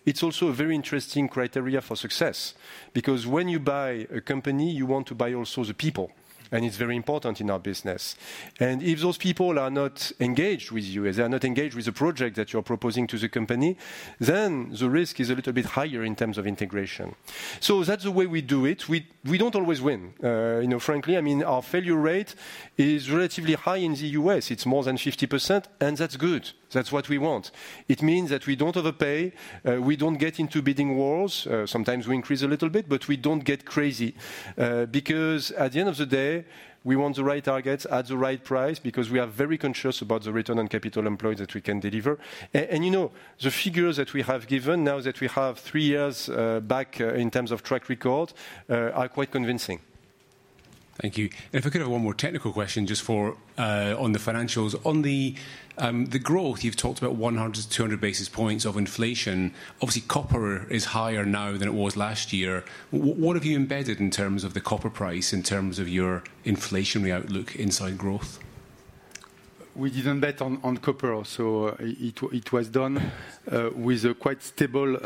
it's also a very interesting criteria for success, because when you buy a company, you want to buy also the people, and it's very important in our business. If those people are not engaged with you, if they are not engaged with the project that you're proposing to the company, then the risk is a little bit higher in terms of integration. So that's the way we do it. We, we don't always win. You know, frankly, I mean, our failure rate is relatively high in the US. It's more than 50%, and that's good. That's what we want. It means that we don't overpay, we don't get into bidding wars. Sometimes we increase a little bit, but we don't get crazy, because at the end of the day, we want the right targets at the right price because we are very conscious about the return on capital employed that we can deliver. And you know, the figures that we have given, now that we have three years back, in terms of track record, are quite convincing. Thank you. And if I could have one more technical question, just for on the financials. On the growth, you've talked about 100 basis points-200 basis points of inflation. Obviously, copper is higher now than it was last year. What have you embedded in terms of the copper price, in terms of your inflationary outlook inside growth? We didn't bet on copper, so it was done with quite stable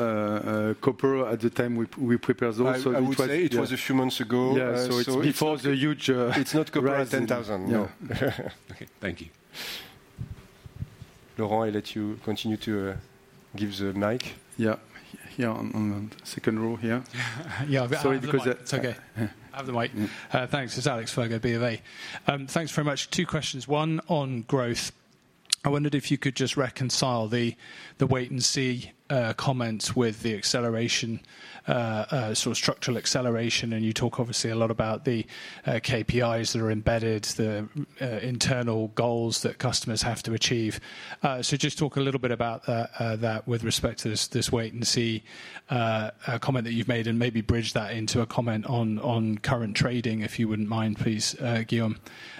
copper at the time we prepared those. So it was- I would say it was a few months ago. Yeah... so it's before the huge, It's not copper at 10,000. No. Okay, thank you. Laurent, I let you continue to give the mic. Yeah. Here, on the second row here. Yeah, I have the mic. Sorry, because- It's okay. I have the mic. Mm. Thanks. It's Alec Ferguson, BofA. Thanks very much. Two questions, one on growth. I wondered if you could just reconcile the, the wait and see comments with the acceleration, sort of structural acceleration. And you talk obviously a lot about the KPIs that are embedded, the internal goals that customers have to achieve. So just talk a little bit about that with respect to this, this wait and see comment that you've made, and maybe bridge that into a comment on current trading, if you wouldn't mind, please, Guillaume.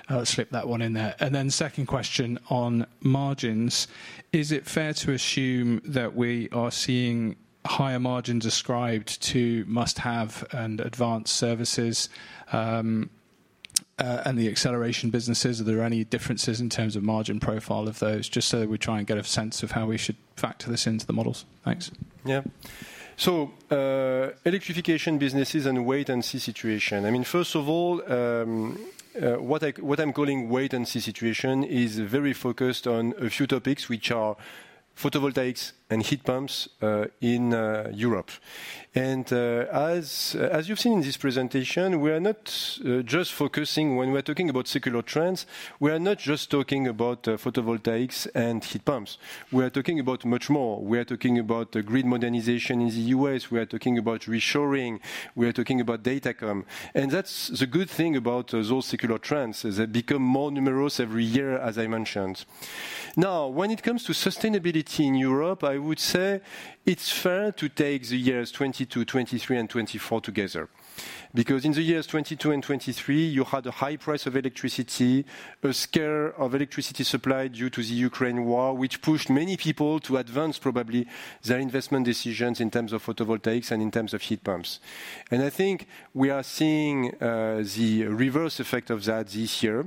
I'll slip that one in there. And then second question on margins: Is it fair to assume that we are seeing higher margins ascribed to must-have and advanced services, and the acceleration businesses? Are there any differences in terms of margin profile of those? Just so that we try and get a sense of how we should factor this into the models. Thanks. Yeah. So, electrification businesses and wait-and-see situation. I mean, first of all, what I'm calling wait-and-see situation is very focused on a few topics, which are photovoltaics and heat pumps, in Europe. And, as you've seen in this presentation, we are not just focusing—when we're talking about secular trends, we are not just talking about photovoltaics and heat pumps. We are talking about much more. We are talking about the grid modernization in the U.S., we are talking about reshoring, we are talking about Datacom. And that's the good thing about those secular trends, is they become more numerous every year, as I mentioned. Now, when it comes to sustainability in Europe, I would say it's fair to take the years 2022, 2023, and 2024 together. Because in the years 2022 and 2023, you had a high price of electricity, a scare of electricity supply due to the Ukraine war, which pushed many people to advance probably their investment decisions in terms of photovoltaics and in terms of heat pumps. And I think we are seeing the reverse effect of that this year.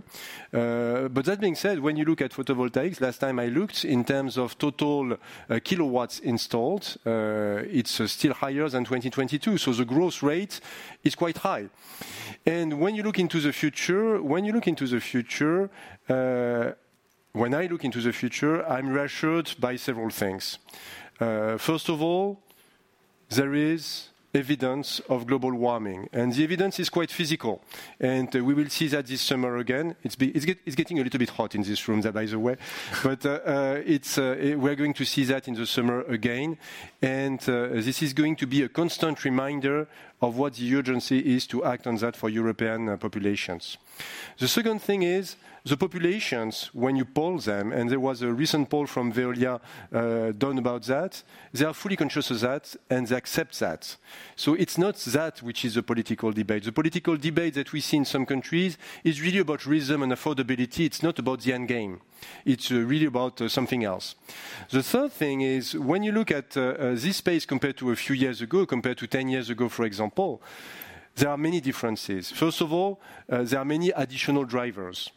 But that being said, when you look at photovoltaics, last time I looked, in terms of total kilowatts installed, it's still higher than 2022, so the growth rate is quite high. And when you look into the future, when you look into the future, when I look into the future, I'm reassured by several things. First of all, there is evidence of global warming, and the evidence is quite physical, and we will see that this summer again. It's getting a little bit hot in this room, by the way. But, we're going to see that in the summer again, and, this is going to be a constant reminder of what the urgency is to act on that for European populations. The second thing is, the populations, when you poll them, and there was a recent poll from Veolia, done about that, they are fully conscious of that, and they accept that. So it's not that which is a political debate. The political debate that we see in some countries is really about rhythm and affordability. It's not about the end game. It's really about something else. The third thing is, when you look at this space compared to a few years ago, compared to 10 years ago, for example, there are many differences. First of all, there are many additional drivers.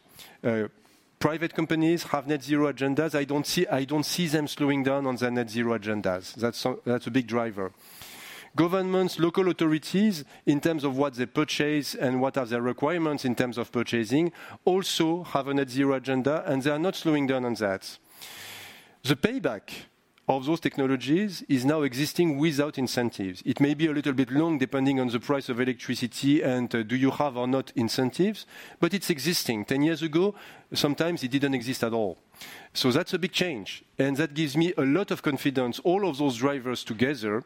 Private companies have net zero agendas. I don't see, I don't see them slowing down on their net zero agendas. That's a big driver. Governments, local authorities, in terms of what they purchase and what are their requirements in terms of purchasing, also have a net zero agenda, and they are not slowing down on that. The payback of those technologies is now existing without incentives. It may be a little bit long, depending on the price of electricity and do you have or not incentives, but it's existing. Ten years ago, sometimes it didn't exist at all. So that's a big change, and that gives me a lot of confidence, all of those drivers together,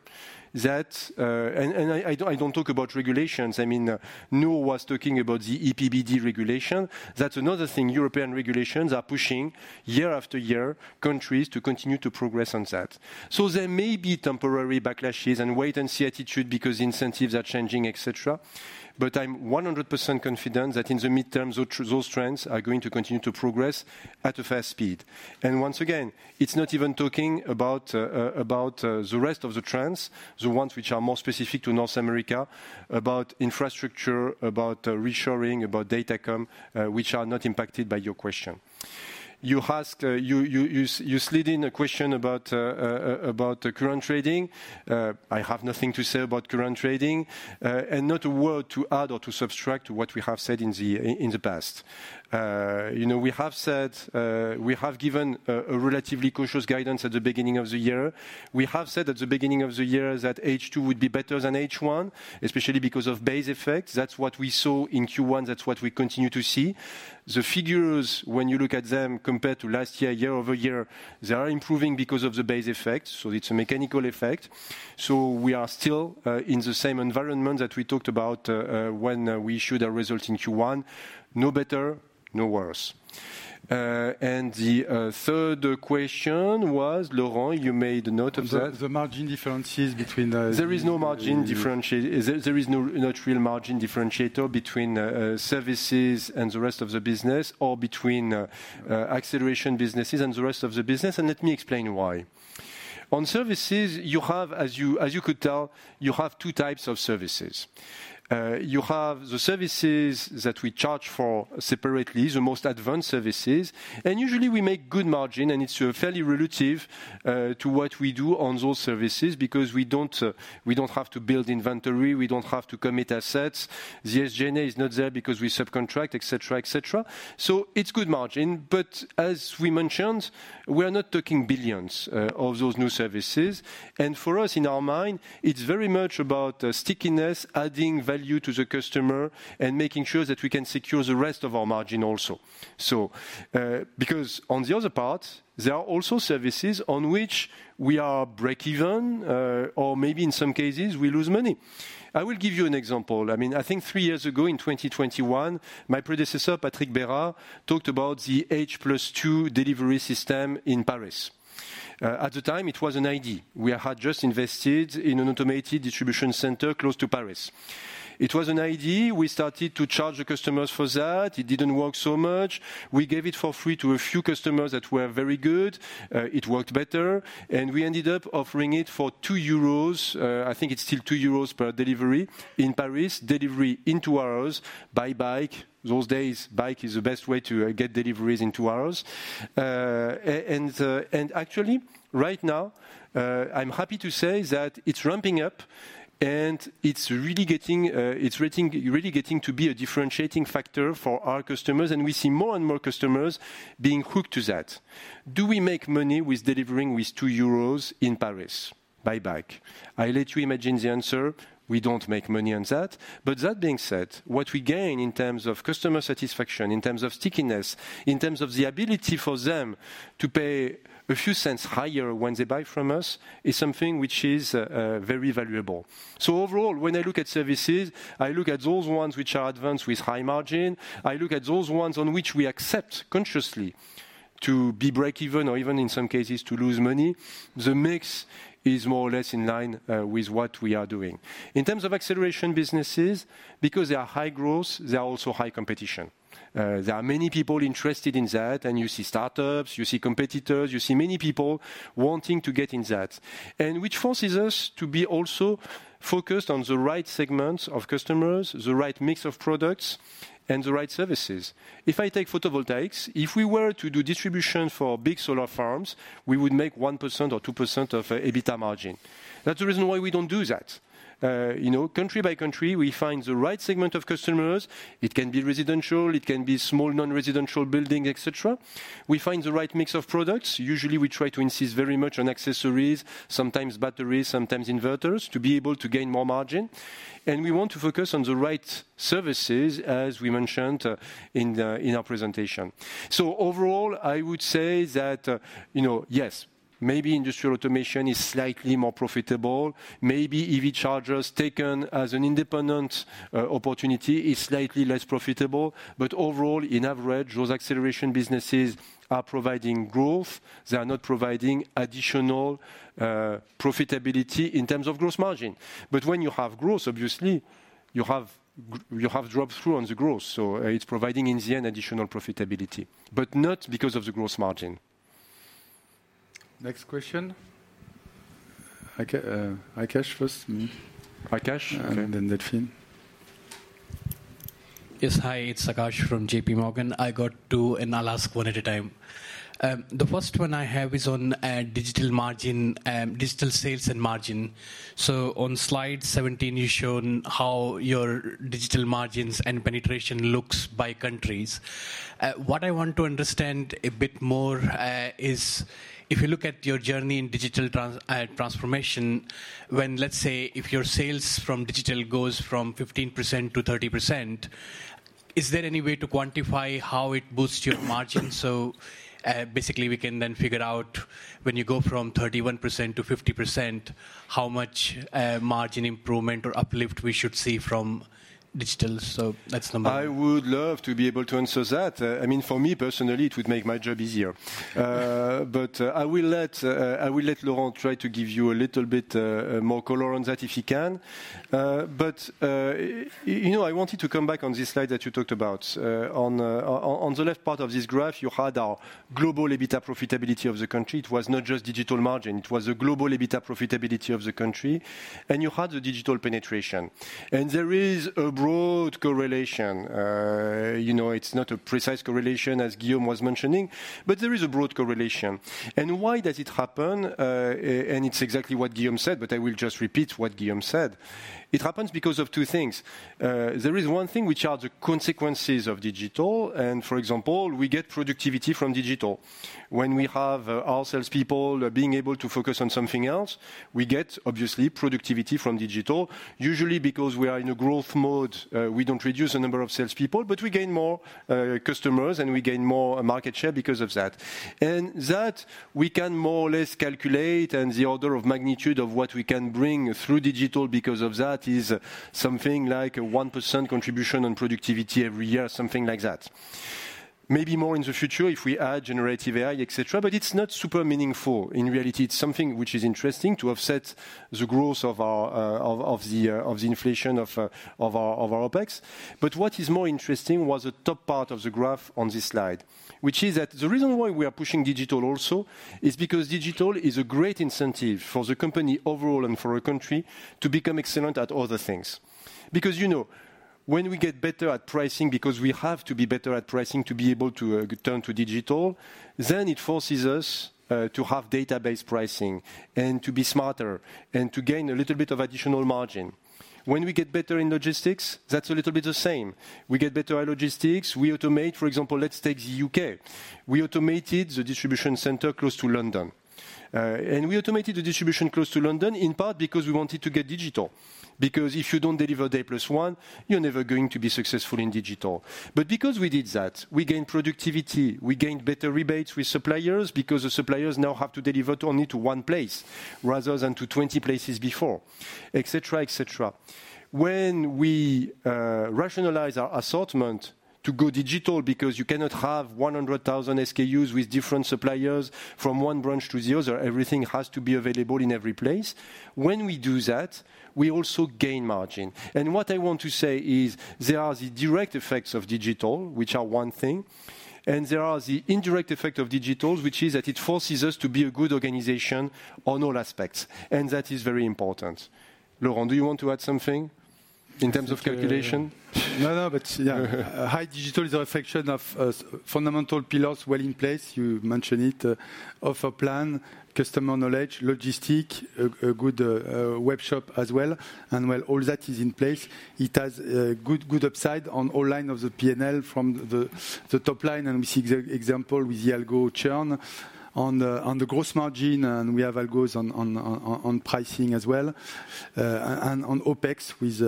that... And I don't talk about regulations. I mean, Nour was talking about the EPBD regulation. That's another thing. European regulations are pushing, year after year, countries to continue to progress on that. So there may be temporary backlashes and wait-and-see attitude because incentives are changing, et cetera, but I'm 100% confident that in the midterm, those trends are going to continue to progress at a fast speed. And once again, it's not even talking about the rest of the trends, the ones which are more specific to North America, about infrastructure, about reshoring, about Datacom, which are not impacted by your question. You asked, you slid in a question about the current trading. I have nothing to say about current trading, and not a word to add or to subtract what we have said in the past. You know, we have said. We have given a relatively cautious guidance at the beginning of the year. We have said at the beginning of the year that H2 would be better than H1, especially because of base effects. That's what we saw in Q1. That's what we continue to see. The figures, when you look at them compared to last year, year-over-year, they are improving because of the base effect, so it's a mechanical effect. So we are still in the same environment that we talked about when we issued our results in Q1. No better, no worse. And the third question was, Laurent, you made a note of that? Margin differences between There is no real margin differentiator between services and the rest of the business, or between acceleration businesses and the rest of the business, and let me explain why. On services, you have, as you could tell, you have two types of services. You have the services that we charge for separately, the most advanced services, and usually we make good margin, and it's fairly relative to what we do on those services because we don't have to build inventory, we don't have to commit assets. The SG&A is not there because we subcontract, et cetera, et cetera. So it's good margin, but as we mentioned, we are not talking billions of those new services. For us, in our mind, it's very much about stickiness, adding value to the customer, and making sure that we can secure the rest of our margin also. So, because on the other part, there are also services on which we are break even, or maybe in some cases, we lose money. I will give you an example. I mean, I think three years ago, in 2021, my predecessor, Patrick Berard, talked about the H plus two delivery system in Paris. At the time, it was an idea. We had just invested in an automated distribution center close to Paris. It was an idea. We started to charge the customers for that. It didn't work so much. We gave it for free to a few customers that were very good. It worked better, and we ended up offering it for 2 euros. I think it's still 2 euros per delivery in Paris. Delivery in 2 hours, by bike. These days, bike is the best way to get deliveries in 2 hours. Actually, right now, I'm happy to say that it's ramping up, and it's really getting to be a differentiating factor for our customers, and we see more and more customers being hooked to that. Do we make money with delivering with 2 euros in Paris by bike? I let you imagine the answer. We don't make money on that. But that being said, what we gain in terms of customer satisfaction, in terms of stickiness, in terms of the ability for them to pay a few cents higher when they buy from us, is something which is very valuable. So overall, when I look at services, I look at those ones which are advanced with high margin. I look at those ones on which we accept consciously to be breakeven or even in some cases, to lose money, the mix is more or less in line with what we are doing. In terms of acceleration businesses, because they are high growth, they are also high competition. There are many people interested in that, and you see startups, you see competitors, you see many people wanting to get in that, and which forces us to be also focused on the right segments of customers, the right mix of products, and the right services. If I take photovoltaics, if we were to do distribution for big solar farms, we would make 1% or 2% of EBITDA margin. That's the reason why we don't do that. You know, country by country, we find the right segment of customers. It can be residential, it can be small, non-residential building, et cetera. We find the right mix of products. Usually, we try to insist very much on accessories, sometimes batteries, sometimes inverters, to be able to gain more margin, and we want to focus on the right services, as we mentioned, in the, in our presentation. So overall, I would say that, you know, yes, maybe industrial automation is slightly more profitable. Maybe EV chargers, taken as an independent, opportunity, is slightly less profitable. But overall, in average, those acceleration businesses are providing growth. They are not providing additional, profitability in terms of gross margin. But when you have growth, obviously, you have drop-through on the growth, so, it's providing, in the end, additional profitability, but not because of the gross margin. Next question? Akash first. Akash? And then Delphine. Yes. Hi, it's Akash from JPMorgan. I have two, and I'll ask one at a time. The first one I have is on digital margin, digital sales and margin. So on slide 17, you shown how your digital margins and penetration looks by countries. What I want to understand a bit more is if you look at your journey in digital transformation, when... Let's say, if your sales from digital goes from 15% to 30%, is there any way to quantify how it boosts your margin? So, basically, we can then figure out when you go from 31% to 50%, how much margin improvement or uplift we should see from digital? So that's number one. I would love to be able to answer that. I mean, for me, personally, it would make my job easier. But I will let Laurent try to give you a little bit more color on that, if he can. But you know, I wanted to come back on this slide that you talked about. On the left part of this graph, you had our global EBITDA profitability of the country. It was not just digital margin, it was the global EBITDA profitability of the country, and you had the digital penetration. And there is a broad correlation. You know, it's not a precise correlation, as Guillaume was mentioning, but there is a broad correlation. And why does it happen? And it's exactly what Guillaume said, but I will just repeat what Guillaume said: It happens because of two things. There is one thing which are the consequences of digital, and, for example, we get productivity from digital. When we have our salespeople being able to focus on something else, we get, obviously, productivity from digital. Usually, because we are in a growth mode, we don't reduce the number of salespeople, but we gain more customers, and we gain more market share because of that. And that, we can more or less calculate, and the order of magnitude of what we can bring through digital because of that is something like a 1% contribution on productivity every year, something like that. Maybe more in the future if we add generative AI, et cetera, but it's not super meaningful. In reality, it's something which is interesting to offset the growth of our the inflation of our OpEx. But what is more interesting was the top part of the graph on this slide, which is that the reason why we are pushing digital also is because digital is a great incentive for the company overall and for our country to become excellent at other things. Because, you know, when we get better at pricing, because we have to be better at pricing to be able to turn to digital, then it forces us to have database pricing and to be smarter and to gain a little bit of additional margin. When we get better in logistics, that's a little bit the same. We get better at logistics, we automate. For example, let's take the UK. We automated the distribution center close to London, and we automated the distribution close to London, in part because we wanted to get digital, because if you don't deliver day +1, you're never going to be successful in digital. But because we did that, we gained productivity, we gained better rebates with suppliers because the suppliers now have to deliver only to one place rather than to 20 places before, et cetera, et cetera. When we rationalize our assortment to go digital, because you cannot have 100,000 SKUs with different suppliers from one branch to the other, everything has to be available in every place. When we do that, we also gain margin. What I want to say is there are the direct effects of digital, which are one thing, and there are the indirect effect of digital, which is that it forces us to be a good organization on all aspects, and that is very important. Laurent, do you want to add something in terms of calculation? No, no, but yeah. High digital is a reflection of, fundamental pillars well in place. You mentioned it: offer plan, customer knowledge, logistic, a good web shop as well. And when all that is in place, it has a good, good upside on all line of the P&L from the top line, and we see the example with the algo churn. On the gross margin, and we have algos on pricing as well, and on OpEx with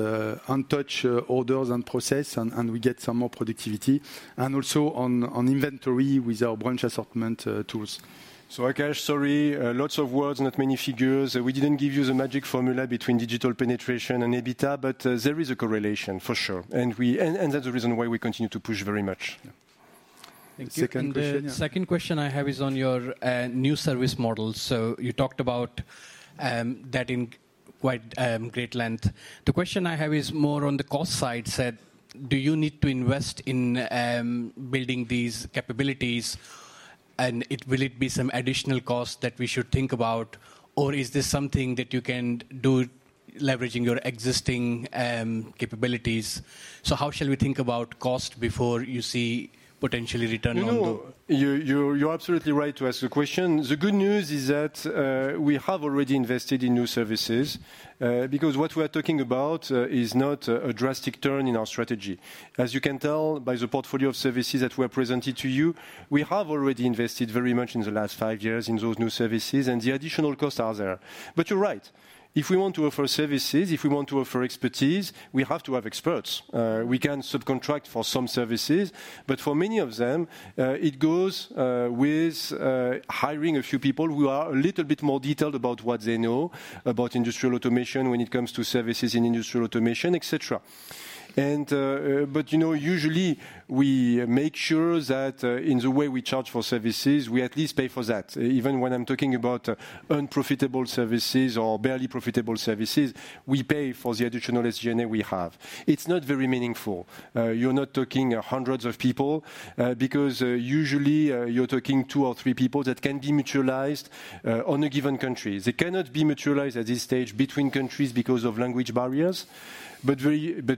untouch orders and process, and we get some more productivity, and also on inventory with our branch assortment tools. Akash, sorry, lots of words, not many figures. We didn't give you the magic formula between digital penetration and EBITDA, but there is a correlation, for sure, and that's the reason why we continue to push very much. Thank you. And the second question I have is on your new service model. So you talked about that in quite great length. The question I have is more on the cost side, said: Do you need to invest in building these capabilities, and will it be some additional cost that we should think about? Or is this something that you can do leveraging your existing capabilities? So how shall we think about cost before you see potentially returning on the- No, you're absolutely right to ask the question. The good news is that we have already invested in new services, because what we are talking about is not a drastic turn in our strategy. As you can tell by the portfolio of services that were presented to you, we have already invested very much in the last five years in those new services, and the additional costs are there. But you're right. If we want to offer services, if we want to offer expertise, we have to have experts. We can subcontract for some services, but for many of them, it goes with hiring a few people who are a little bit more detailed about what they know about industrial automation when it comes to services in industrial automation, et cetera. You know, usually we make sure that, in the way we charge for services, we at least pay for that. Even when I'm talking about unprofitable services or barely profitable services, we pay for the additional SG&A we have. It's not very meaningful. You're not talking hundreds of people, because, usually, you're talking two or three people that can be mutualized, on a given country. They cannot be mutualized at this stage between countries because of language barriers, but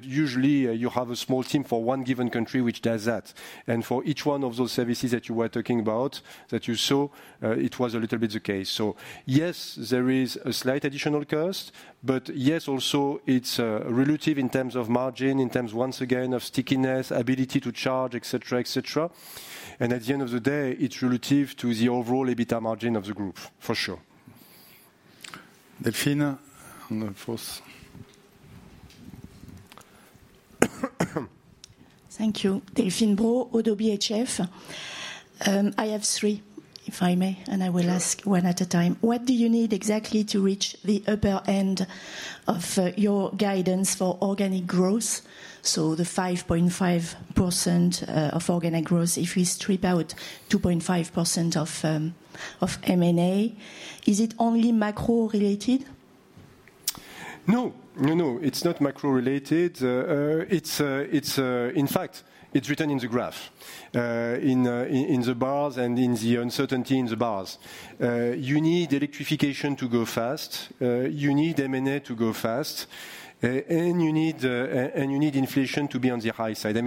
usually, you have a small team for one given country which does that. And for each one of those services that you were talking about, that you saw, it was a little bit the case. So yes, there is a slight additional cost, but yes, also, it's, relative in terms of margin, in terms, once again, of stickiness, ability to charge, et cetera, et cetera. And at the end of the day, it's relative to the overall EBITDA margin of the group, for sure. Delphine, on the fourth. Thank you. Delphine Brault, Oddo BHF. I have three, if I may, and I will ask- Sure... one at a time. What do you need exactly to reach the upper end of your guidance for organic growth? So the 5.5% of organic growth, if we strip out 2.5% of M&A, is it only macro-related? No. No, no, it's not macro-related. It's written in the graph, in the bars and in the uncertainty in the bars. You need electrification to go fast, you need M&A to go fast, and you need inflation to be on the high side. I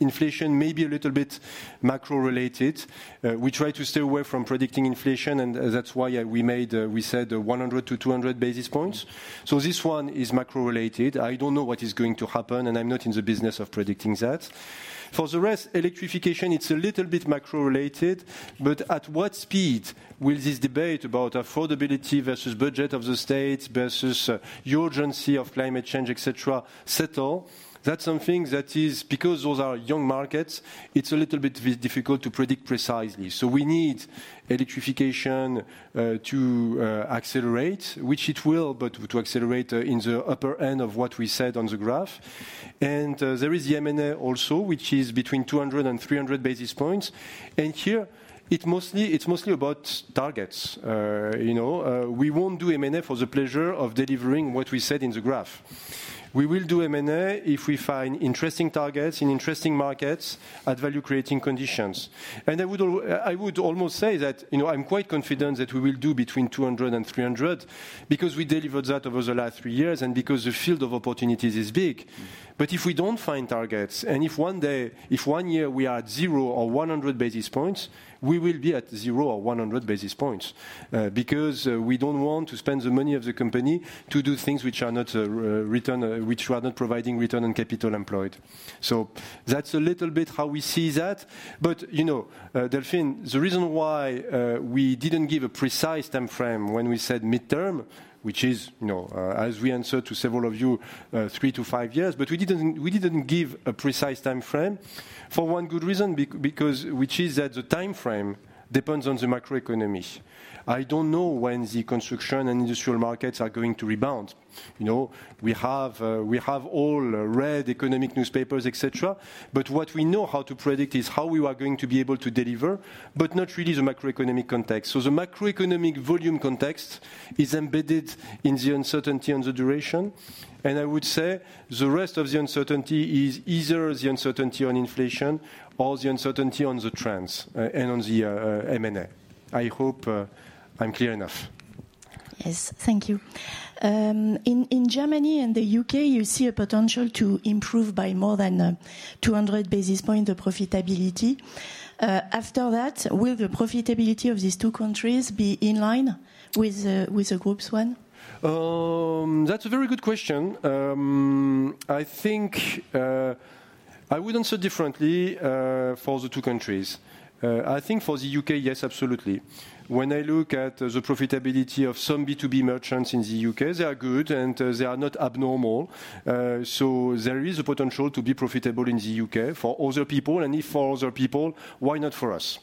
mean, inflation may be a little bit macro-related. We try to stay away from predicting inflation, and that's why we said 100 basis points-200 basis points. So this one is macro-related. I don't know what is going to happen, and I'm not in the business of predicting that. For the rest, electrification, it's a little bit macro-related, but at what speed will this debate about affordability versus budget of the state, versus the urgency of climate change, et cetera, settle? That's something that is because those are young markets, it's a little bit difficult to predict precisely. So we need electrification to accelerate, which it will, but to accelerate in the upper end of what we said on the graph. And there is the M&A also, which is between 200 basis points and 300 basis points. And here, it mostly, it's mostly about targets. You know, we won't do M&A for the pleasure of delivering what we said in the graph. We will do M&A if we find interesting targets in interesting markets at value-creating conditions. And I would almost say that, you know, I'm quite confident that we will do between 200 basis points and 300 basis points, because we delivered that over the last three years and because the field of opportunities is big. But if we don't find targets, and if one day, if one year we are at zero or 100 basis points, we will be at 0 basis points or 100 basis points, because we don't want to spend the money of the company to do things which are not return, which are not providing return on capital employed. So that's a little bit how we see that. But, you know, Delphine, the reason why we didn't give a precise timeframe when we said midterm, which is, you know, as we answered to several of you, 3 years-5 years, but we didn't, we didn't give a precise timeframe for one good reason, because which is that the timeframe depends on the macroeconomy. I don't know when the construction and industrial markets are going to rebound. You know, we have, we have all read economic newspapers, et cetera, but what we know how to predict is how we are going to be able to deliver, but not really the macroeconomic context. So the macroeconomic volume context is embedded in the uncertainty and the duration, and I would say the rest of the uncertainty is either the uncertainty on inflation or the uncertainty on the trends, and on the, M&A. I hope, I'm clear enough. Yes. Thank you. In Germany and the UK, you see a potential to improve by more than 200 basis points of profitability. After that, will the profitability of these two countries be in line with the group's one? That's a very good question. I think I would answer differently for the two countries. I think for the UK, yes, absolutely. When I look at the profitability of some B2B merchants in the UK, they are good, and they are not abnormal. So there is a potential to be profitable in the UK for other people, and if for other people, why not for us?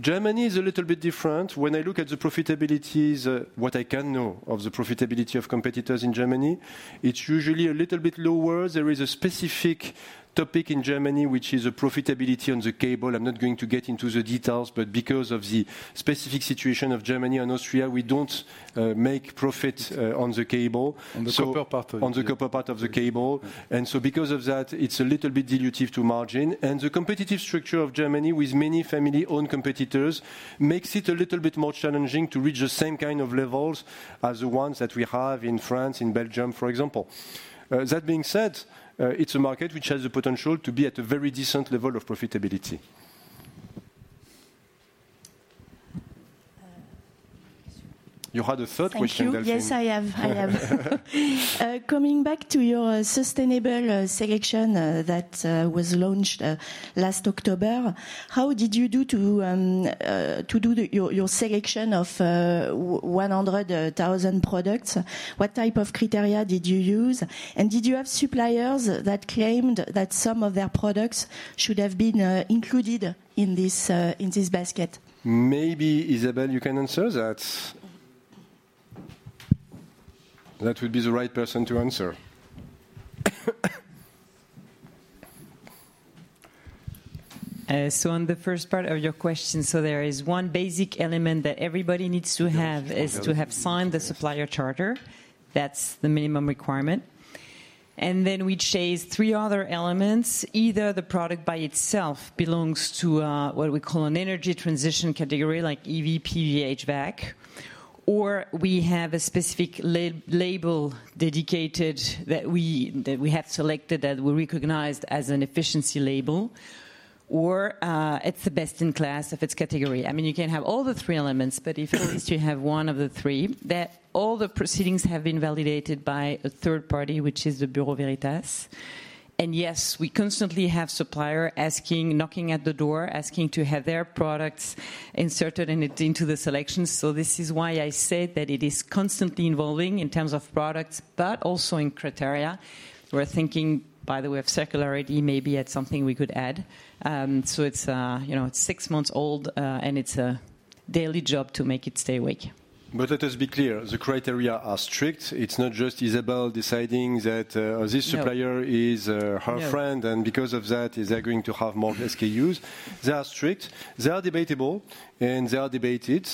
Germany is a little bit different. When I look at the profitabilities, what I can know of the profitability of competitors in Germany, it's usually a little bit lower. There is a specific topic in Germany, which is a profitability on the cable. I'm not going to get into the details, but because of the specific situation of Germany and Austria, we don't make profit on the cable. On the copper part of the- On the copper part of the cable. So because of that, it's a little bit dilutive to margin. The competitive structure of Germany, with many family-owned competitors, makes it a little bit more challenging to reach the same kind of levels as the ones that we have in France, in Belgium, for example. That being said, it's a market which has the potential to be at a very decent level of profitability. You had a third question, I think. Thank you. Yes, I have. I have. Coming back to your Sustainable Selection that was launched last October, how did you do to your your selection of 100,000 products? What type of criteria did you use? And did you have suppliers that claimed that some of their products should have been included in this in this basket? Maybe Isabelle, you can answer that. That would be the right person to answer. On the first part of your question, so there is one basic element that everybody needs to have- Yes... is to have signed the supplier charter. That's the minimum requirement. And then we chase three other elements. Either the product by itself belongs to what we call an energy transition category, like EV, PV, HVAC, or we have a specific label dedicated that we have selected, that we recognized as an efficiency label, or it's the best in class of its category. I mean, you can have all the three elements, but if at least you have one of the three, that all the proceedings have been validated by a third party, which is the Bureau Veritas. And yes, we constantly have suppliers asking, knocking at the door, asking to have their products inserted in it, into the selection. So this is why I said that it is constantly evolving in terms of products, but also in criteria. We're thinking, by the way, of circularity, maybe add something we could add. So it's, you know, it's six months old, and it's a daily job to make it stay awake. But let us be clear, the criteria are strict. It's not just Isabelle deciding that, this supplier is her friend and because of that, they're going to have more SKUs. They are strict, they are debatable, and they are debated,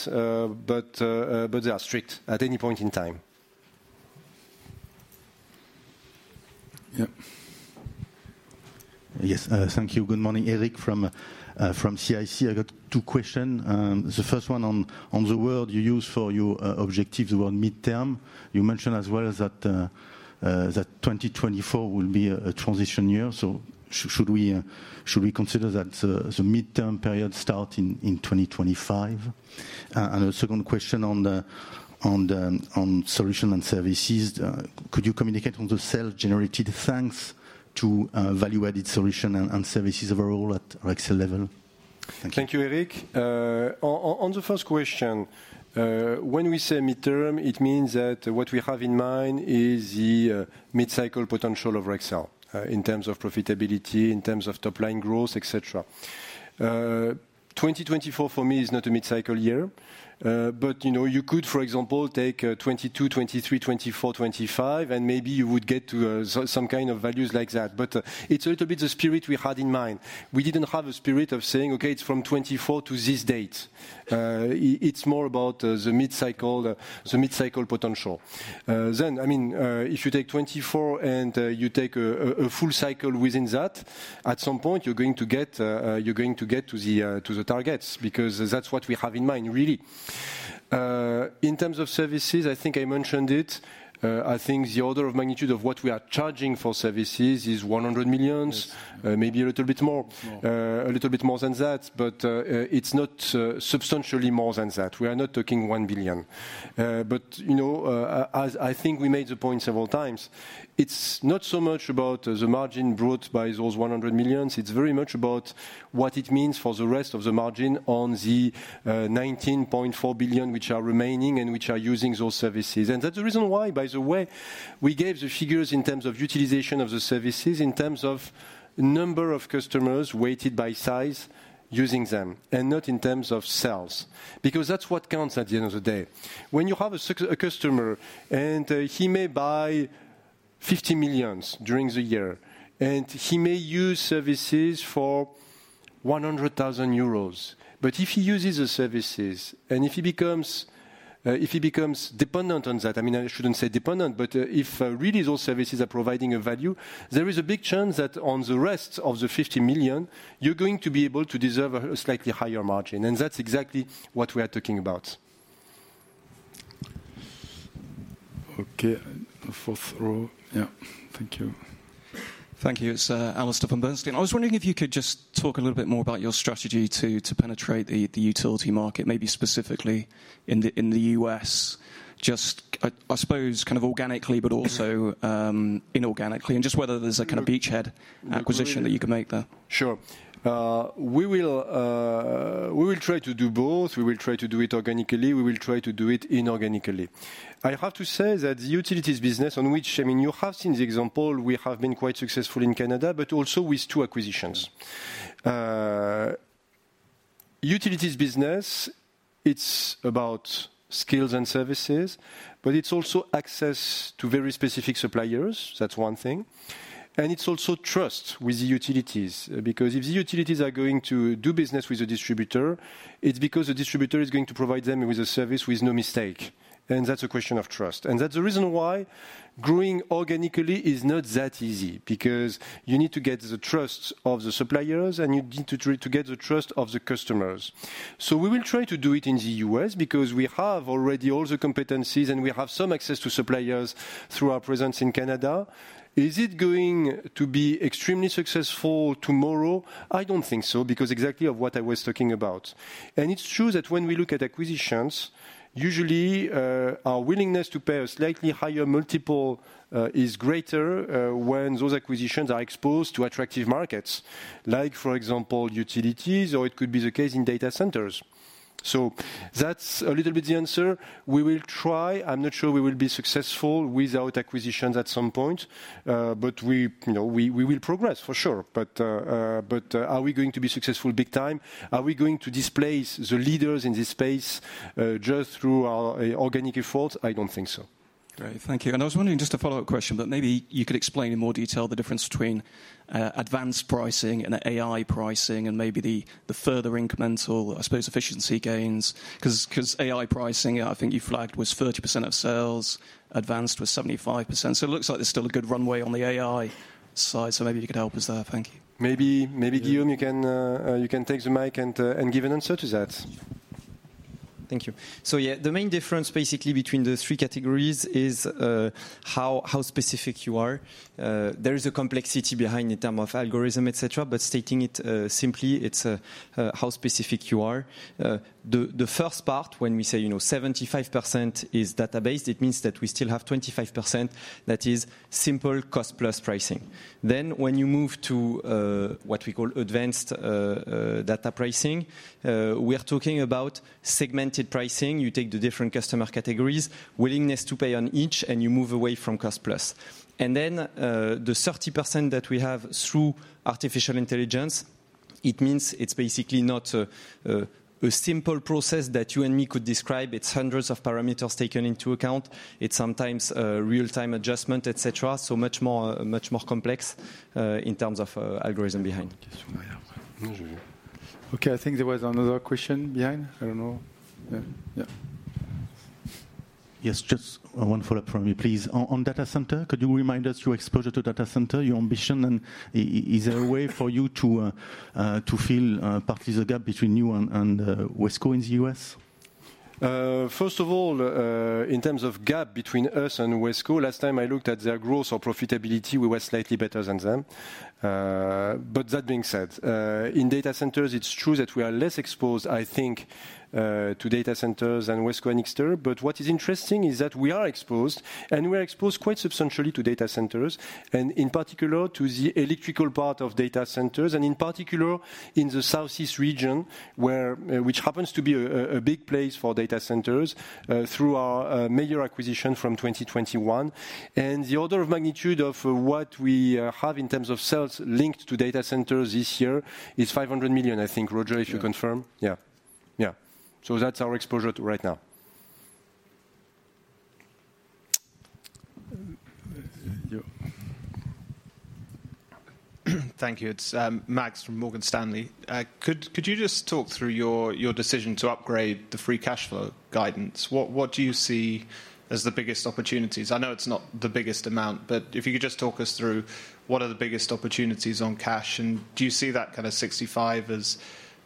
but they are strict at any point in time. Yes, thank you. Good morning, Eric, from CIC. I got two question. The first one on the word you use for your objective, the word midterm. You mentioned as well as that that 2024 will be a transition year. So should we consider that the midterm period start in 2025? And the second question on the solution and services, could you communicate on the sales generated, thanks to value-added solution and services overall at Rexel level? Thank you. Thank you, Eric. On the first question, when we say midterm, it means that what we have in mind is the mid-cycle potential of Rexel in terms of profitability, in terms of top-line growth, et cetera. 2024 for me is not a mid-cycle year. But, you know, you could, for example, take 2022, 2023, 2024, 2025, and maybe you would get to some kind of values like that. But it's a little bit the spirit we had in mind. We didn't have a spirit of saying, "Okay, it's from 2024 to this date." It's more about the mid-cycle potential. Then, I mean, if you take 2024 and you take a full cycle within that, at some point you're going to get, you're going to get to the, to the targets, because that's what we have in mind, really. In terms of services, I think I mentioned it, I think the order of magnitude of what we are charging for services is 100 million, maybe a little bit more. A little bit more than that, but, it's not, substantially more than that. We are not talking 1 billion. But, you know, as I think we made the point several times, it's not so much about the margin brought by those 100 million, it's very much about what it means for the rest of the margin on the, 19.4 billion, which are remaining and which are using those services. And that's the reason why, by the way, we gave the figures in terms of utilization of the services, in terms of number of customers weighted by size, using them, and not in terms of sales. Because that's what counts at the end of the day. When you have a customer, and he may buy 50 million during the year, and he may use services for 100,000 euros. But if he uses the services, and if he becomes dependent on that, I mean, I shouldn't say dependent, but if really those services are providing a value, there is a big chance that on the rest of the 50 million, you're going to be able to deserve a slightly higher margin. And that's exactly what we are talking about. Okay, the fourth row. Yeah. Thank you. Thank you. It's Alistair from Bernstein. I was wondering if you could just talk a little bit more about your strategy to penetrate the utility market, maybe specifically in the US. Just, I suppose, kind of organically, but also inorganically, and just whether there's a kind of beachhead acquisition that you can make there. Sure. We will try to do both. We will try to do it organically, we will try to do it inorganically. I have to say that the utilities business on which, I mean, you have seen the example, we have been quite successful in Canada, but also with two acquisitions. Utilities business, it's about skills and services, but it's also access to very specific suppliers. That's one thing. And it's also trust with the utilities, because if the utilities are going to do business with a distributor, it's because the distributor is going to provide them with a service with no mistake, and that's a question of trust. And that's the reason why growing organically is not that easy, because you need to get the trust of the suppliers, and you need to get the trust of the customers. So we will try to do it in the U.S. because we have already all the competencies, and we have some access to suppliers through our presence in Canada. Is it going to be extremely successful tomorrow? I don't think so, because exactly of what I was talking about. And it's true that when we look at acquisitions, usually, our willingness to pay a slightly higher multiple is greater when those acquisitions are exposed to attractive markets, like, for example, utilities, or it could be the case in data centers. So that's a little bit the answer. We will try. I'm not sure we will be successful without acquisitions at some point, but we, you know, we will progress, for sure. But, but, are we going to be successful big time? Are we going to displace the leaders in this space, just through our, organic efforts? I don't think so. Great. Thank you. And I was wondering, just a follow-up question, but maybe you could explain in more detail the difference between advanced pricing and AI pricing, and maybe the further incremental, I suppose, efficiency gains. 'Cause AI pricing, I think you flagged, was 30% of sales, advanced was 75%. So it looks like there's still a good runway on the AI side, so maybe you could help us there. Thank you. Maybe, maybe, Guillaume, you can, you can take the mic and, and give an answer to that. Thank you. So yeah, the main difference, basically, between the three categories is how specific you are. There is a complexity behind in terms of algorithm, et cetera, but stating it simply, it's how specific you are. The first part, when we say, you know, 75% is database, it means that we still have 25% that is simple cost-plus pricing. Then, when you move to what we call advanced data pricing, we are talking about segmented pricing. You take the different customer categories, willingness to pay on each, and you move away from cost plus. And then, the 30% that we have through artificial intelligence, it means it's basically not a simple process that you and me could describe. It's hundreds of parameters taken into account. It's sometimes a real-time adjustment, et cetera, so much more, much more complex, in terms of, algorithm behind. Okay, I think there was another question behind. I don't know. Yeah. Yes, just one follow-up from me, please. On data center, could you remind us your exposure to data center, your ambition, and is there a way for you to fill partly the gap between you and WESCO in the US? First of all, in terms of gap between us and Wesco, last time I looked at their growth or profitability, we were slightly better than them. But that being said, in data centers, it's true that we are less exposed, I think, to data centers than Wesco and Anixter. But what is interesting is that we are exposed, and we are exposed quite substantially to data centers, and in particular, to the electrical part of data centers, and in particular, in the Southeast region, where, which happens to be a big place for data centers, through our major acquisition from 2021. And the order of magnitude of what we have in terms of sales linked to data centers this year is 500 million, I think. Roger, if you confirm? Yeah. Yeah. Yeah. So that's our exposure to right now. You. Thank you. It's Max from Morgan Stanley. Could you just talk through your decision to upgrade the free cash flow guidance? What do you see as the biggest opportunities? I know it's not the biggest amount, but if you could just talk us through what are the biggest opportunities on cash, and do you see that kind of 65 as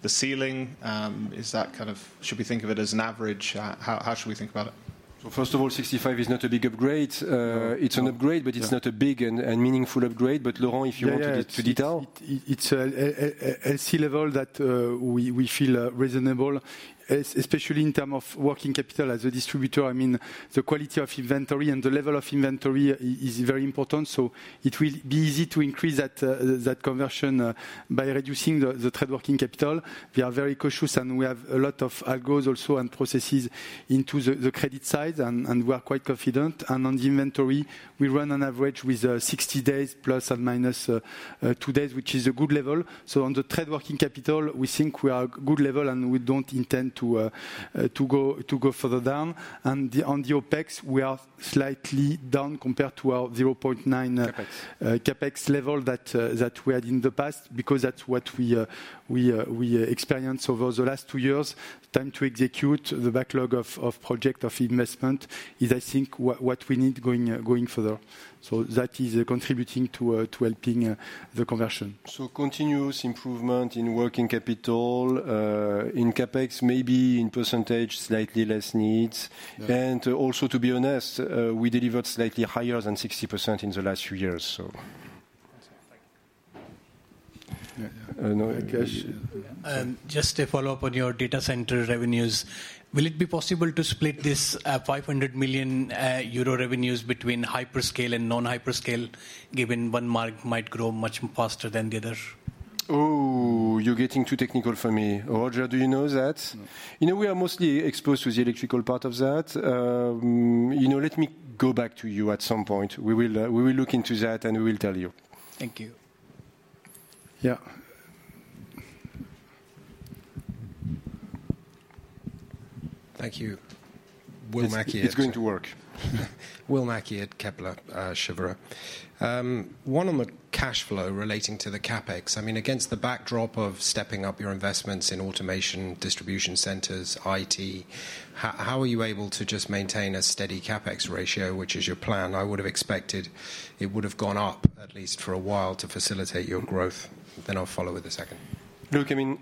the ceiling? Is that kind of... Should we think of it as an average? How should we think about it? So first of all, 65 is not a big upgrade. It's an upgrade- Yeah... but it's not a big and meaningful upgrade. But, Laurent, if you want to give the detail. Yeah, it's a sea level that we feel reasonable, especially in terms of working capital as a distributor. I mean, the quality of inventory and the level of inventory is very important, so it will be easy to increase that conversion by reducing the trade working capital. We are very cautious, and we have a lot of algos also and processes into the credit side, and we are quite confident. And on the inventory, we run on average with 60 days, ±2 days, which is a good level. So on the trade working capital, we think we are good level, and we don't intend to go further down. And on the OpEx, we are slightly down compared to our 0.9- Capex CapEx level that we had in the past, because that's what we experienced over the last two years. Time to execute the backlog of project investment is, I think, what we need going further. So that is contributing to helping the conversion. Continuous improvement in working capital, in CapEx, maybe in percentage, slightly less needs. Yeah. Also, to be honest, we delivered slightly higher than 60% in the last few years, so. That's it. Thank you. No, Akash? Just a follow-up on your data center revenues. Will it be possible to split this 500 million euro revenues between hyperscale and non-hyperscale, given one market might grow much faster than the other? Oh, you're getting too technical for me. Roger, do you know that? No. You know, we are mostly exposed to the electrical part of that. You know, let me go back to you at some point. We will, we will look into that, and we will tell you. Thank you. Yeah. ...Thank you. Will Mackie- It's going to work. Will Mackie at Kepler Cheuvreux. One, on the cash flow relating to the CapEx, I mean, against the backdrop of stepping up your investments in automation, distribution centers, IT, how are you able to just maintain a steady CapEx ratio, which is your plan? I would have expected it would have gone up, at least for a while, to facilitate your growth. Then I'll follow with the second. Look, I mean,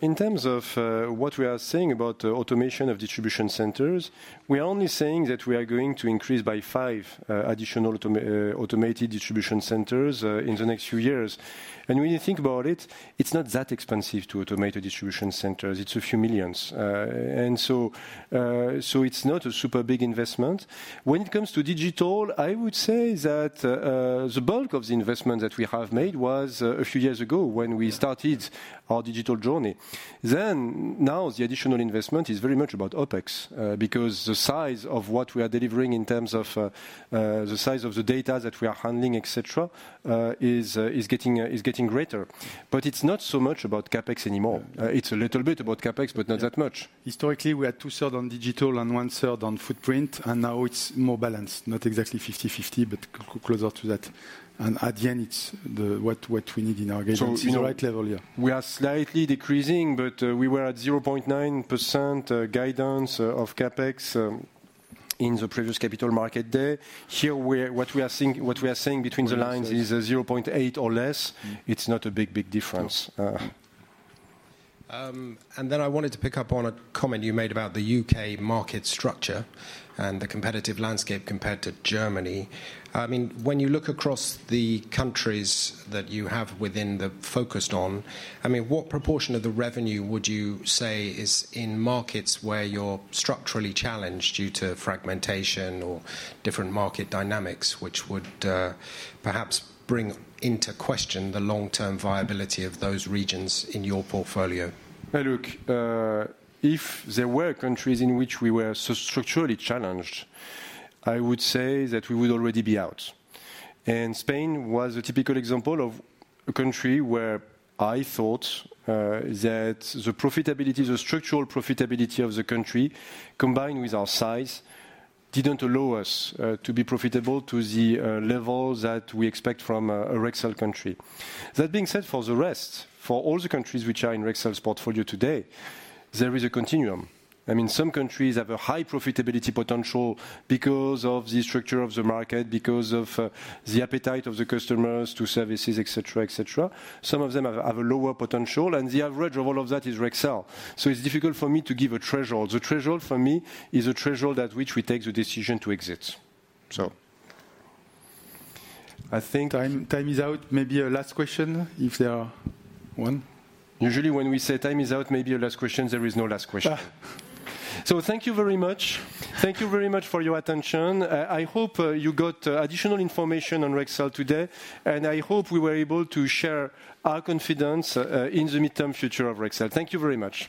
in terms of what we are saying about automation of distribution centers, we are only saying that we are going to increase by 5 additional automated distribution centers in the next few years. And when you think about it, it's not that expensive to automate a distribution center. It's a few million EUR. And so, it's not a super big investment. When it comes to digital, I would say that the bulk of the investment that we have made was a few years ago when we started our digital journey. Then, now, the additional investment is very much about OpEx, because the size of what we are delivering in terms of the size of the data that we are handling, et cetera, is getting greater. It's not so much about CapEx anymore. It's a little bit about CapEx, but not that much. Historically, we had two-thirds on digital and one-third on footprint, and now it's more balanced. Not exactly 50/50, but closer to that. And at the end, it's the what we need in our guidance. So- The right level, yeah. We are slightly decreasing, but we were at 0.9% guidance of CapEx in the previous capital market day. Here, what we are seeing, what we are saying between the lines is a 0.8% or less. It's not a big, big difference. And then I wanted to pick up on a comment you made about the UK market structure and the competitive landscape compared to Germany. I mean, when you look across the countries that you have within the focused on, I mean, what proportion of the revenue would you say is in markets where you're structurally challenged due to fragmentation or different market dynamics, which would perhaps bring into question the long-term viability of those regions in your portfolio? Well, look, if there were countries in which we were so structurally challenged, I would say that we would already be out. And Spain was a typical example of a country where I thought that the profitability, the structural profitability of the country, combined with our size, didn't allow us to be profitable to the level that we expect from a Rexel country. That being said, for the rest, for all the countries which are in Rexel's portfolio today, there is a continuum. I mean, some countries have a high profitability potential because of the structure of the market, because of the appetite of the customers to services, et cetera, et cetera. Some of them have a lower potential, and the average of all of that is Rexel. So it's difficult for me to give a threshold. The threshold for me is a threshold at which we take the decision to exit. So... I think time, time is out. Maybe a last question, if there are one. Usually, when we say time is out, maybe a last question, there is no last question. So thank you very much. Thank you very much for your attention. I hope you got additional information on Rexel today, and I hope we were able to share our confidence in the midterm future of Rexel. Thank you very much.